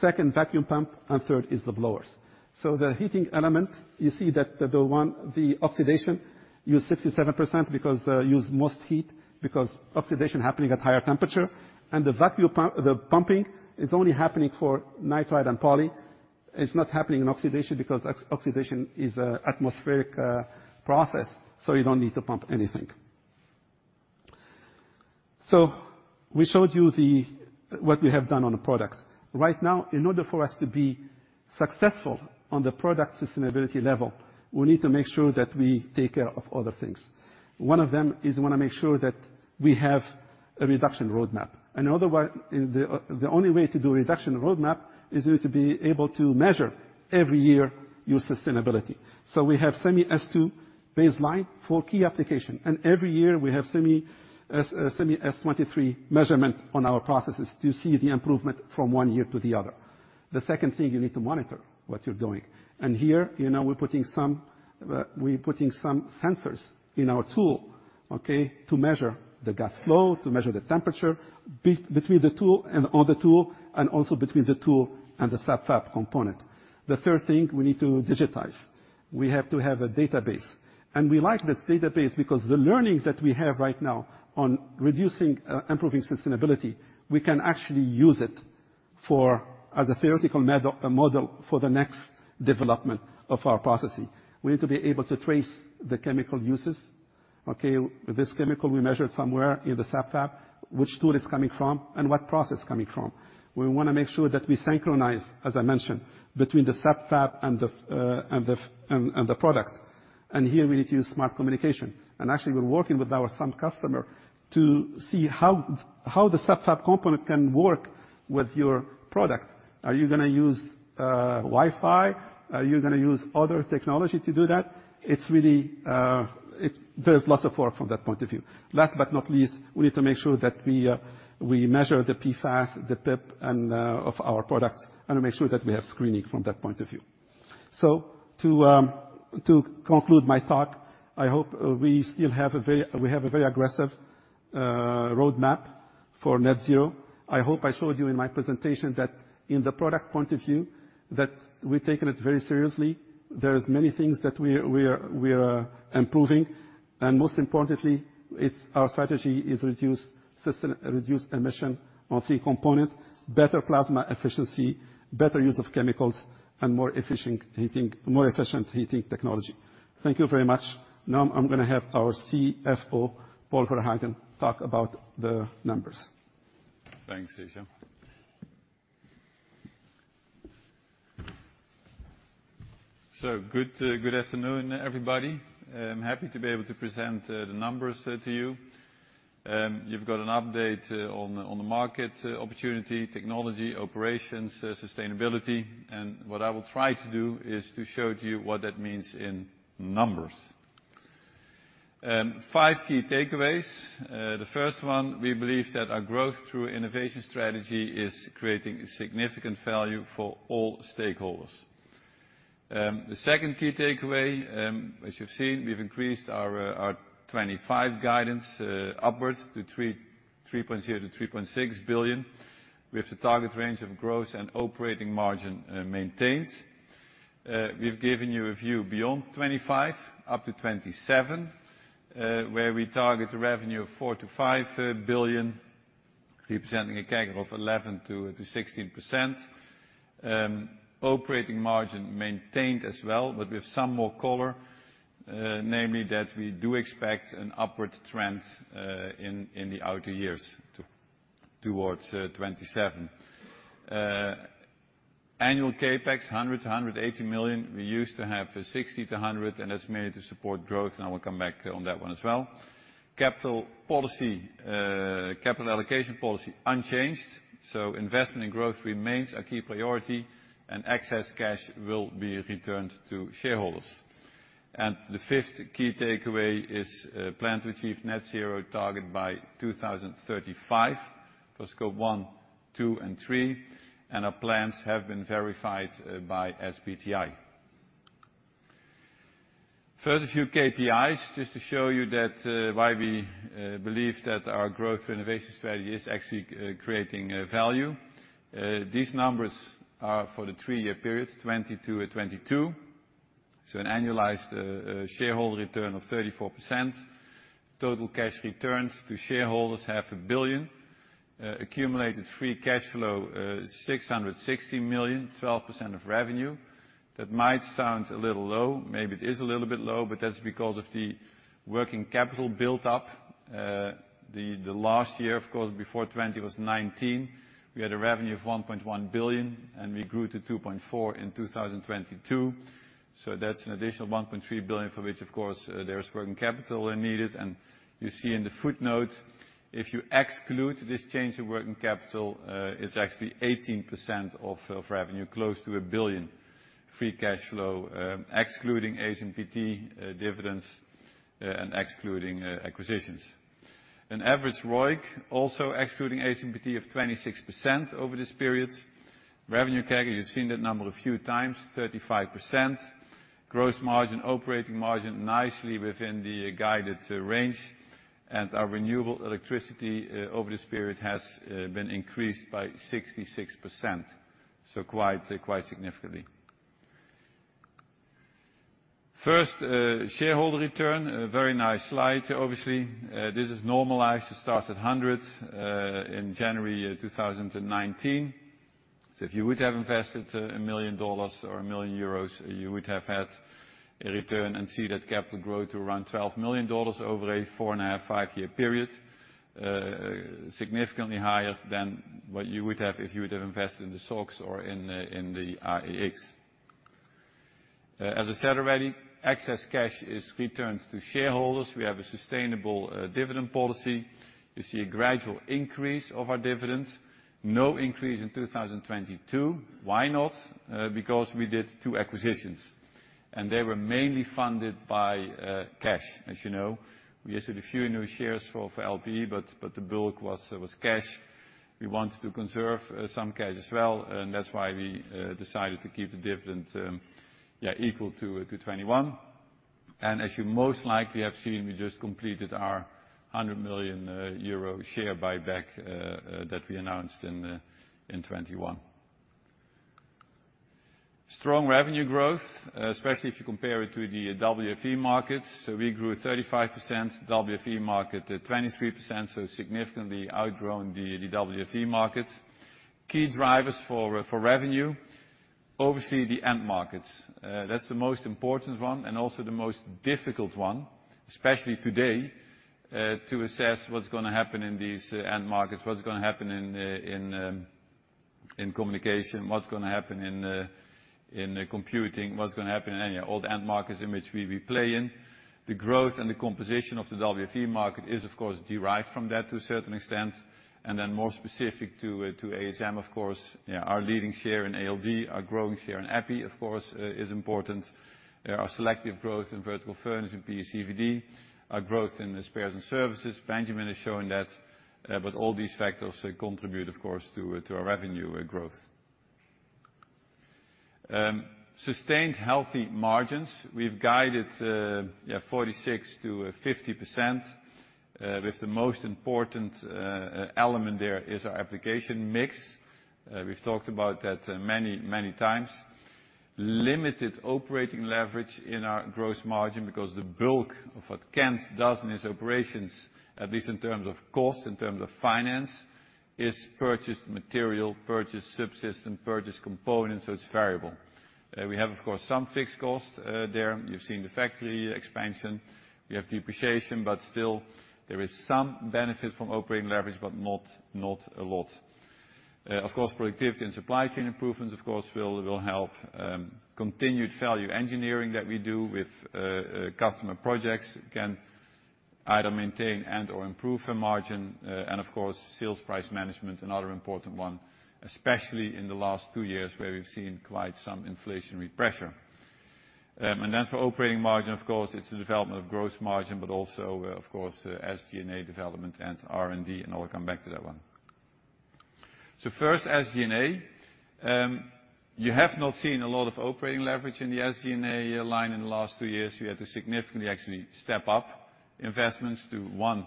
second vacuum pump, and third is the blowers. So the heating element, you see that the one, the oxidation, use 67% because use most heat, because oxidation happening at higher temperature. The vacuum pump, the pumping is only happening for nitride and poly. It's not happening in oxidation, because oxidation is a atmospheric process, so you don't need to pump anything. So we showed you what we have done on the product. Right now, in order for us to be successful on the product sustainability level, we need to make sure that we take care of other things. One of them is we want to make sure that we have a reduction roadmap. And otherwise, the only way to do reduction roadmap is you to be able to measure every year your sustainability. So we have SEMI S2 baseline for key application, and every year we have SEMI S23 measurement on our processes to see the improvement from one year to the other. The second thing, you need to monitor what you're doing. And here, you know, we're putting some sensors in our tool, okay? To measure the gas flow, to measure the temperature between the tool and other tool, and also between the tool and the sub-fab component. The third thing, we need to digitize. We have to have a database. We like this database because the learnings that we have right now on reducing, improving sustainability, we can actually use it for as a theoretical model for the next development of our processing. We need to be able to trace the chemical uses, okay? This chemical we measured somewhere in the sub-fab, which tool it's coming from, and what process coming from. We want to make sure that we synchronize, as I mentioned, between the sub-fab and the fab and the product. Here, we need to use smart communication. And actually, we're working with our some customer to see how the sub-fab component can work with your product. Are you going to use Wi-Fi? Are you going to use other technology to do that? It's really, there's lots of work from that point of view. Last but not least, we need to make sure that we, we measure the PFAS, the PEP, and of our products, and make sure that we have screening from that point of view. So to to conclude my talk, I hope we still have a very we have a very aggressive roadmap for net-zero. I hope I showed you in my presentation that in the product point of view, that we've taken it very seriously. There is many things that we are, we are, we are improving, and most importantly, it's our strategy is reduce emission on three components: better plasma efficiency, better use of chemicals, and more efficient heating, more efficient heating technology. Thank you very much. Now, I'm gonna have our CFO, Paul Verhagen, talk about the numbers. Thanks, Hichem. So, good afternoon, everybody. I'm happy to be able to present the numbers to you. You've got an update on the market opportunity, technology, operations, sustainability, and what I will try to do is to show to you what that means in numbers. Five key takeaways. The first one, we believe that our growth through innovation strategy is creating significant value for all stakeholders. The second key takeaway, as you've seen, we've increased our 2025 guidance upwards to 3.3 billion to 3.6 billion, with the target range of growth and operating margin maintained. We've given you a view beyond 2025 up to 2027, where we target a revenue of 4 billion-5 billion, representing a CAGR of 11% to 16%. Operating margin maintained as well, but with some more color, namely that we do expect an upward trend in the outer years towards 2027. Annual CapEx, 100 million to 180 million. We used to have 60 million to 100 million, and that's mainly to support growth, and I will come back on that one as well. Capital policy, capital allocation policy unchanged, so investment in growth remains a key priority, and excess cash will be returned to shareholders. And the fifth key takeaway is, plan to achieve net-zero target by 2035 for Scope 1, 2, and 3, and our plans have been verified by SBTi. Further few KPIs, just to show you that why we believe that our growth innovation strategy is actually creating value. These numbers are for the three-year period, 2020 to 2022, so an annualized shareholder return of 34%. Total cash returns to shareholders, 500 million. Accumulated free cash flow, 660 million, 12% of revenue. That might sound a little low. Maybe it is a little bit low, but that's because of the working capital built up. The last year, of course, before 2020 was 2019, we had a revenue of 1.1 billion, and we grew to 2.4 billion in 2022. So that's an additional 1.3 billion, for which, of course, there is working capital needed. You see in the footnote, if you exclude this change in working capital, it's actually 18% of revenue, close to 1 billion free cash flow, excluding ASMPT dividends, and excluding acquisitions. An average ROIC, also excluding ASMPT, of 26% over this period. Revenue CAGR, you've seen that number a few times, 35%. Gross margin, operating margin, nicely within the guided range. Our renewable electricity over this period has been increased by 66%, so quite significantly. First shareholder return, a very nice slide, obviously. This is normalized to start at 100 in January 2019. So if you would have invested $1 million or 1 million euros, you would have had a return and see that capital grow to around $12 million over a 4.5-year to 5-year period. Significantly higher than what you would have if you would have invested in the stocks or in the, in the AEX. As I said already, excess cash is returned to shareholders. We have a sustainable dividend policy. You see a gradual increase of our dividends. No increase in 2022. Why not? Because we did two acquisitions, and they were mainly funded by cash. As you know, we issued a few new shares for LPE, but the bulk was cash. We wanted to conserve some cash as well, and that's why we decided to keep the dividend equal to 2021. And as you most likely have seen, we just completed our 100 million euro share buyback that we announced in 2021. Strong revenue growth, especially if you compare it to the WFE markets. So we grew 35%, WFE market 23%, so significantly outgrowing the WFE markets. Key drivers for revenue, obviously, the end markets. That's the most important one and also the most difficult one, especially today, to assess what's gonna happen in these end markets, what's gonna happen in communication, what's gonna happen in computing, what's gonna happen in any all the end markets in which we play. The growth and the composition of the WFE market is, of course, derived from that to a certain extent, and then more specific to, to ASM, of course, yeah, our leading share in ALD, our growing share in EPI, of course, is important. Our selective growth in vertical furnace and PECVD, our growth in the spares and services, Benjamin is showing that, but all these factors contribute, of course, to, to our revenue, growth. Sustained healthy margins. We've guided, yeah, 46% to 50%, with the most important, element there is our application mix. We've talked about that many, many times. Limited operating leverage in our gross margin because the bulk of what Kent does in his operations, at least in terms of cost, in terms of finance, is purchased material, purchased subsystem, purchased components, so it's variable. We have, of course, some fixed costs there. You've seen the factory expansion, we have depreciation, but still there is some benefit from operating leverage, but not a lot. Of course, productivity and supply chain improvements, of course, will help. Continued value engineering that we do with customer projects can either maintain and/or improve our margin. And, of course, sales price management, another important one, especially in the last two years, where we've seen quite some inflationary pressure. And as for operating margin, of course, it's the development of gross margin, but also, of course, SG&A development and R&D, and I'll come back to that one. So first, SG&A. You have not seen a lot of operating leverage in the SG&A line in the last two years. We had to significantly actually step up investments to, one,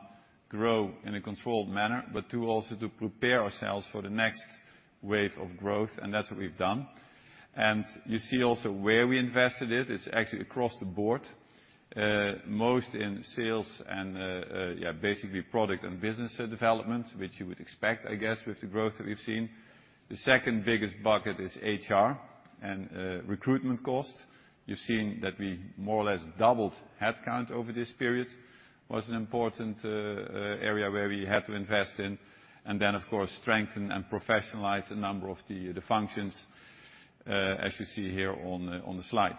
grow in a controlled manner, but two, also to prepare ourselves for the next wave of growth, and that's what we've done. And you see also where we invested it, it's actually across the board, most in sales and, yeah, basically product and business development, which you would expect, I guess, with the growth that we've seen. The second biggest bucket is HR and recruitment cost. You've seen that we more or less doubled headcount over this period. Was an important area where we had to invest in, and then, of course, strengthen and professionalize a number of the functions, as you see here on the slide.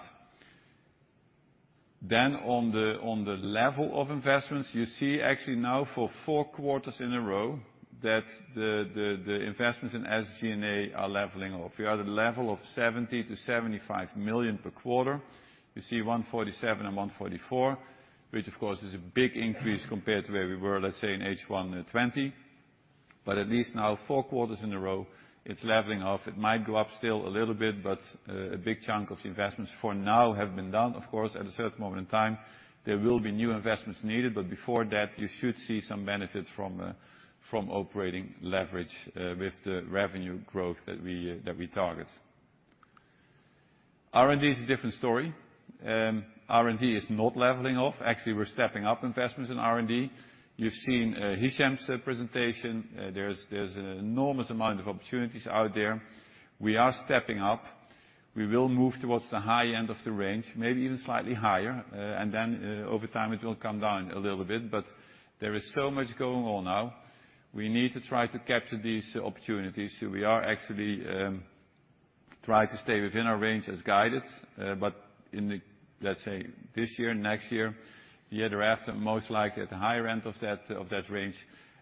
Then on the level of investments, you see actually now for four quarters in a row, that the investments in SG&A are leveling off. We are at a level of 70 million to 75 million per quarter. You see 147 million and 144 million, which of course, is a big increase compared to where we were, let's say, in H1 2020. But at least now, four quarters in a row, it's leveling off. It might go up still a little bit, but a big chunk of the investments for now have been done. Of course, at a certain moment in time, there will be new investments needed, but before that, you should see some benefits from operating leverage with the revenue growth that we target. R&D is a different story. R&D is not leveling off. Actually, we're stepping up investments in R&D. You've seen, Hichem's presentation. There's, there's an enormous amount of opportunities out there. We are stepping up. We will move towards the high end of the range, maybe even slightly higher, and then, over time, it will come down a little bit. But there is so much going on now, we need to try to capture these opportunities. So we are actually, try to stay within our range as guided, but in the, let's say, this year, next year, the year after, most likely at the high end of that, of that range?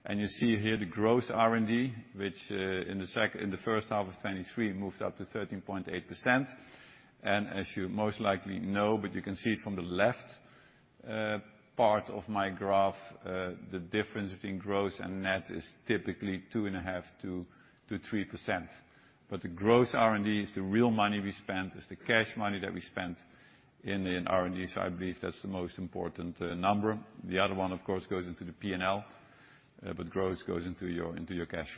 And you see here the gross R&D, which, in the first half of 2023, moved up to 13.8%. As you most likely know, but you can see it from the left, part of my graph, the difference between gross and net is typically 2.5% to 3%. But the gross R&D is the real money we spent, is the cash money that we spent in R&D, so I believe that's the most important number. The other one, of course, goes into the P&L, but gross goes into your cash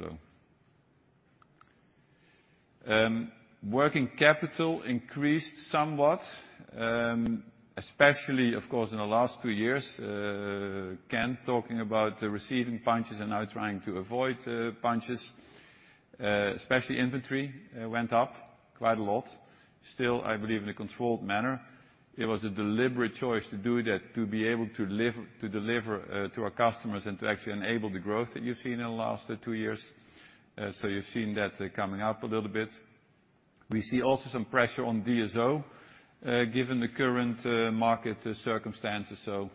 flow. Working capital increased somewhat, especially, of course, in the last two years. Again, talking about receiving punches and now trying to avoid punches, especially inventory, went up quite a lot. Still, I believe in a controlled manner. It was a deliberate choice to do that, to be able to deliver to our customers and to actually enable the growth that you've seen in the last two years. So you've seen that coming up a little bit. We see also some pressure on DSO, given the current market circumstances. So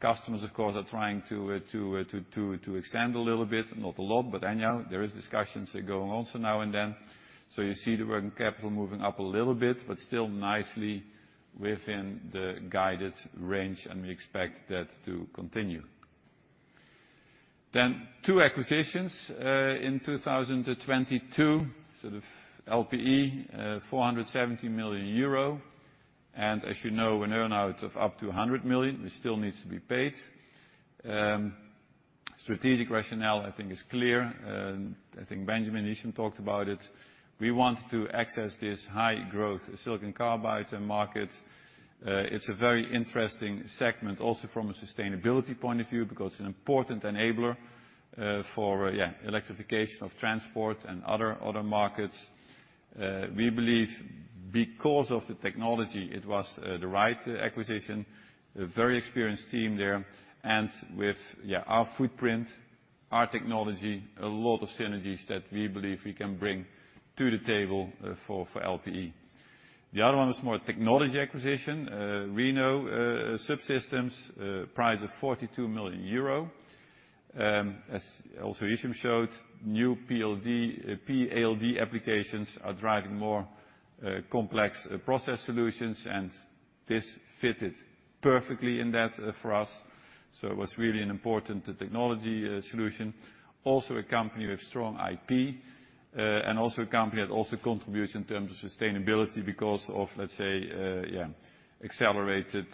customers, of course, are trying to extend a little bit, not a lot, but anyhow, there is discussions that go on also now and then. So you see the working capital moving up a little bit, but still nicely within the guided range, and we expect that to continue. Then two acquisitions in 2022. Sort of LPE, 470 million euro, and as you know, an earn-out of up to 100 million, which still needs to be paid. Strategic rationale, I think, is clear, and I think Benjamin Loh talked about it. We want to access this high-growth silicon carbide market. It's a very interesting segment, also from a sustainability point of view, because it's an important enabler for electrification of transport and other markets. We believe because of the technology, it was the right acquisition, a very experienced team there, and with our footprint, our technology, a lot of synergies that we believe we can bring to the table for LPE. The other one is more technology acquisition, Reno Subsystems, price of 42 million euro. As also Loh showed, new ALD, PEALD applications are driving more complex process solutions, and this fitted perfectly in that for us. So it was really an important technology solution. Also a company with strong IP, and also a company that also contributes in terms of sustainability because of, let's say, yeah, accelerated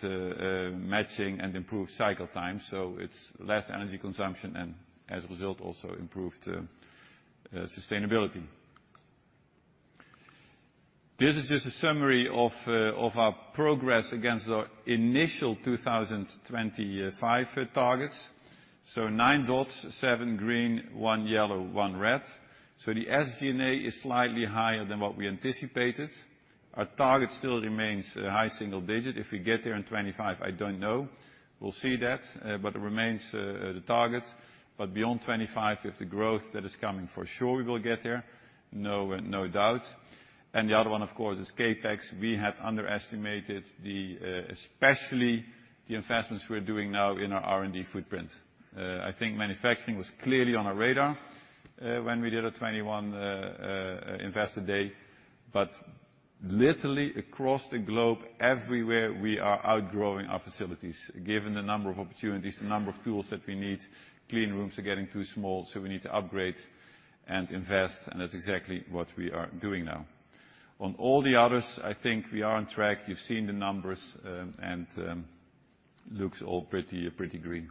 matching and improved cycle time. So it's less energy consumption and as a result, also improved sustainability. This is just a summary of our progress against our initial 2020 to 2025 targets. So nine dots, seven green, one yellow, one red. So the SG&A is slightly higher than what we anticipated. Our target still remains a high single digit. If we get there in 2025, I don't know. We'll see that, but it remains the target. But beyond 2025, with the growth that is coming, for sure, we will get there, no, no doubt. And the other one, of course, is CapEx. We had underestimated the, especially the investments we're doing now in our R&D footprint. I think manufacturing was clearly on our radar, when we did our 2021 Investor Day, but literally across the globe, everywhere, we are outgrowing our facilities, given the number of opportunities, the number of tools that we need. Clean rooms are getting too small, so we need to upgrade and invest, and that's exactly what we are doing now. On all the others, I think we are on track. You've seen the numbers, and looks all pretty, pretty green.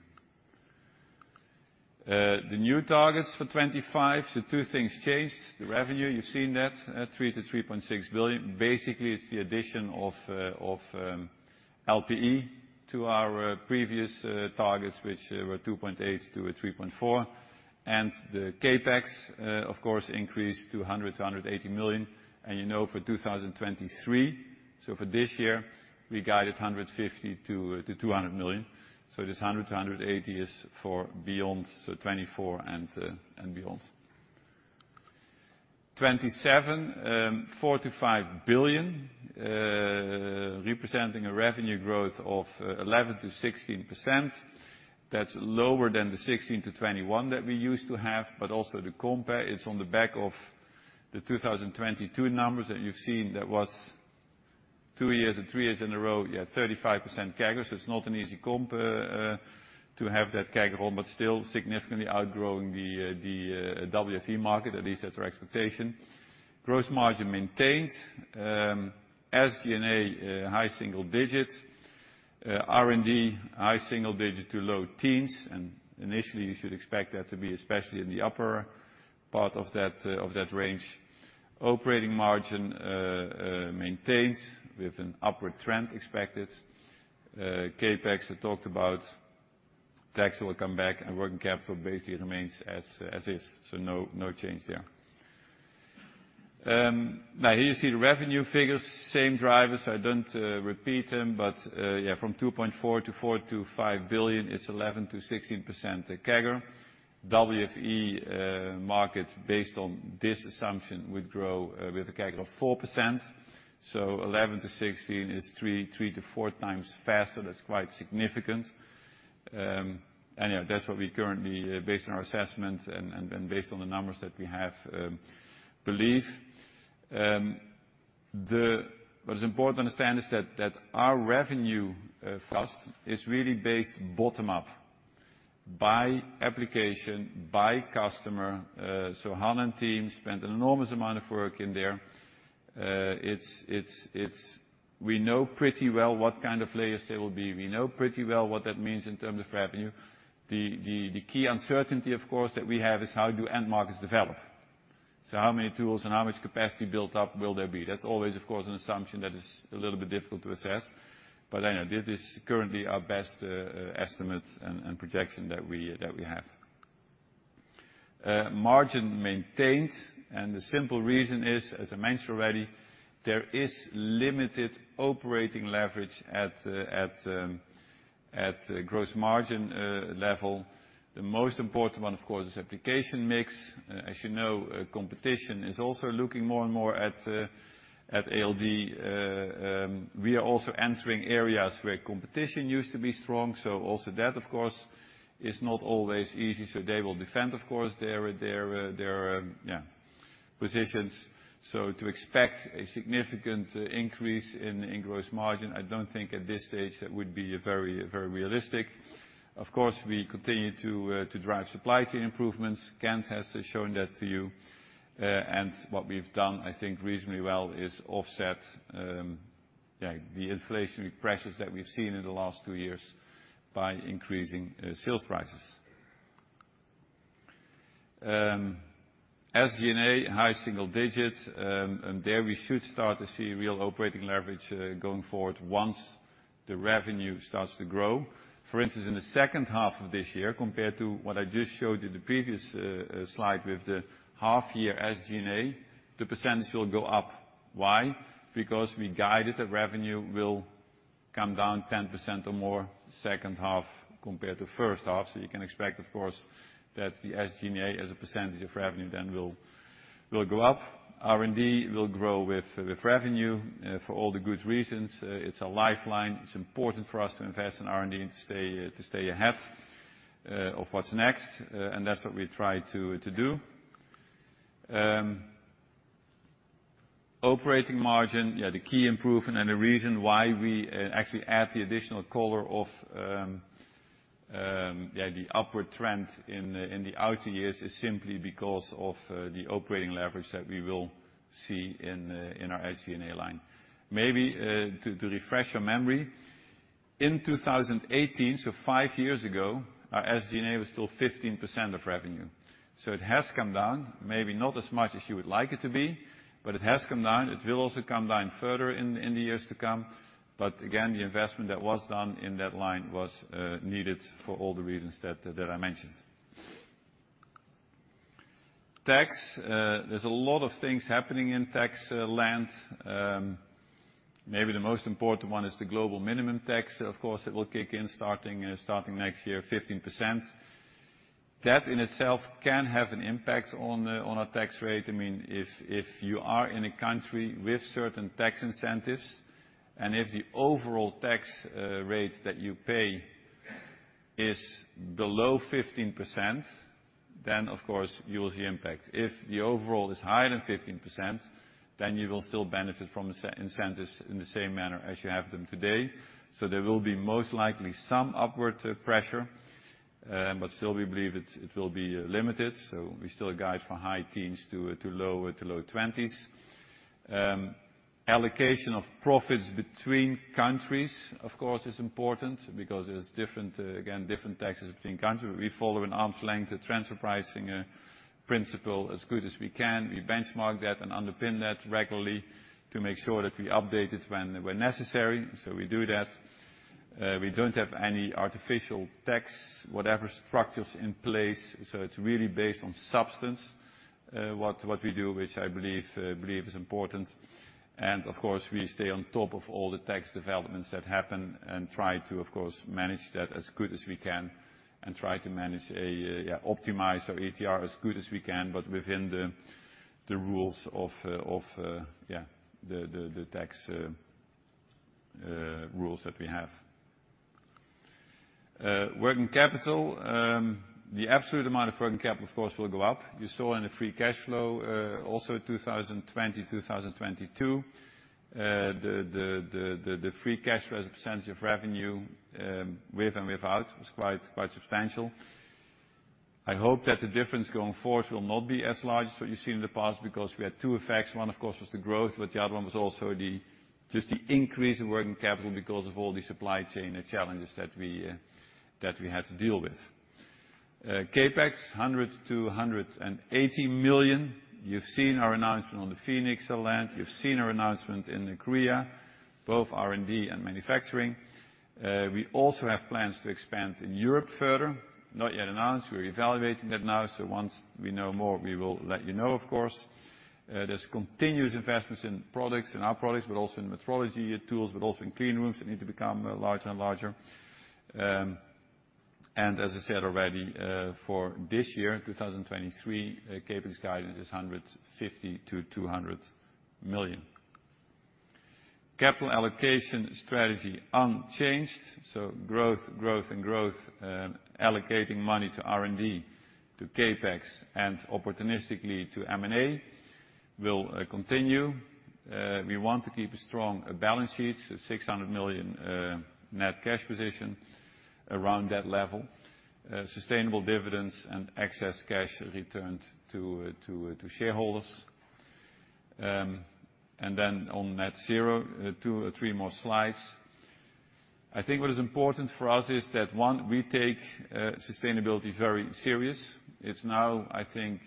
The new targets for 2025, so two things changed. The revenue, you've seen that, 3 billion to 3.6 billion. Basically, it's the addition of LPE to our previous targets, which were 2.8 billion to 3.4 billion. The CapEx, of course, increased to 100 million to 180 million. You know, for 2023, so for this year, we guided 150 million to 200 million. So this 100 million to 180 million is for beyond 2024 and beyond 2027, 4 billion to 5 billion, representing a revenue growth of 11% to 16%. That's lower than the 16% to 21% that we used to have, but also the compare, it's on the back of the 2022 numbers that you've seen. That was two years and three years in a row, yeah, 35% CAGR, so it's not an easy comp to have that CAGR, but still significantly outgrowing the WFE market, at least that's our expectation. Gross margin maintained, SG&A high single digit, R&D high single digit to low teens, and initially, you should expect that to be especially in the upper part of that range. Operating margin maintains with an upward trend expected. CapEx, I talked about. Tax will come back, and working capital basically remains as is, so no change there. Now here you see the revenue figures, same drivers. I don't repeat them, but yeah, from 2.4 billion to 4 billion to 5 billion, it's 11% to 16% CAGR. WFE markets, based on this assumption, would grow with a CAGR of 4%. So 11% to 16% is 3x to 4x faster. That's quite significant. And, yeah, that's what we currently, based on our assessments and based on the numbers that we have, believe. What is important to understand is that our revenue cost is really based bottom up by application, by customer. So Han and team spent an enormous amount of work in there. It's we know pretty well what kind of layers there will be. We know pretty well what that means in terms of revenue. The key uncertainty, of course, that we have is how do end markets develop? So how many tools and how much capacity built up will there be? That's always, of course, an assumption that is a little bit difficult to assess, but I know this is currently our best estimate and projection that we have. Margin maintained, and the simple reason is, as I mentioned already, there is limited operating leverage at the gross margin level. The most important one, of course, is application mix. As you know, competition is also looking more and more at ALD. We are also entering areas where competition used to be strong, so also that, of course, is not always easy. So they will defend, of course, their positions. So to expect a significant increase in gross margin, I don't think at this stage that would be very, very realistic. Of course, we continue to drive supply chain improvements. Kent has shown that to you. And what we've done, I think, reasonably well, is offset the inflationary pressures that we've seen in the last two years by increasing sales prices. SG&A, high single digits, and there we should start to see real operating leverage, going forward once the revenue starts to grow. For instance, in the second half of this year, compared to what I just showed you the previous slide with the half-year SG&A, the percentage will go up. Why? Because we guided that revenue will come down 10% or more second half compared to first half. So you can expect, of course, that the SG&A as a percentage of revenue then will go up. R&D will grow with revenue, for all the good reasons. It's a lifeline. It's important for us to invest in R&D and to stay ahead of what's next, and that's what we try to do. Operating margin, yeah, the key improvement and the reason why we actually add the additional color of, yeah, the upward trend in the outer years is simply because of the operating leverage that we will see in our SG&A line. Maybe to refresh your memory, in 2018, so five years ago, our SG&A was still 15% of revenue. So it has come down, maybe not as much as you would like it to be, but it has come down. It will also come down further in the years to come. But again, the investment that was done in that line was needed for all the reasons that I mentioned. Tax, there's a lot of things happening in tax land. Maybe the most important one is the global minimum tax. Of course, it will kick in starting next year, 15%. That in itself can have an impact on our tax rate. I mean, if you are in a country with certain tax incentives, and if the overall tax rate that you pay is below 15%, then of course, you will see impact. If the overall is higher than 15%, then you will still benefit from the same incentives in the same manner as you have them today. So there will be most likely some upward pressure, but still, we believe it will be limited, so we still guide for high teens to low twenties. Allocation of profits between countries, of course, is important because there's different again different taxes between countries. We follow an arm's length transfer pricing principle as good as we can. We benchmark that and underpin that regularly to make sure that we update it when necessary, so we do that. We don't have any artificial tax structures in place, so it's really based on substance, what we do, which I believe is important. And of course, we stay on top of all the tax developments that happen and try to, of course, manage that as good as we can and try to optimize our ATR as good as we can, but within the rules of the tax rules that we have. Working capital, the absolute amount of working capital, of course, will go up. You saw in the free cash flow, also 2020, 2022, the free cash flow as a percentage of revenue, with and without was quite substantial. I hope that the difference going forward will not be as large as what you've seen in the past, because we had two effects. One, of course, was the growth, but the other one was also just the increase in working capital because of all the supply chain challenges that we had to deal with. CapEx, 100 million to 180 million. You've seen our announcement on the Phoenix land. You've seen our announcement in Korea, both R&D and manufacturing. We also have plans to expand in Europe further, not yet announced. We're evaluating that now, so once we know more, we will let you know, of course. There's continuous investments in products, in our products, but also in metrology tools, but also in clean rooms that need to become larger and larger. And as I said already, for this year, 2023, CapEx guidance is 150 million to 200 million. Capital allocation strategy unchanged, so growth, growth, and growth, allocating money to R&D, to CapEx, and opportunistically to M&A will continue. We want to keep a strong balance sheet, 600 million net cash position around that level. Sustainable dividends and excess cash returned to shareholders. And then on net-zero, two or three more slides. I think what is important for us is that, one, we take sustainability very serious. It's now, I think,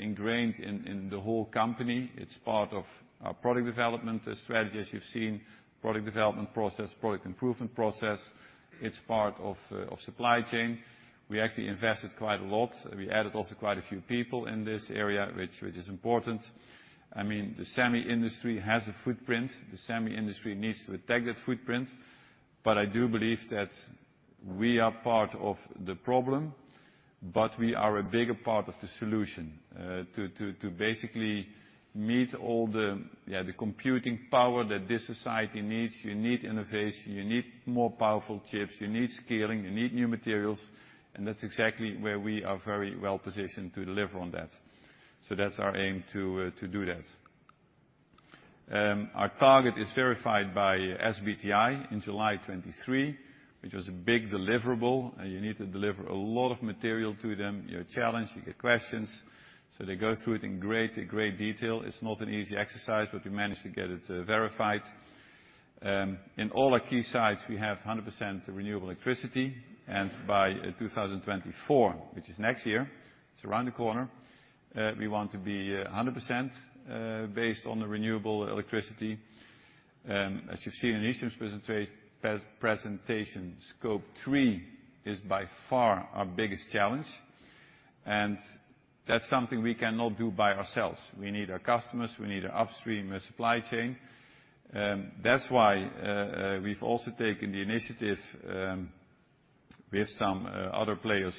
ingrained in the whole company. It's part of our product development strategy, as you've seen, product development process, product improvement process. It's part of supply chain. We actually invested quite a lot. We added also quite a few people in this area, which is important. I mean, the semi industry has a footprint. The semi industry needs to attack that footprint, but I do believe that we are part of the problem, but we are a bigger part of the solution. To basically meet all the, yeah, the computing power that this society needs, you need innovation, you need more powerful chips, you need scaling, you need new materials, and that's exactly where we are very well positioned to deliver on that. So that's our aim to do that. Our target is verified by SBTi in July 2023, which was a big deliverable, and you need to deliver a lot of material to them. You're challenged, you get questions, so they go through it in great, great detail. It's not an easy exercise, but we managed to get it verified. In all our key sites, we have 100% renewable electricity, and by 2024, which is next year, it's around the corner, we want to be 100% based on the renewable electricity. As you've seen in Hichem's presentation, Scope 3 is by far our biggest challenge, and that's something we cannot do by ourselves. We need our customers, we need our upstream, our supply chain. That's why we've also taken the initiative with some other players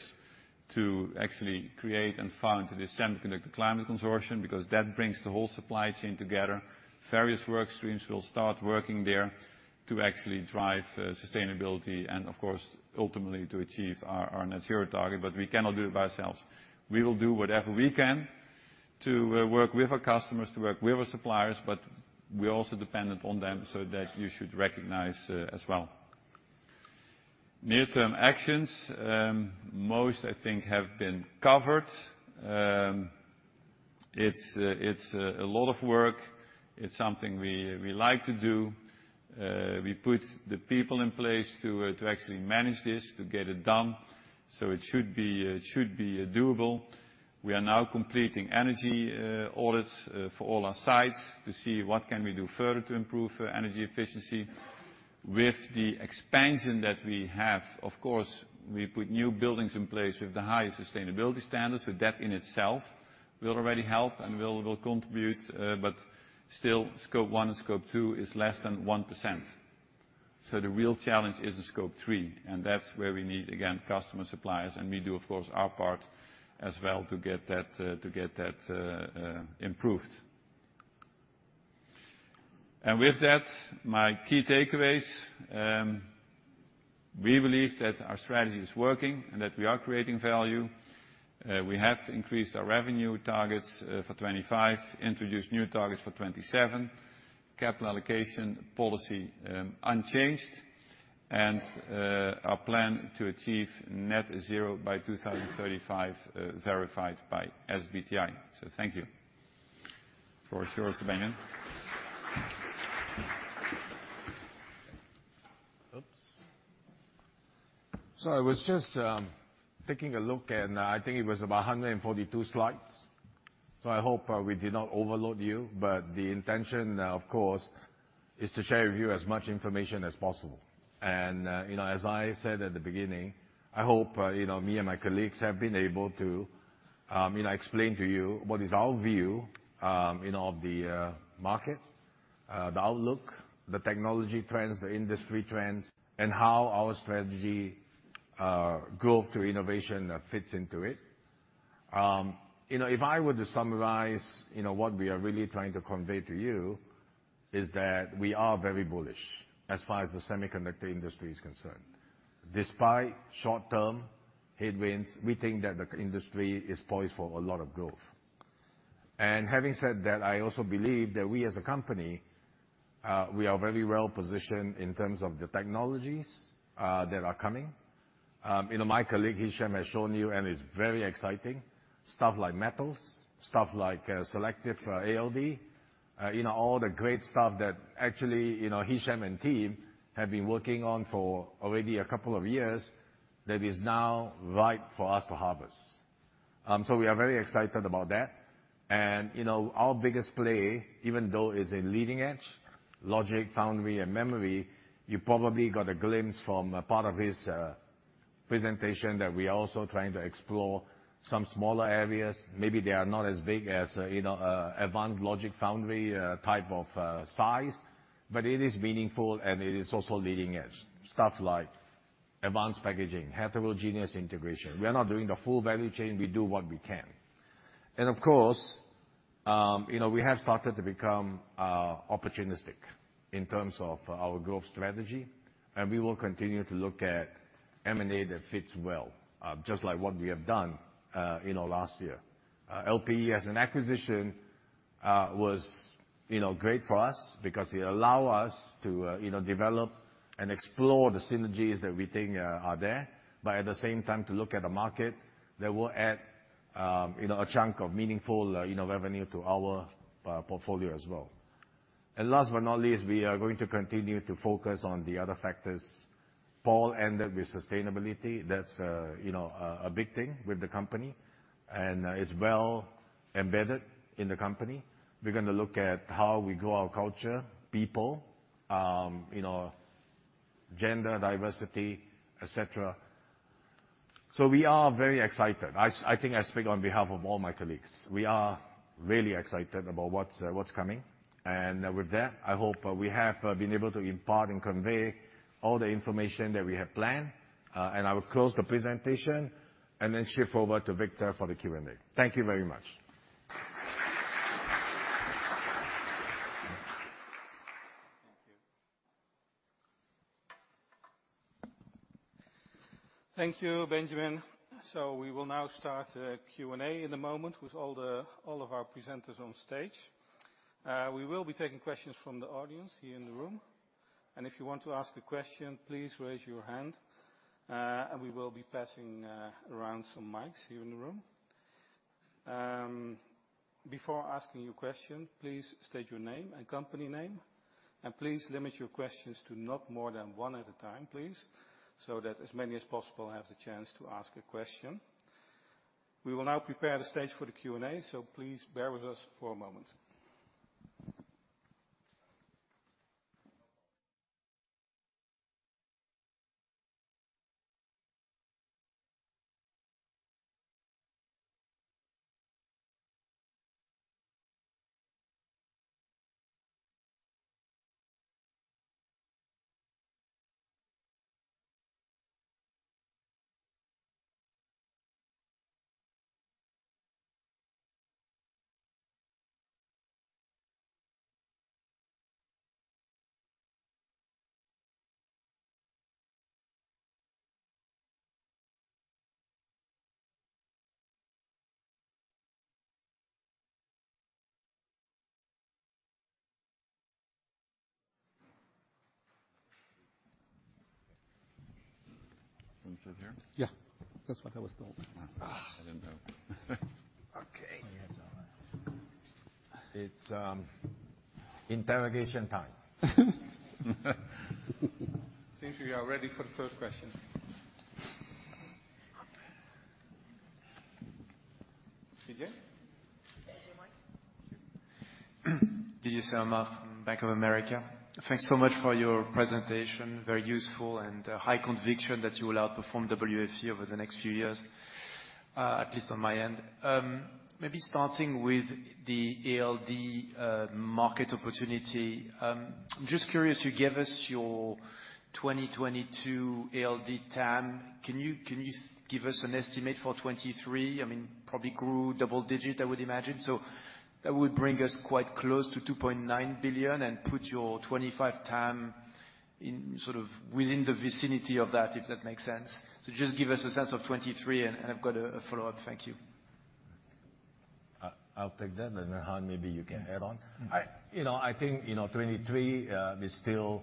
to actually create and found the Semiconductor Climate Consortium, because that brings the whole supply chain together. Various work streams will start working there to actually drive sustainability and, of course, ultimately to achieve our net-zero target, but we cannot do it by ourselves. We will do whatever we can to work with our customers, to work with our suppliers, but we're also dependent on them, so that you should recognize as well. Near-term actions, most, I think, have been covered. It's a lot of work. It's something we like to do. We put the people in place to actually manage this, to get it done, so it should be doable. We are now completing energy audits for all our sites to see what can we do further to improve energy efficiency. With the expansion that we have, of course, we put new buildings in place with the highest sustainability standards, so that in itself will already help and will contribute, but still, Scope 1 and Scope 2 is less than 1%. So the real challenge is in Scope 3, and that's where we need, again, customers, suppliers, and we do, of course, our part as well to get that improved. And with that, my key takeaways. We believe that our strategy is working and that we are creating value. We have increased our revenue targets for 2025, introduced new targets for 2027, capital allocation policy unchanged, and our plan to achieve net-zero by 2035 verified by SBTi. So thank you. For sure, So... Oops. So I was just taking a look, and I think it was about 142 slides, so I hope we did not overload you, but the intention, of course, is to share with you as much information as possible. And, you know, as I said at the beginning, I hope, you know, me and my colleagues have been able to, you know, explain to you what is our view, you know, of the, market, the outlook, the technology trends, the industry trends, and how our strategy, growth through innovation, fits into it. You know, if I were to summarize, you know, what we are really trying to convey to you, is that we are very bullish as far as the semiconductor industry is concerned. Despite short-term headwinds, we think that the industry is poised for a lot of growth. Having said that, I also believe that we, as a company, we are very well positioned in terms of the technologies, that are coming. You know, my colleague, Hichem, has shown you, and it's very exciting, stuff like metals, stuff like, selective, ALD, you know, all the great stuff that actually, you know, Hichem and team have been working on for already a couple of years that is now ripe for us to harvest. So we are very excited about that. You know, our biggest play, even though it's a leading edge, logic, foundry, and memory, you probably got a glimpse from a part of his, presentation that we are also trying to explore some smaller areas. Maybe they are not as big as, you know, advanced logic foundry type of size, but it is meaningful, and it is also leading edge. Stuff like advanced packaging, heterogeneous integration. We are not doing the full value chain, we do what we can. And of course, you know, we have started to become opportunistic in terms of our growth strategy, and we will continue to look at M&A that fits well, just like what we have done, you know, last year. LPE as an acquisition, was, you know, great for us because it allow us to, you know, develop and explore the synergies that we think, are there, but at the same time, to look at a market that will add, you know, a chunk of meaningful, you know, revenue to our, portfolio as well. And last but not least, we are going to continue to focus on the other factors. Paul ended with sustainability. That's a, you know, a, a big thing with the company, and, it's well embedded in the company. We're going to look at how we grow our culture, people, you know, gender diversity, et cetera. So we are very excited. I think I speak on behalf of all my colleagues. We are really excited about what's, what's coming. With that, I hope we have been able to impart and convey all the information that we have planned. I will close the presentation and then shift over to Victor for the Q&A. Thank you very much. Thank you. Thank you, Benjamin. So we will now start the Q&A in a moment with all the, all of our presenters on stage. We will be taking questions from the audience here in the room, and if you want to ask a question, please raise your hand, and we will be passing around some mics here in the room. Before asking your question, please state your name and company name, and please limit your questions to not more than one at a time, please, so that as many as possible have the chance to ask a question. We will now prepare the stage for the Q&A, so please bear with us for a moment. Want to sit here? Yeah, that's what I was told. Ah, I didn't know. Okay. It's interrogation time. Seems we are ready for the first question. Didier? There's your mic. Didier Scemama from Bank of America. Thanks so much for your presentation. Very useful and, high conviction that you will outperform WFE over the next few years, at least on my end. Maybe starting with the ALD, market opportunity. I'm just curious, you gave us your 2022 ALD TAM. Can you, can you give us an estimate for 2023? I mean, probably grew double digit, I would imagine. So that would bring us quite close to $2.9 billion and put your 2025 TAM in, sort of within the vicinity of that, if that makes sense. So just give us a sense of 2023, and, and I've got a, a follow-up. Thank you. I'll take that, and then, Han, maybe you can add on. I think 2023 is still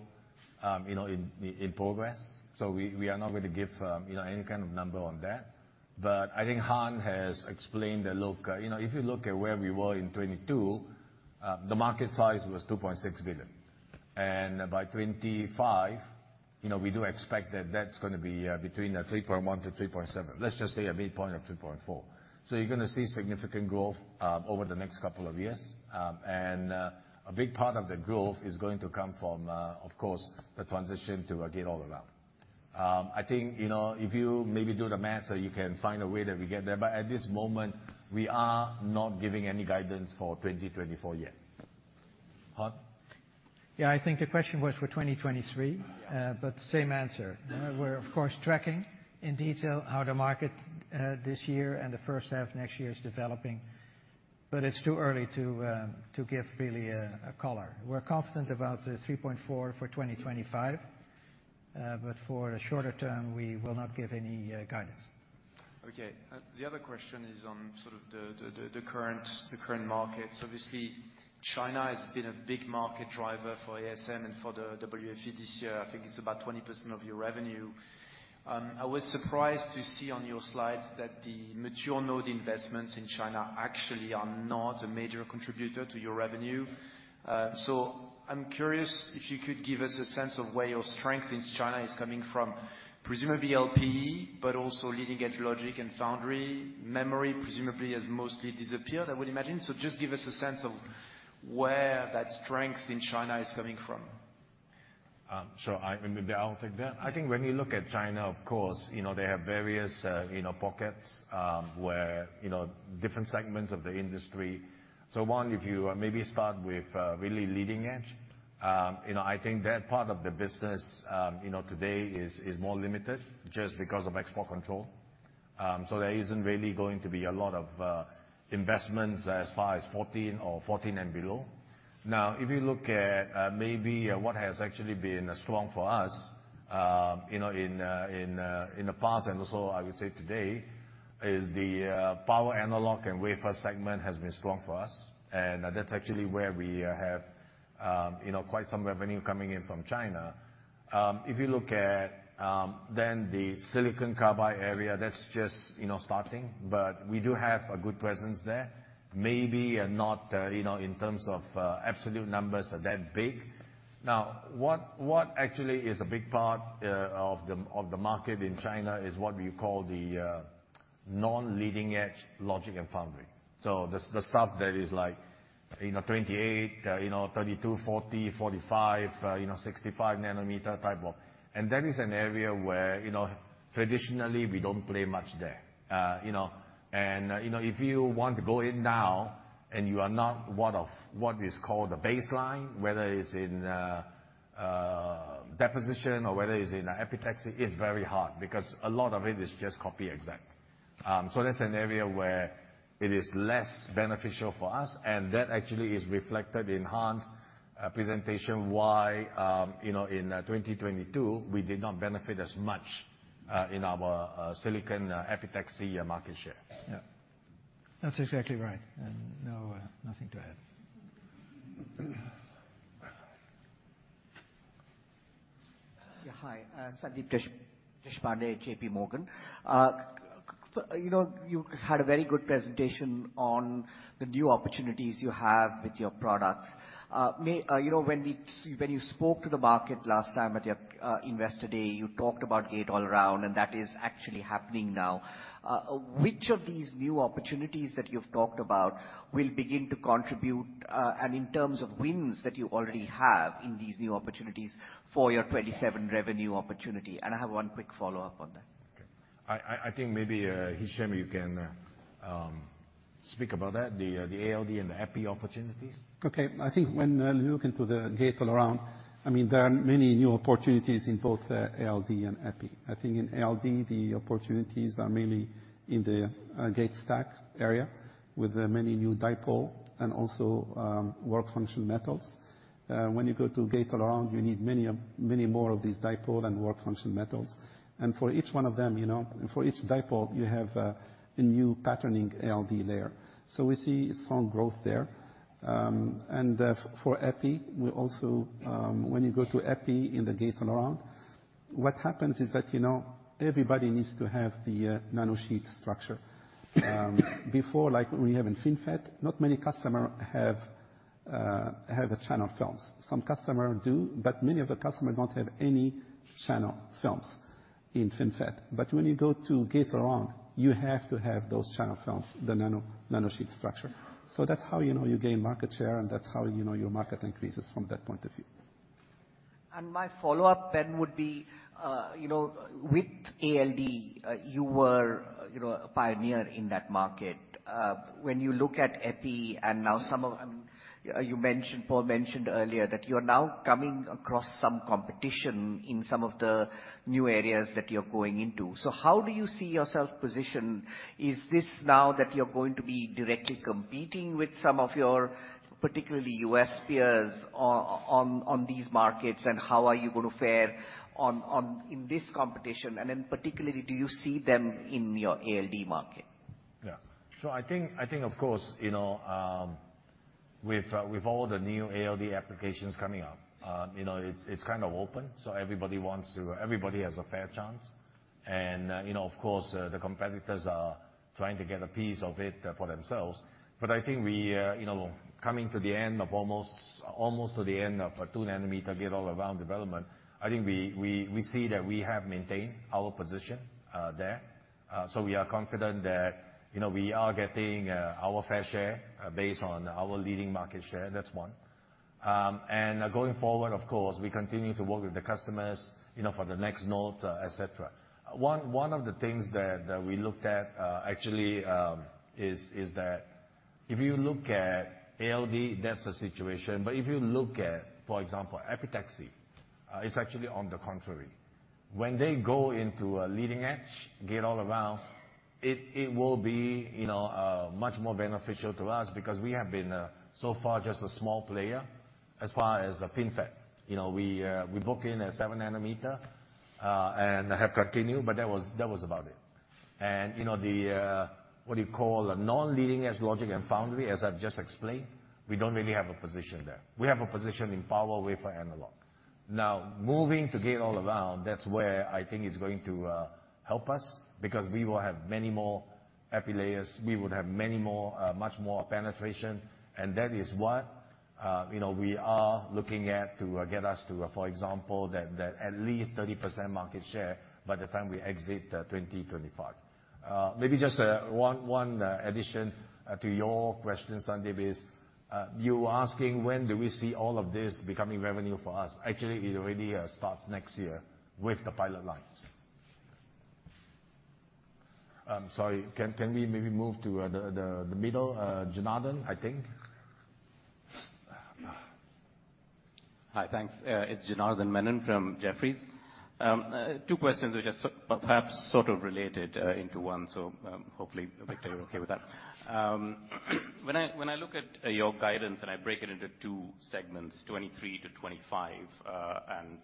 in progress, so we are not going to give any kind of number on that. But I think Han has explained the look. You know, if you look at where we were in 2022, the market size was 2.6 billion. And by 2025, you know, we do expect that that's going to be between 3.1 billion to 3.7 billion. Let's just say a midpoint of 3.4 billion. So you're going to see significant growth over the next couple of years. And a big part of the growth is going to come from, of course, the transition to, Gate-All-Around. I think, you know, if you maybe do the math, so you can find a way that we get there, but at this moment, we are not giving any guidance for 2024 yet. Han? Yeah, I think the question was for 2023. Yeah. But same answer. We're of course tracking in detail how the market this year and the first half next year is developing, but it's too early to give really a color. We're confident about the 3.4 for 2025, but for the shorter term, we will not give any guidance. Okay. The other question is on sort of the current markets. Obviously, China has been a big market driver for ASM and for the WFE this year. I think it's about 20% of your revenue. I was surprised to see on your slides that the mature node investments in China actually are not a major contributor to your revenue. So I'm curious if you could give us a sense of where your strength in China is coming from, presumably LPE, but also leading-edge logic and foundry. Memory, presumably, has mostly disappeared, I would imagine. So just give us a sense of where that strength in China is coming from. So, maybe I'll take that. I think when you look at China, of course, you know, they have various, you know, pockets, where, you know, different segments of the industry. So one, if you maybe start with, really leading edge, you know, I think that part of the business, you know, today is more limited just because of export control. So there isn't really going to be a lot of investments as far as 14 or 14 and below. Now, if you look at, maybe what has actually been strong for us, you know, in the past and also I would say today, is the power analog and wafer segment has been strong for us, and that's actually where we have, you know, quite some revenue coming in from China. If you look at then the silicon carbide area, that's just, you know, starting, but we do have a good presence there. Maybe not, you know, in terms of absolute numbers are that big. Now, what actually is a big part of the market in China is what we call the non-leading-edge logic and foundry. So the stuff that is like, you know, 28, you know, 32, 40, 45, you know, 65-nanometer type of... That is an area where, you know, traditionally we don't play much there. You know, and, you know, if you want to go in now and you are not one of what is called the baseline, whether it's in deposition or whether it's in epitaxy, it's very hard because a lot of it is just copy exact. So that's an area where it is less beneficial for us, and that actually is reflected in Han's presentation why, you know, in 2022, we did not benefit as much in our silicon epitaxy market share. Yeah. That's exactly right, and no, nothing to add. Yeah, hi, Sandeep Deshpande, JPMorgan. You know, you had a very good presentation on the new opportunities you have with your products. You know, when you spoke to the market last time at your investor day, you talked about Gate-All-Around, and that is actually happening now. Which of these new opportunities that you've talked about will begin to contribute, and in terms of wins that you already have in these new opportunities for your 27 revenue opportunity? And I have one quick follow-up on that. Okay. I think maybe, Hichem, you can speak about that, the ALD and the Epi opportunities. Okay. I think when I look into the Gate-All-Around, I mean, there are many new opportunities in both, ALD and Epi. I think in ALD, the opportunities are mainly in the gate stack area, with many new dipole and also work function metals. When you go to Gate-All-Around, you need many of, many more of these dipole and work function metals. And for each one of them, you know, for each dipole, you have a new patterning ALD layer. So we see strong growth there. And for Epi, we also. When you go to Epi in the Gate-All-Around, what happens is that, you know, everybody needs to have the nanosheet structure. Before, like we have in FinFET, not many customer have a channel films. Some customers do, but many of the customers don't have any channel films in FinFET. But when you go to Gate-All-Around, you have to have those channel films, the nano, nanosheet structure. So that's how, you know, you gain market share, and that's how, you know, your market increases from that point of view. My follow-up then would be, you know, with ALD, you were, you know, a pioneer in that market. When you look at Epi and now some of, you mentioned, Paul mentioned earlier, that you're now coming across some competition in some of the new areas that you're going into. So how do you see yourself positioned? Is this now that you're going to be directly competing with some of your, particularly U.S. peers, on these markets, and how are you going to fare in this competition? And then particularly, do you see them in your ALD market? Yeah. So I think, of course, you know, with all the new ALD applications coming up, you know, it's kind of open, so everybody has a fair chance. And, you know, of course, the competitors are trying to get a piece of it for themselves. But I think we, you know, coming to the end of almost to the end of a 2-nanometer Gate-All-Around development, I think we see that we have maintained our position there. So we are confident that, you know, we are getting our fair share based on our leading market share. That's one. And going forward, of course, we continue to work with the customers, you know, for the next node, et cetera. One of the things that we looked at, actually, is that if you look at ALD, that's the situation, but if you look at, for example, epitaxy, it's actually on the contrary. When they go into a leading-edge Gate-All-Around, it will be, you know, much more beneficial to us because we have been so far just a small player as far as FinFET. You know, we book in a 7-nanometer and have continued, but that was about it. And, you know, the, what do you call, a non-leading-edge logic and foundry, as I've just explained, we don't really have a position there. We have a position in power, wafer, analog. Now, moving to Gate-All-Around, that's where I think it's going to help us because we will have many more Epi layers. We would have many more, much more penetration, and that is what, you know, we are looking at to get us to, for example, that, that at least 30% market share by the time we exit 2025. Maybe just one addition to your question, Sandeep, is you asking when do we see all of this becoming revenue for us? Actually, it already starts next year with the pilot lines. Sorry, can we maybe move to the middle, Janardan, I think?... Hi, thanks. It's Janardan Menon from Jefferies. Two questions which are perhaps sort of related into one, so hopefully, Victor, you're okay with that. When I look at your guidance, and I break it into two segments, 2023 to 2025, and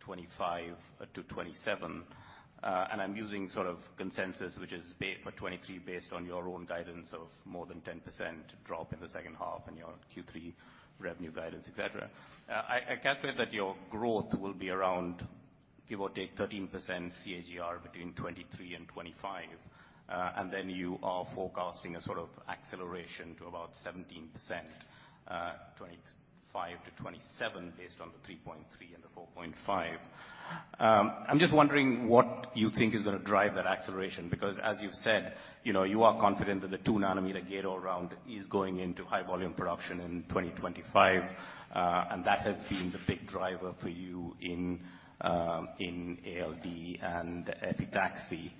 2025 to 2027, and I'm using sort of consensus, which is for 2023, based on your own guidance of more than 10% drop in the second half and your Q3 revenue guidance, et cetera. I calculate that your growth will be around, give or take, 13% CAGR between 2023 and 2025. And then you are forecasting a sort of acceleration to about 17%, 2025 to 2027, based on the 3.3 and the 4.5. I'm just wondering what you think is gonna drive that acceleration, because, as you've said, you know, you are confident that the 2-nanometer Gate-All-Around is going into high-volume production in 2025, and that has been the big driver for you in ALD and epitaxy.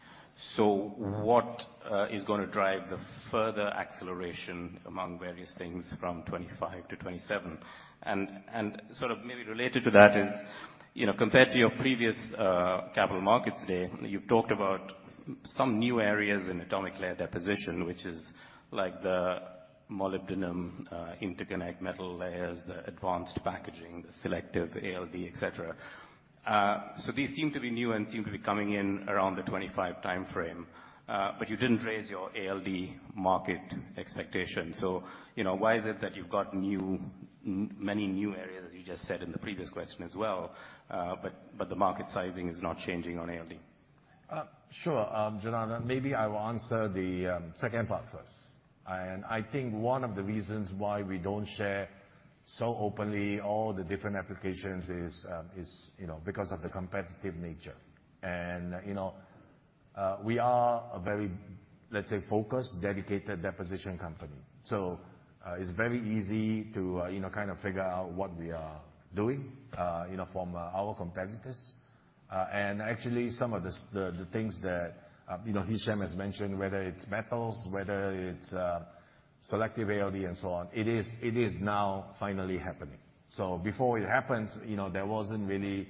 So what is gonna drive the further acceleration among various things from 2025 to 2027? And sort of maybe related to that is, you know, compared to your previous capital markets day, you've talked about some new areas in atomic layer deposition, which is like the molybdenum interconnect metal layers, the advanced packaging, the selective ALD, et cetera. So these seem to be new and seem to be coming in around the 2025 time frame, but you didn't raise your ALD market expectation. So, you know, why is it that you've got new, many new areas, as you just said in the previous question as well, but, but the market sizing is not changing on ALD? Sure, Janardan, maybe I will answer the second part first. And I think one of the reasons why we don't share so openly all the different applications is, you know, because of the competitive nature. And, you know, we are a very, let's say, focused, dedicated deposition company. So, it's very easy to, you know, kind of figure out what we are doing, you know, from our competitors. And actually, some of the things that, you know, Hichem has mentioned, whether it's metals, whether it's selective ALD and so on, it is now finally happening. So before it happens, you know, there wasn't really,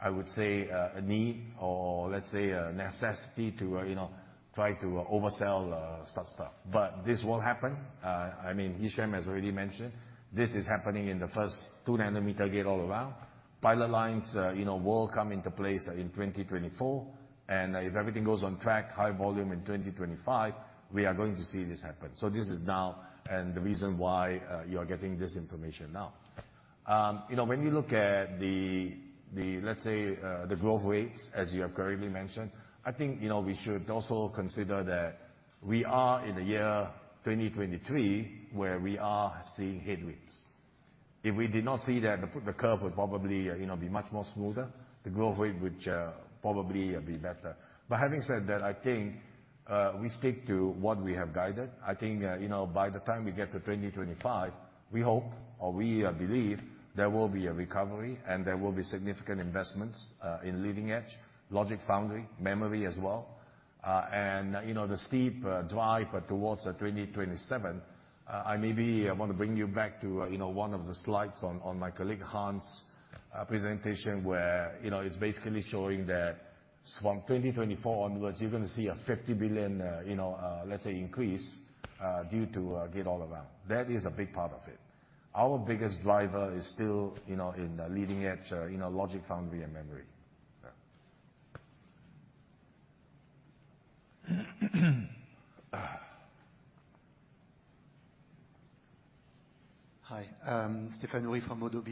I would say, a need or, let's say, a necessity to, you know, try to oversell such stuff. But this will happen. I mean, Hichem has already mentioned, this is happening in the first 2-nanometer Gate-All-Around. Pilot lines, you know, will come into place in 2024, and if everything goes on track, high volume in 2025, we are going to see this happen. So this is now and the reason why you are getting this information now. You know, when you look at the, the, let's say, the growth rates, as you have correctly mentioned, I think, you know, we should also consider that we are in the year 2023, where we are seeing headwinds. If we did not see that, the, the curve would probably, you know, be much more smoother. The growth rate would, probably, be better. But having said that, I think, we stick to what we have guided. I think, you know, by the time we get to 2025, we hope or we believe there will be a recovery, and there will be significant investments in leading edge logic foundry memory as well. And, you know, the steep drive towards 2027, I maybe want to bring you back to, you know, one of the slides on my colleague Han's presentation, where, you know, it's basically showing that from 2024 onwards, you're gonna see a $50 billion, you know, let's say, increase due to Gate-All-Around. That is a big part of it. Our biggest driver is still, you know, in leading edge, you know, logic foundry, and memory. Yeah. Hi, Stéphane Houri from ODDO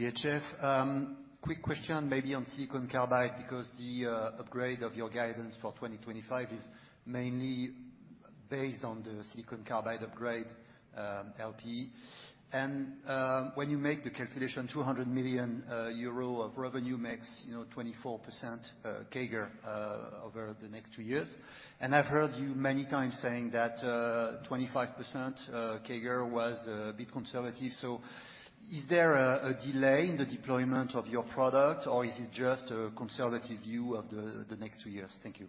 BHF. Quick question maybe on silicon carbide, because the upgrade of your guidance for 2025 is mainly based on the silicon carbide upgrade, LPE. And when you make the calculation, 200 million euro of revenue makes, you know, 24% CAGR over the next two years. And I've heard you many times saying that 25% CAGR was a bit conservative. So is there a delay in the deployment of your product, or is it just a conservative view of the next two years? Thank you.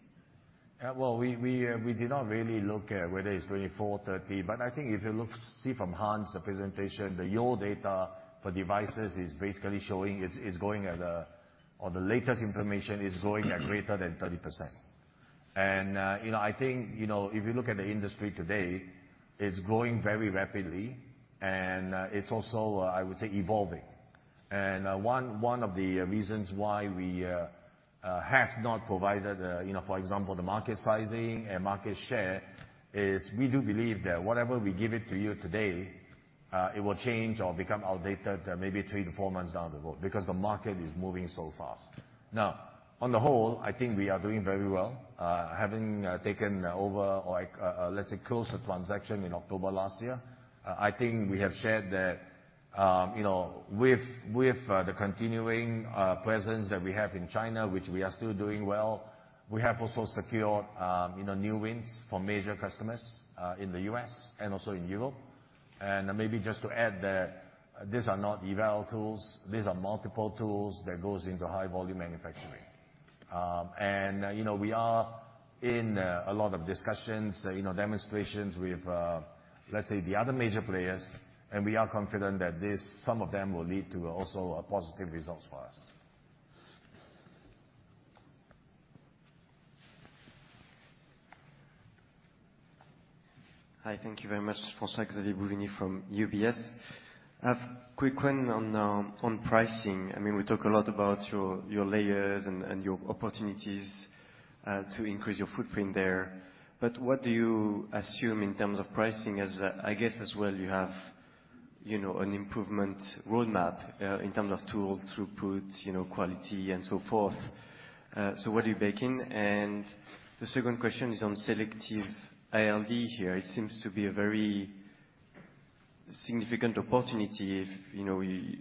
Well, we did not really look at whether it's 24, 30, but I think if you look, see from Han's presentation, the yield data for devices is basically showing it's going at a... Or the latest information is going at greater than 30%. And, you know, I think, you know, if you look at the industry today, it's growing very rapidly, and it's also, I would say, evolving. And, one of the reasons why we have not provided, you know, for example, the market sizing and market share, is we do believe that whatever we give it to you today, it will change or become outdated, maybe three to four months down the road, because the market is moving so fast. Now, on the whole, I think we are doing very well. Having taken over or, let's say, closed the transaction in October last year, I think we have shared that, you know, with the continuing presence that we have in China, which we are still doing well, we have also secured, you know, new wins for major customers in the U.S. and also in Europe. And maybe just to add that these are not eval tools. These are multiple tools that goes into high-volume manufacturing. And, you know, we are in a lot of discussions, you know, demonstrations with, let's say, the other major players, and we are confident that this, some of them will lead to also positive results for us. Hi, thank you very much. François-Xavier Bouvignies from UBS. I have quick one on pricing. I mean, we talk a lot about your layers and your opportunities to increase your footprint there, but what do you assume in terms of pricing as... I guess, as well, you have, you know, an improvement roadmap in terms of tools, throughput, you know, quality, and so forth. So what are you baking? And the second question is on selective ALD here. It seems to be a very significant opportunity if, you know, you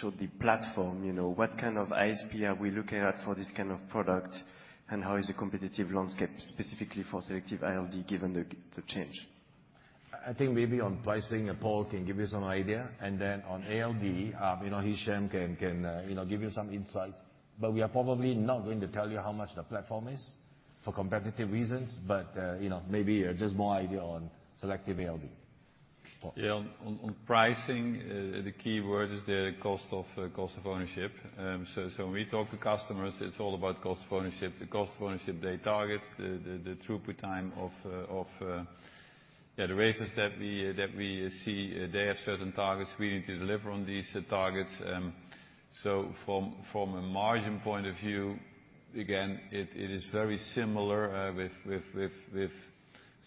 showed the platform, you know. What kind of ASP are we looking at for this kind of product, and how is the competitive landscape specifically for selective ALD, given the change? I think maybe on pricing, Paul can give you some idea, and then on ALD, you know, Hichem can give you some insight. But we are probably not going to tell you how much the platform is for competitive reasons, but you know, maybe just more idea on selective ALD. Paul? Yeah, on pricing, the key word is the cost of cost of ownership. So when we talk to customers, it's all about cost of ownership, the cost of ownership they target, the throughput time of the wafers that we see. They have certain targets, we need to deliver on these targets. So from a margin point of view, again, it is very similar with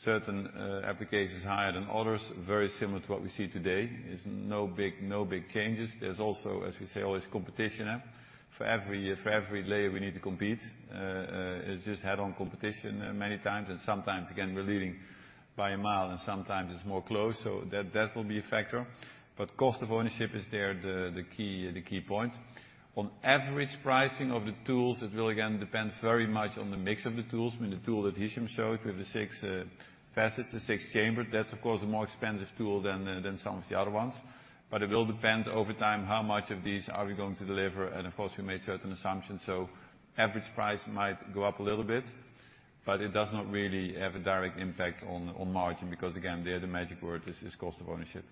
certain applications higher than others, very similar to what we see today. There's no big changes. There's also, as we say, always competition, yeah. For every layer we need to compete. It's just head-on competition, many times, and sometimes, again, we're leading by a mile, and sometimes it's more close, so that will be a factor. But cost of ownership is there, the key point. On average pricing of the tools, it will, again, depend very much on the mix of the tools. I mean, the tool that Hichem showed with the 6 passes, the 6 chamber, that's of course a more expensive tool than some of the other ones. But it will depend over time, how much of these are we going to deliver, and of course, we made certain assumptions. So average price might go up a little bit, but it does not really have a direct impact on margin, because again, the magic word is cost of ownership.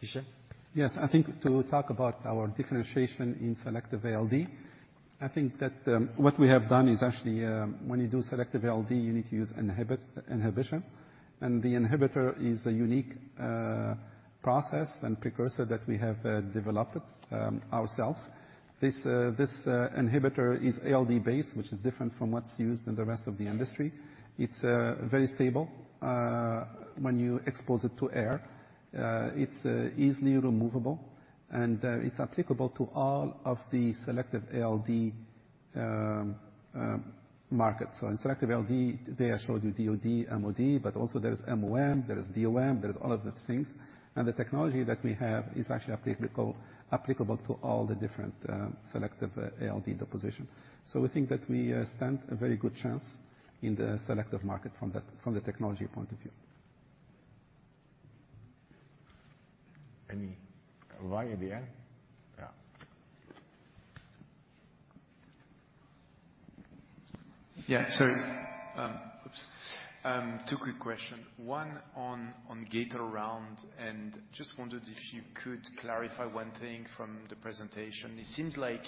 Hichem? Yes, I think to talk about our differentiation in selective ALD, I think that what we have done is actually when you do selective ALD, you need to use inhibition, and the inhibitor is a unique process and precursor that we have developed ourselves. This inhibitor is ALD based, which is different from what's used in the rest of the industry. It's very stable when you expose it to air. It's easily removable, and it's applicable to all of the selective ALD markets. So in selective ALD, today I showed you DoD, MoD, but also there is MoM, there is DoM, there is all of the things, and the technology that we have is actually applicable to all the different selective ALD deposition. So we think that we stand a very good chance in the selective market from the technology point of view. Any? Alright Didier? Yeah. Yeah. Sorry. Two quick questions. One on, on Gate-All-Around, and just wondered if you could clarify one thing from the presentation. It seems like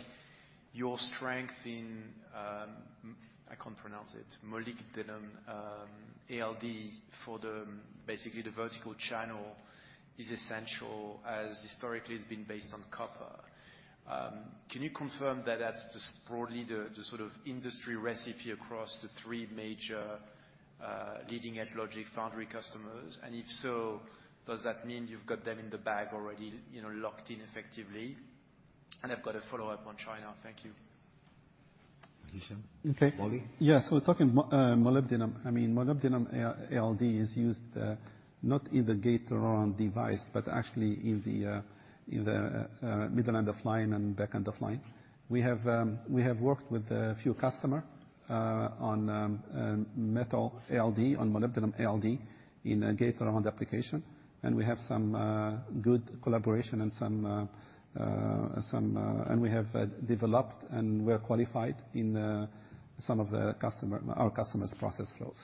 your strength in, I can't pronounce it, molybdenum, ALD, for basically the vertical channel is essential, as historically it's been based on copper. Can you confirm that that's just broadly the sort of industry recipe across the three major leading analog foundry customers? And if so, does that mean you've got them in the bag already, you know, locked in effectively? And I've got a follow-up on China. Thank you. Hichem? Okay. Molybdenum. Yeah, so talking molybdenum, I mean, molybdenum ALD is used, not in the Gate-All-Around device, but actually in the middle end of line and back end of line. We have worked with a few customer on metal ALD, on molybdenum ALD, in a Gate-All-Around application, and we have some good collaboration and some... And we have developed, and we are qualified in some of the customer, our customers' process flows.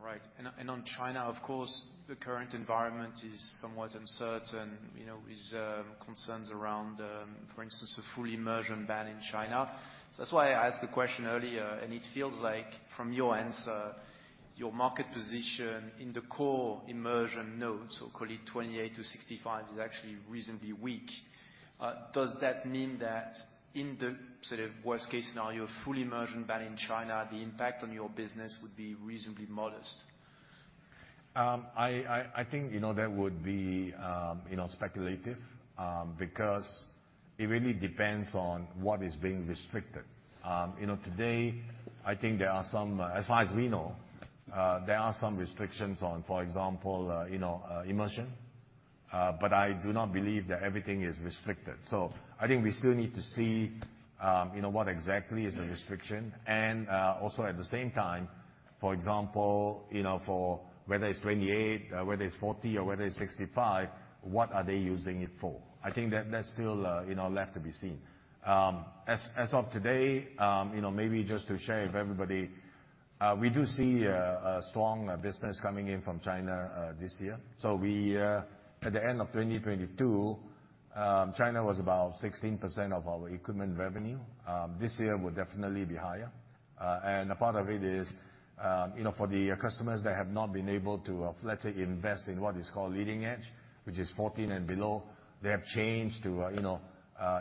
All right. And on, and on China, of course, the current environment is somewhat uncertain, you know, with, concerns around, for instance, a full immersion ban in China. So that's why I asked the question earlier, and it feels like from your answer, your market position in the core immersion node, so call it 28 to 65, is actually reasonably weak. Does that mean that in the sort of worst-case scenario, a full immersion ban in China, the impact on your business would be reasonably modest? I think, you know, that would be, you know, speculative, because it really depends on what is being restricted. You know, today, I think there are some, as far as we know, there are some restrictions on, for example, you know, immersion, but I do not believe that everything is restricted. So I think we still need to see, you know, what exactly is the restriction, and, also at the same time, for example, you know, for whether it's 28, whether it's 40, or whether it's 65, what are they using it for? I think that, that's still, you know, left to be seen. As of today, you know, maybe just to share with everybody... We do see a strong business coming in from China, this year. So we, at the end of 2022, China was about 16% of our equipment revenue. This year will definitely be higher. And a part of it is, you know, for the customers that have not been able to, let's say, invest in what is called leading edge, which is 14 and below, they have changed to, you know,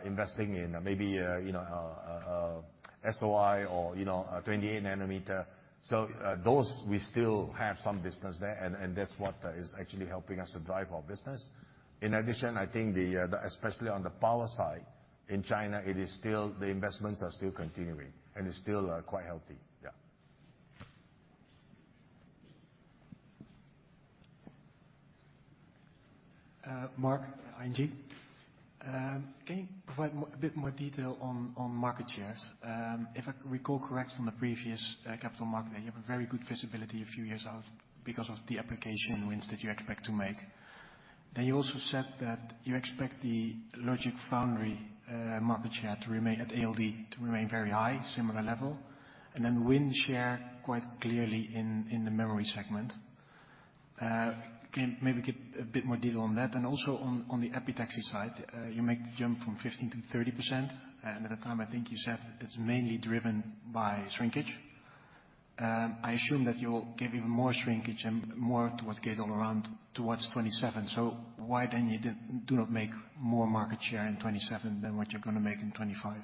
investing in maybe a, you know, a SOI or, you know, a 28-nanometer. So, those we still have some business there, and that's what is actually helping us to drive our business. In addition, I think the, the, especially on the power side, in China, it is still the investments are still continuing, and it's still, quite healthy. Yeah. Mark, ING. Can you provide more, a bit more detail on market shares? If I recall correct from the previous capital market, you have a very good visibility a few years out because of the application wins that you expect to make. Then you also said that you expect the logic foundry market share to remain at ALD, to remain very high, similar level, and then win share quite clearly in the memory segment. Can maybe give a bit more detail on that? And also on the epitaxy side, you make the jump from 15% to 30%, and at the time, I think you said it's mainly driven by shrinkage. I assume that you'll give even more shrinkage and more towards Gate-All-Around, towards 27. So why then you do not make more market share in 2027 than what you're gonna make in 2025?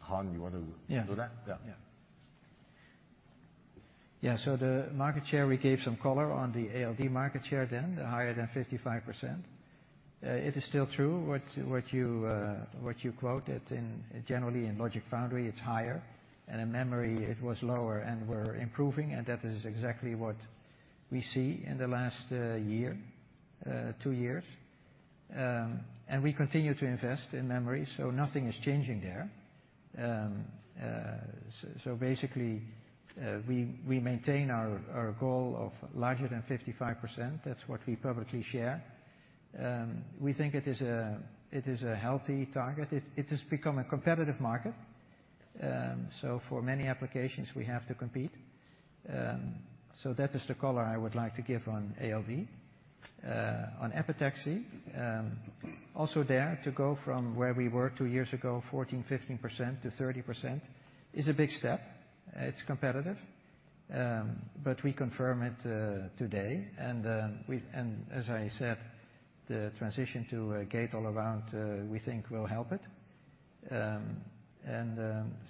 Han, you want to- Yeah. Do that? Yeah. Yeah. Yeah, so the market share, we gave some color on the ALD market share, then higher than 55%. It is still true, what, what you, what you quoted in... Generally, in logic foundry, it's higher, and in memory it was lower, and we're improving, and that is exactly what we see in the last year, two years. And we continue to invest in memory, so nothing is changing there. So, so basically, we maintain our goal of larger than 55%. That's what we publicly share. We think it is a healthy target. It has become a competitive market. So for many applications, we have to compete. So that is the color I would like to give on ALD. On epitaxy, also there, to go from where we were two years ago, 14% to 15% to 30% is a big step. It's competitive. But we confirm it today, and as I said, the transition to Gate-All-Around we think will help it.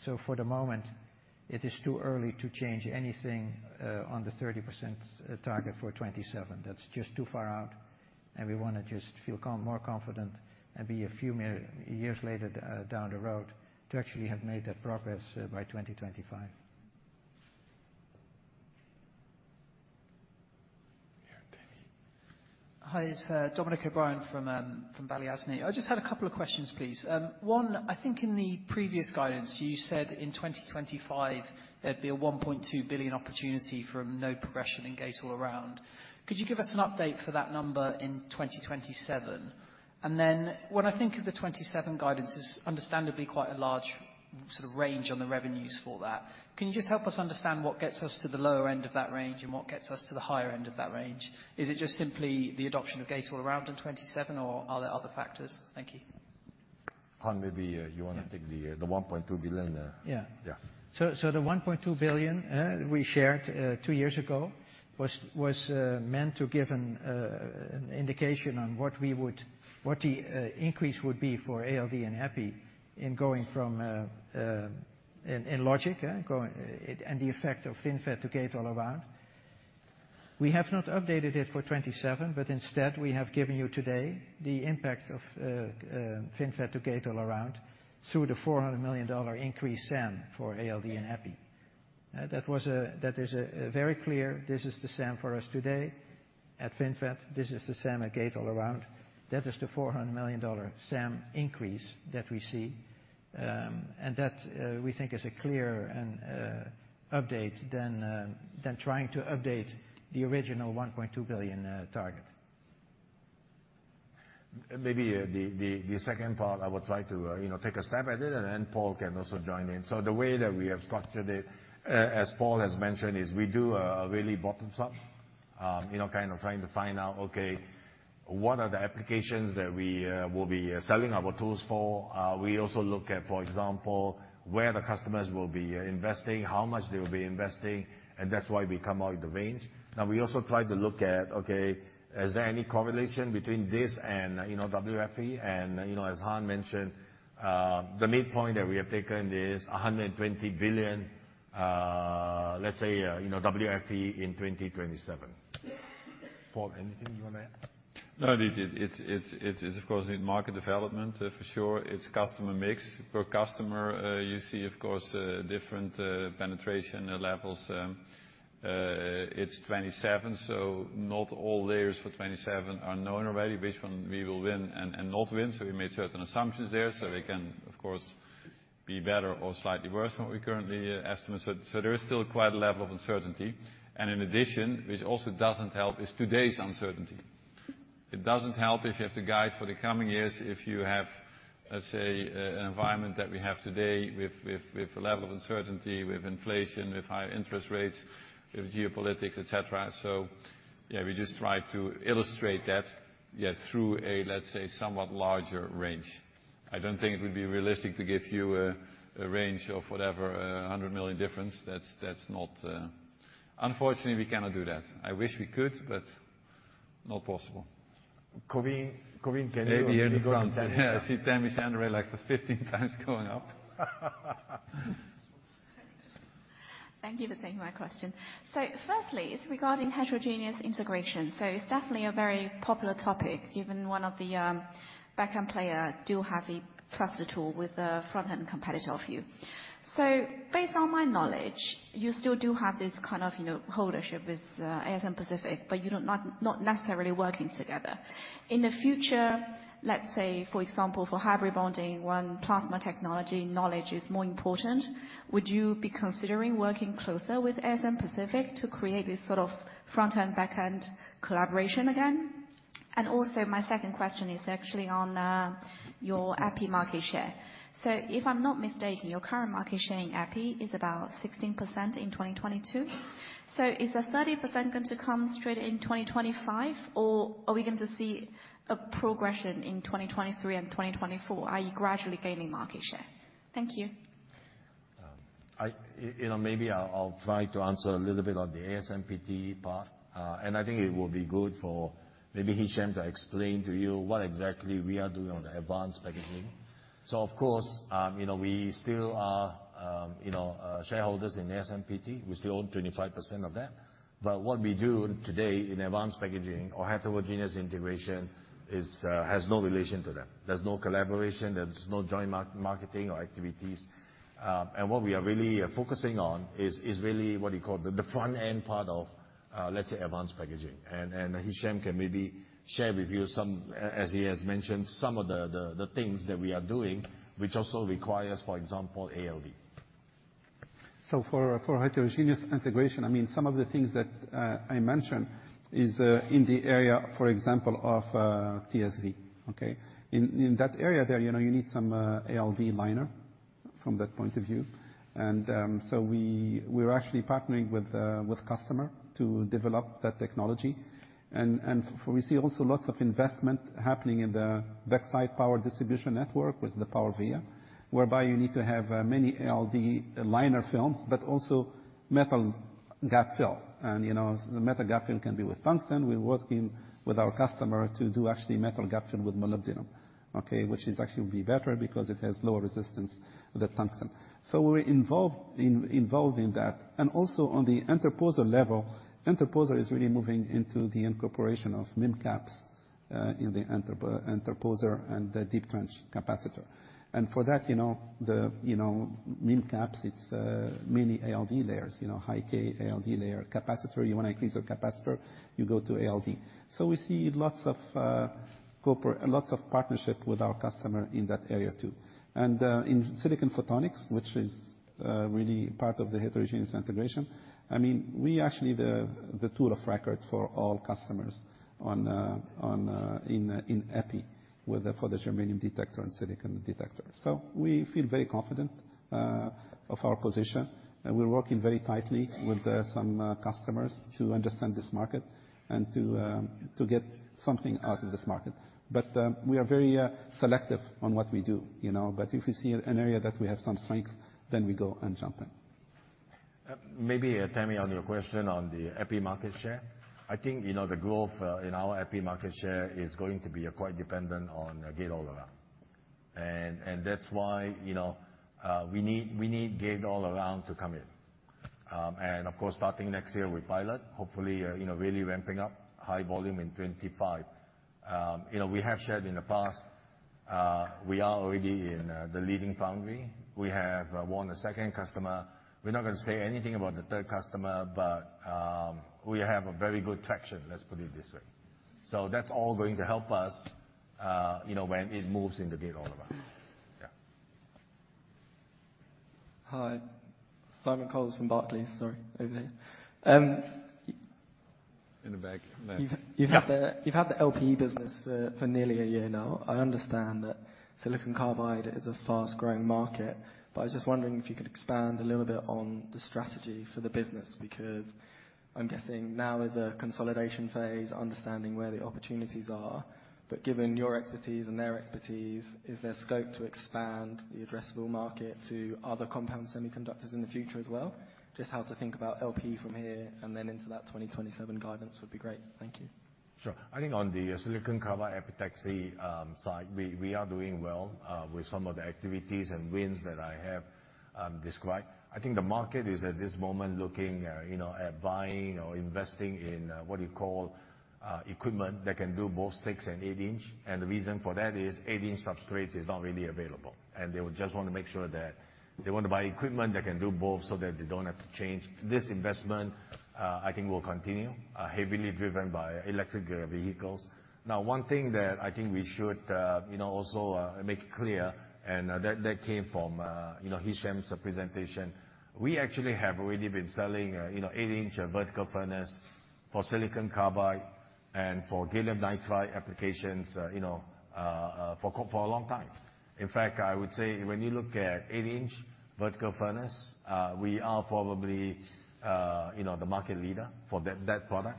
So for the moment, it is too early to change anything on the 30% target for 2027. That's just too far out, and we wanna just feel more confident and be a few more years later down the road to actually have made that progress by 2025. Yeah, Tammy. Hi, it's Dominic O'Brien from Balyasny. I just had a couple of questions, please. One, I think in the previous guidance, you said in 2025, there'd be a $1.2 billion opportunity from no progression in Gate-All-Around. Could you give us an update for that number in 2027? And then when I think of the 2027 guidances, understandably, quite a large sort of range on the revenues for that, can you just help us understand what gets us to the lower end of that range and what gets us to the higher end of that range? Is it just simply the adoption of Gate-All-round in 2027, or are there other factors? Thank you. Han, maybe you wanna take the 1.2 billion, Yeah. Yeah. So, the $1.2 billion we shared two years ago was meant to give an indication on what the increase would be for ALD and Epi in going from in logic and the effect of FinFET to Gate-All-Around. We have not updated it for 2027, but instead, we have given you today the impact of FinFET to Gate-All-Around through the $400 million increased SAM for ALD and Epi. That is a very clear, this is the SAM for us today. At FinFET, this is the SAM at Gate-All-Around. That is the $400 million SAM increase that we see. And that, we think, is a clearer update than trying to update the original 1.2 billion target. Maybe the second part, I will try to, you know, take a stab at it, and then Paul can also join in. So the way that we have structured it, as Paul has mentioned, is we do a really bottom-up, you know, kind of trying to find out, okay, what are the applications that we will be selling our tools for? We also look at, for example, where the customers will be investing, how much they will be investing, and that's why we come out with the range. Now, we also try to look at, okay, is there any correlation between this and, you know, WFE? And, you know, as Han mentioned, the midpoint that we have taken is $100 billion, let's say, you know, WFE in 2027. Paul, anything you want to add? No, it's, of course, in market development, for sure it's customer mix. Per customer, you see, of course, different penetration levels. It's 27, so not all layers for 27 are known already, which one we will win and not win, so we made certain assumptions there. So we can, of course, be better or slightly worse than what we currently estimate. So there is still quite a level of uncertainty, and in addition, which also doesn't help, is today's uncertainty. ... It doesn't help if you have to guide for the coming years, if you have, let's say, an environment that we have today with the level of uncertainty, with inflation, with high interest rates, with geopolitics, et cetera. So yeah, we just try to illustrate that, yes, through a, let's say, somewhat larger range. I don't think it would be realistic to give you a range of whatever, a hundred million difference. That's not... Unfortunately, we cannot do that. I wish we could, but not possible. Corinne, Corinne, can you- Maybe in the front. Yeah, I see Tammy's hand, like, the 15 times going up. Thank you for taking my question. So firstly, it's regarding heterogeneous integration. So it's definitely a very popular topic, even one of the backend player do have a cluster tool with a front-end competitor of you. So based on my knowledge, you still do have this kind of, you know, holdership with ASM Pacific, but you're not, not necessarily working together. In the future, let's say, for example, for hybrid bonding, when plasma technology knowledge is more important, would you be considering working closer with ASM Pacific to create this sort of front-end, back-end collaboration again? And also, my second question is actually on your Epi market share. So if I'm not mistaken, your current market share in Epi is about 16% in 2022. Is the 30% going to come straight in 2025, or are we going to see a progression in 2023 and 2024? Are you gradually gaining market share? Thank you. You know, maybe I'll try to answer a little bit on the ASMPT part. And I think it will be good for maybe Hichem to explain to you what exactly we are doing on the advanced packaging. So of course, you know, we still are shareholders in ASMPT. We still own 25% of that. But what we do today in advanced packaging or heterogeneous integration has no relation to them. There's no collaboration, there's no joint marketing or activities. And what we are really focusing on is really what you call the front-end part of, let's say, advanced packaging. And Hichem can maybe share with you some, as he has mentioned, some of the things that we are doing, which also requires, for example, ALD. So for heterogeneous integration, I mean, some of the things that I mentioned is in the area, for example, of TSV, okay? In that area there, you know, you need some ALD liner from that point of view. And so we're actually partnering with customer to develop that technology. And we see also lots of investment happening in the backside power distribution network with the PowerVia, whereby you need to have many ALD liner films, but also metal cap film. And, you know, the metal cap film can be with tungsten. We're working with our customer to do actually metal cap film with molybdenum, okay? Which is actually be better because it has lower resistance than tungsten. So we're involved in that. Also on the interposer level, interposer is really moving into the incorporation of MIM caps in the interposer and the deep trench capacitor. And for that, you know, the MIM caps, it's mainly ALD layers, you know, high-k ALD layer capacitor. You want to increase your capacitor, you go to ALD. So we see lots of partnership with our customer in that area, too. And in silicon photonics, which is really part of the heterogeneous integration, I mean, we actually the tool of record for all customers on in Epi with for the germanium detector and silicon detector. So we feel very confident of our position, and we're working very tightly with some customers to understand this market and to get something out of this market. But we are very selective on what we do, you know? But if we see an area that we have some strength, then we go and jump in. Maybe, Tammy, on your question on the Epi market share, I think, you know, the growth in our Epi market share is going to be quite dependent on Gate-All-Around. And that's why, you know, we need Gate-All-Around to come in. And of course, starting next year, we pilot, hopefully, you know, really ramping up high volume in 2025. You know, we have shared in the past, we are already in the leading foundry. We have won a second customer. We're not gonna say anything about the third customer, but we have a very good traction, let's put it this way. So that's all going to help us, you know, when it moves in the Gate-All-Around. Yeah. Hi, Simon Coles from Barclays. Sorry, over here. In the back, left. Yeah. You've had the LPE business for nearly a year now. I understand that silicon carbide is a fast-growing market, but I was just wondering if you could expand a little bit on the strategy for the business, because I'm guessing now is a consolidation phase, understanding where the opportunities are. But given your expertise and their expertise, is there scope to expand the addressable market to other compound semiconductors in the future as well? Just how to think about LPE from here and then into that 2027 guidance would be great. Thank you. Sure. I think on the silicon carbide epitaxy side, we are doing well with some of the activities and wins that I have described. I think the market is, at this moment, looking you know at buying or investing in what you call equipment that can do both 6-inch and 8-inch. And the reason for that is 8-inch substrates is not really available, and they would just want to make sure that they want to buy equipment that can do both so that they don't have to change. This investment, I think, will continue heavily driven by electric vehicles. Now, one thing that I think we should, you know, also, make clear, and, that, that came from, you know, Hichem's presentation, we actually have already been selling, you know, 8-inch vertical furnace for silicon carbide and for gallium nitride applications, you know, for, for a long time. In fact, I would say when you look at 8-inch vertical furnace, we are probably, you know, the market leader for that, that product.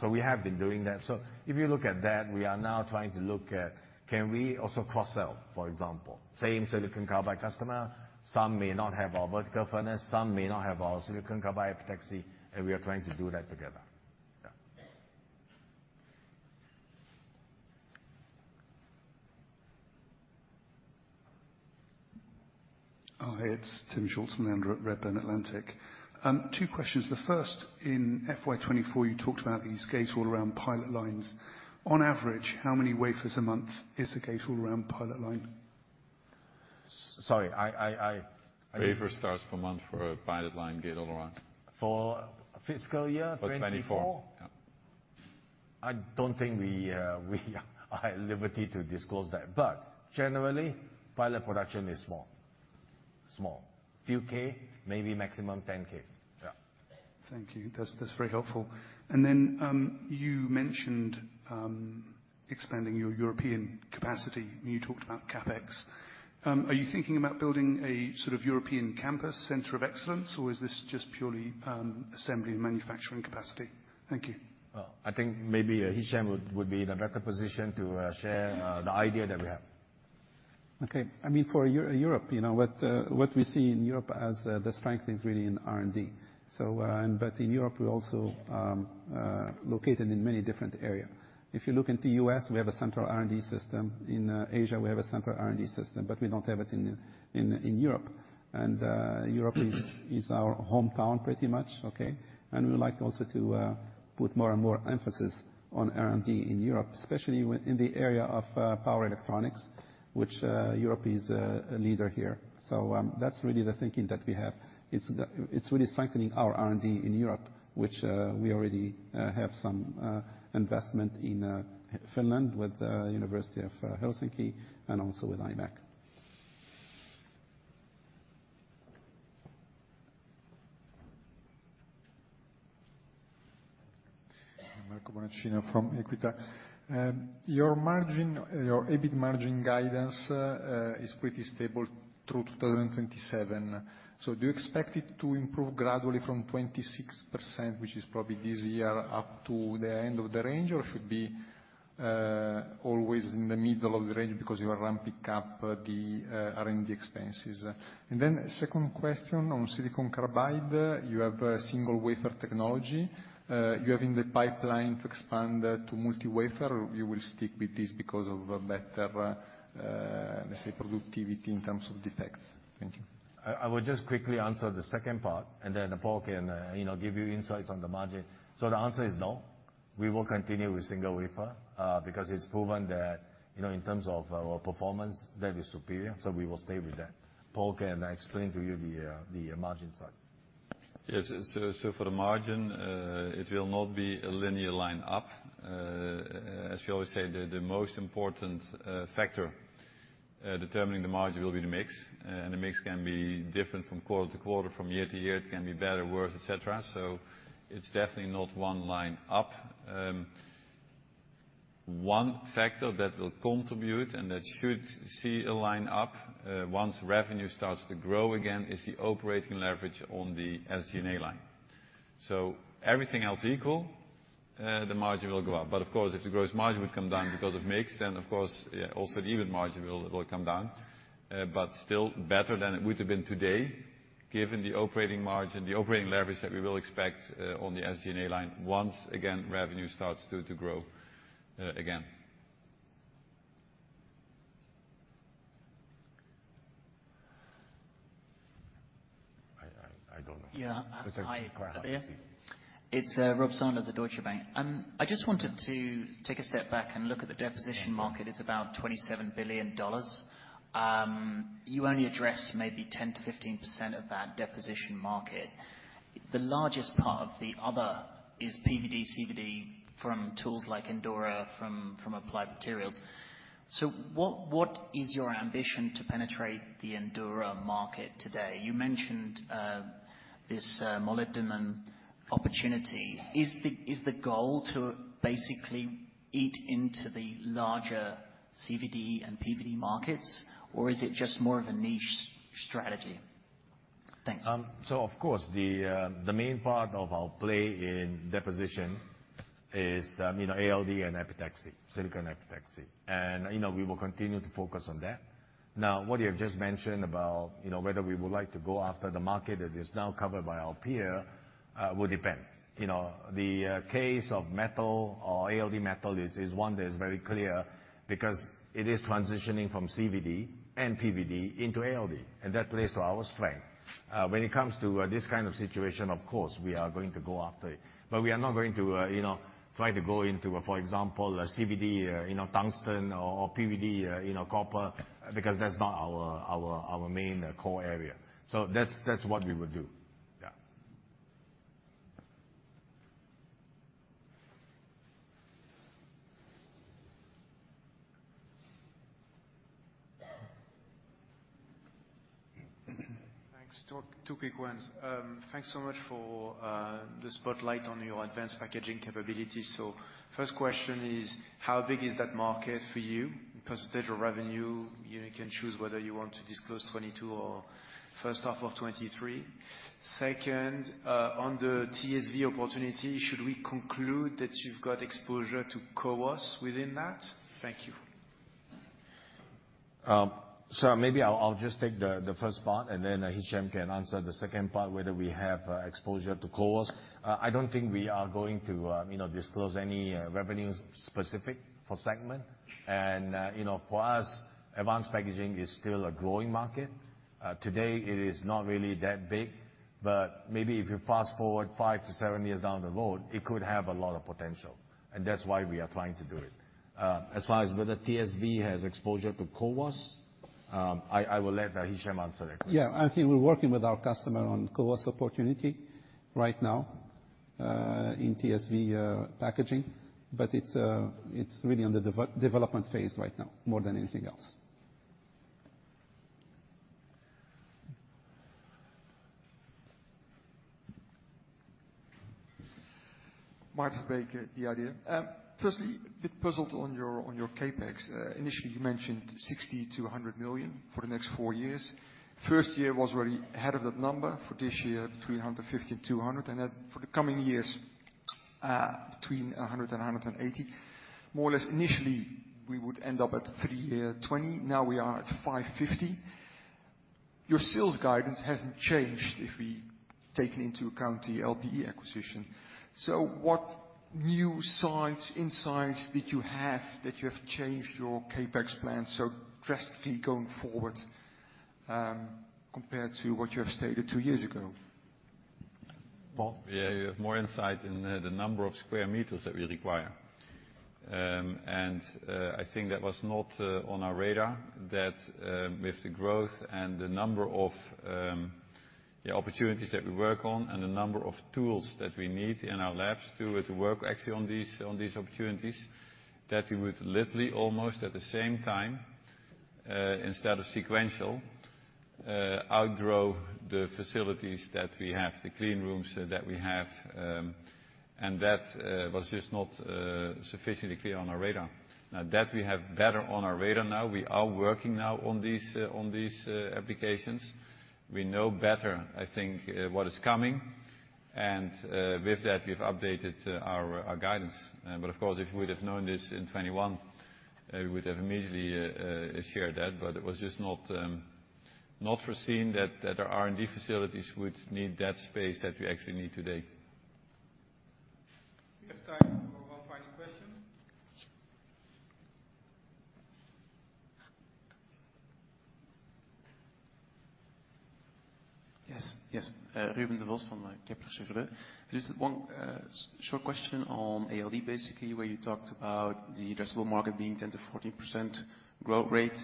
So we have been doing that. So if you look at that, we are now trying to look at, can we also cross-sell, for example? Same silicon carbide customer. Some may not have our vertical furnace, some may not have our silicon carbide epitaxy, and we are trying to do that together.... Oh, hey, it's Timm Schulze-Melander at Redburn Atlantic. Two questions. The first, in FY 2024, you talked about these Gate-All-Around pilot lines. On average, how many wafers a month is a Gate-All-Around pilot line? Sorry - Wafer starts per month for a pilot line Gate-All-Around. For fiscal year 2024? Twenty-four, yeah. I don't think we are at liberty to disclose that. But generally, pilot production is small. Small. Few K, maybe maximum 10 K. Yeah. Thank you. That's, that's very helpful. And then, you mentioned expanding your European capacity, and you talked about CapEx. Are you thinking about building a sort of European campus center of excellence, or is this just purely assembly and manufacturing capacity? Thank you. Well, I think maybe Hichem would be in a better position to share the idea that we have. Okay. I mean, for Europe, you know, what we see in Europe as the strength is really in R&D. So. But in Europe, we also located in many different area. If you look into U.S., we have a central R&D system. In Asia, we have a central R&D system, but we don't have it in Europe. And Europe is our hometown pretty much, okay? And we like also to put more and more emphasis on R&D in Europe, especially in the area of power electronics, which Europe is a leader here. So, that's really the thinking that we have. It's really strengthening our R&D in Europe, which we already have some investment in Finland with University of Helsinki and also with IMEC. Gianmarco Bonacina from Equita. Your margin, your EBIT margin guidance, is pretty stable through 2027. So do you expect it to improve gradually from 26%, which is probably this year, up to the end of the range, or should be, always in the middle of the range because you are ramping up the, R&D expenses? And then second question, on silicon carbide, you have a single wafer technology. You have in the pipeline to expand, to multi-wafer, or you will stick with this because of, better, let's say, productivity in terms of defects? Thank you. I will just quickly answer the second part, and then Paul can, you know, give you insights on the margin. So the answer is no. We will continue with single wafer, because it's proven that, you know, in terms of our performance, that is superior, so we will stay with that. Paul can explain to you the, the margin side. Yes, so, so for the margin, it will not be a linear line up. As we always say, the most important factor determining the margin will be the mix, and the mix can be different from quarter to quarter, from year to year. It can be better or worse, et cetera. So it's definitely not one line up. One factor that will contribute and that should see a line up, once revenue starts to grow again, is the operating leverage on the SG&A line. So everything else equal, the margin will go up. But of course, if the gross margin would come down because of mix, then of course, also the operating margin will come down. But still better than it would have been today, given the operating margin, the operating leverage that we will expect on the SG&A line once again, revenue starts to grow again. I don't know. Yeah. Hi, yeah. It's Rob Sanders at Deutsche Bank. I just wanted to take a step back and look at the deposition market. It's about $27 billion. You only address maybe 10% to 15% of that deposition market. The largest part of the other is PVD, CVD from tools like Endura, from Applied Materials. So what is your ambition to penetrate the Endura market today? You mentioned this molybdenum opportunity. Is the goal to basically eat into the larger CVD and PVD markets, or is it just more of a niche strategy? Thanks. So of course, the main part of our play in deposition is, you know, ALD and epitaxy, silicon epitaxy. And, you know, we will continue to focus on that. Now, what you have just mentioned about, you know, whether we would like to go after the market that is now covered by our peer, will depend. You know, the case of metal or ALD metal is one that is very clear because it is transitioning from CVD and PVD into ALD, and that plays to our strength. When it comes to this kind of situation, of course, we are going to go after it, but we are not going to, you know, try to go into, for example, a CVD, you know, tungsten or PVD, you know, copper, because that's not our main core area. So that's what we would do. Yeah. Thanks. two, two quick ones. Thanks so much for the spotlight on your advanced packaging capabilities. So first question is, how big is that market for you in percentage of revenue? You can choose whether you want to disclose 2022 or first half of 2023. Second, on the TSV opportunity, should we conclude that you've got exposure to CoWoS within that? Thank you.... So maybe I'll just take the first part, and then Hichem can answer the second part, whether we have exposure to CoWoS. I don't think we are going to you know, disclose any revenue specific for segment. And you know, for us, advanced packaging is still a growing market. Today it is not really that big, but maybe if you fast-forward five to seven years down the road, it could have a lot of potential, and that's why we are trying to do it. As far as whether TSV has exposure to CoWoS, I will let Hichem answer that question. Yeah, I think we're working with our customer on CoWoS opportunity right now, in TSV packaging, but it's really under development phase right now more than anything else. Maarten Verbeek, the IDEA!. Firstly, a bit puzzled on your, on your CapEx. Initially, you mentioned 60 million to 100 million for the next four years. First year was already ahead of that number. For this year, between 150 million to 200 million and then for the coming years, between 100 million to 180 million. More or less, initially, we would end up at 320 million, now we are at 550 million. Your sales guidance hasn't changed, if we taken into account the LPE acquisition. So what new signs, insights did you have, that you have changed your CapEx plan so drastically going forward, compared to what you have stated two years ago? Paul? Yeah, you have more insight in the number of square meters that we require. And, I think that was not on our radar that, with the growth and the number of the opportunities that we work on and the number of tools that we need in our labs to work actually on these opportunities, that we would literally, almost at the same time, instead of sequential, outgrow the facilities that we have, the clean rooms that we have. And that was just not sufficiently clear on our radar. Now, that we have better on our radar now. We are working now on these applications. We know better, I think, what is coming, and with that, we've updated our guidance. But of course, if we'd have known this in 2021, we would have immediately shared that, but it was just not foreseen that our R&D facilities would need that space that we actually need today. We have time for one final question. Yes, yes. Ruben Devos from Kepler Cheuvreux. Just one short question on ALD, basically, where you talked about the addressable market being 10% to 14% growth rate.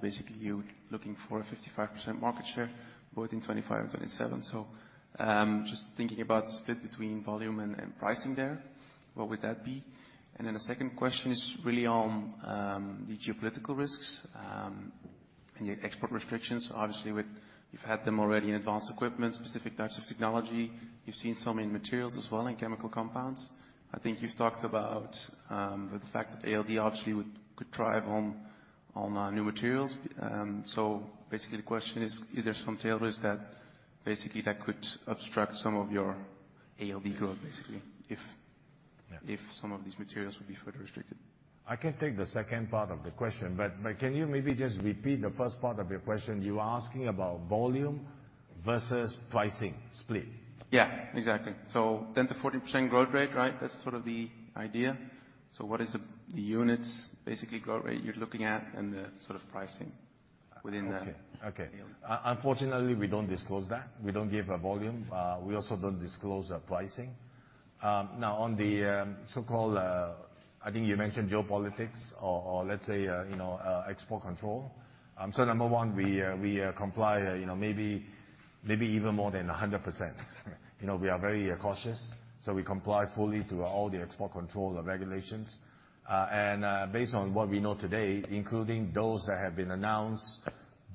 Basically, you're looking for a 55% market share, both in 2025 and 2027. So, just thinking about split between volume and pricing there, what would that be? And then the second question is really on the geopolitical risks and your export restrictions. Obviously, with... You've had them already in advanced equipment, specific types of technology. You've seen some in materials as well, in chemical compounds. I think you've talked about the fact that ALD obviously could drive on new materials. So basically, the question is, is there some tail risk that basically that could obstruct some of your ALD growth, basically, if- Yeah... if some of these materials would be further restricted? I can take the second part of the question, but can you maybe just repeat the first part of your question? You are asking about volume versus pricing split. Yeah, exactly. So 10% to 14% growth rate, right? That's sort of the idea. So what is the, the units, basically, growth rate you're looking at and the sort of pricing within the- Okay. Okay. Yeah. Unfortunately, we don't disclose that. We don't give a volume. We also don't disclose our pricing. Now, on the so-called, I think you mentioned geopolitics or, or let's say, you know, export control. So number one, we comply, you know, maybe, maybe even more than 100%. You know, we are very cautious, so we comply fully to all the export control regulations. And, based on what we know today, including those that have been announced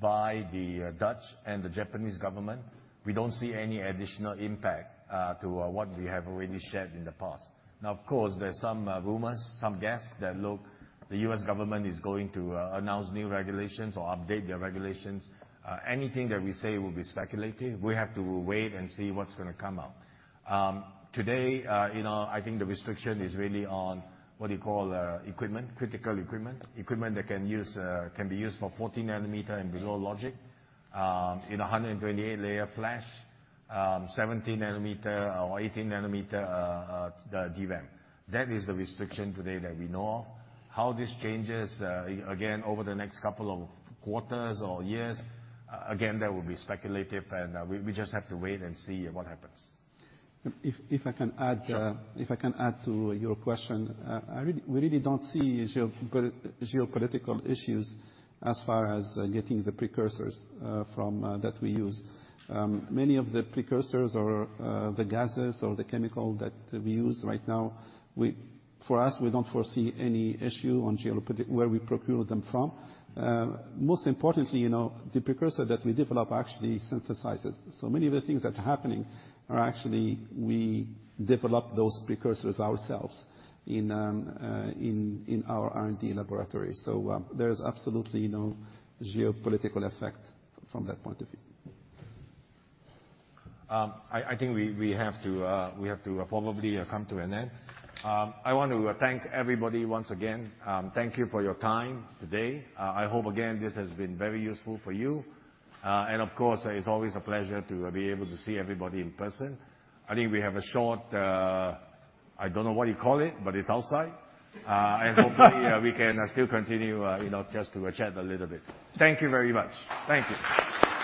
by the Dutch and the Japanese government, we don't see any additional impact to what we have already shared in the past. Now, of course, there are some rumors, some guess that, look, the U.S. government is going to announce new regulations or update their regulations. Anything that we say will be speculative. We have to wait and see what's gonna come out. Today, you know, I think the restriction is really on, what do you call, equipment, critical equipment. Equipment that can use, can be used for 14-nanometer and below logic, in a 128-layer flash, 17-nanometer or 18-nanometer DRAM. That is the restriction today that we know of. How this changes, again, over the next couple of quarters or years, again, that will be speculative, and we just have to wait and see what happens. If I can add, Sure. If I can add to your question. We really don't see geopolitical issues as far as getting the precursors from that we use. Many of the precursors or the gases or the chemical that we use right now, we, for us, we don't foresee any issue on geopolitical where we procure them from. Most importantly, you know, the precursor that we develop actually synthesizes. So many of the things that are happening are actually we develop those precursors ourselves in our R&D laboratory. So there is absolutely no geopolitical effect from that point of view. I think we have to probably come to an end. I want to thank everybody once again. Thank you for your time today. I hope again, this has been very useful for you. And of course, it's always a pleasure to be able to see everybody in person. I think we have a short, I don't know what you call it, but it's outside. And hopefully, we can still continue, you know, just to chat a little bit. Thank you very much. Thank you.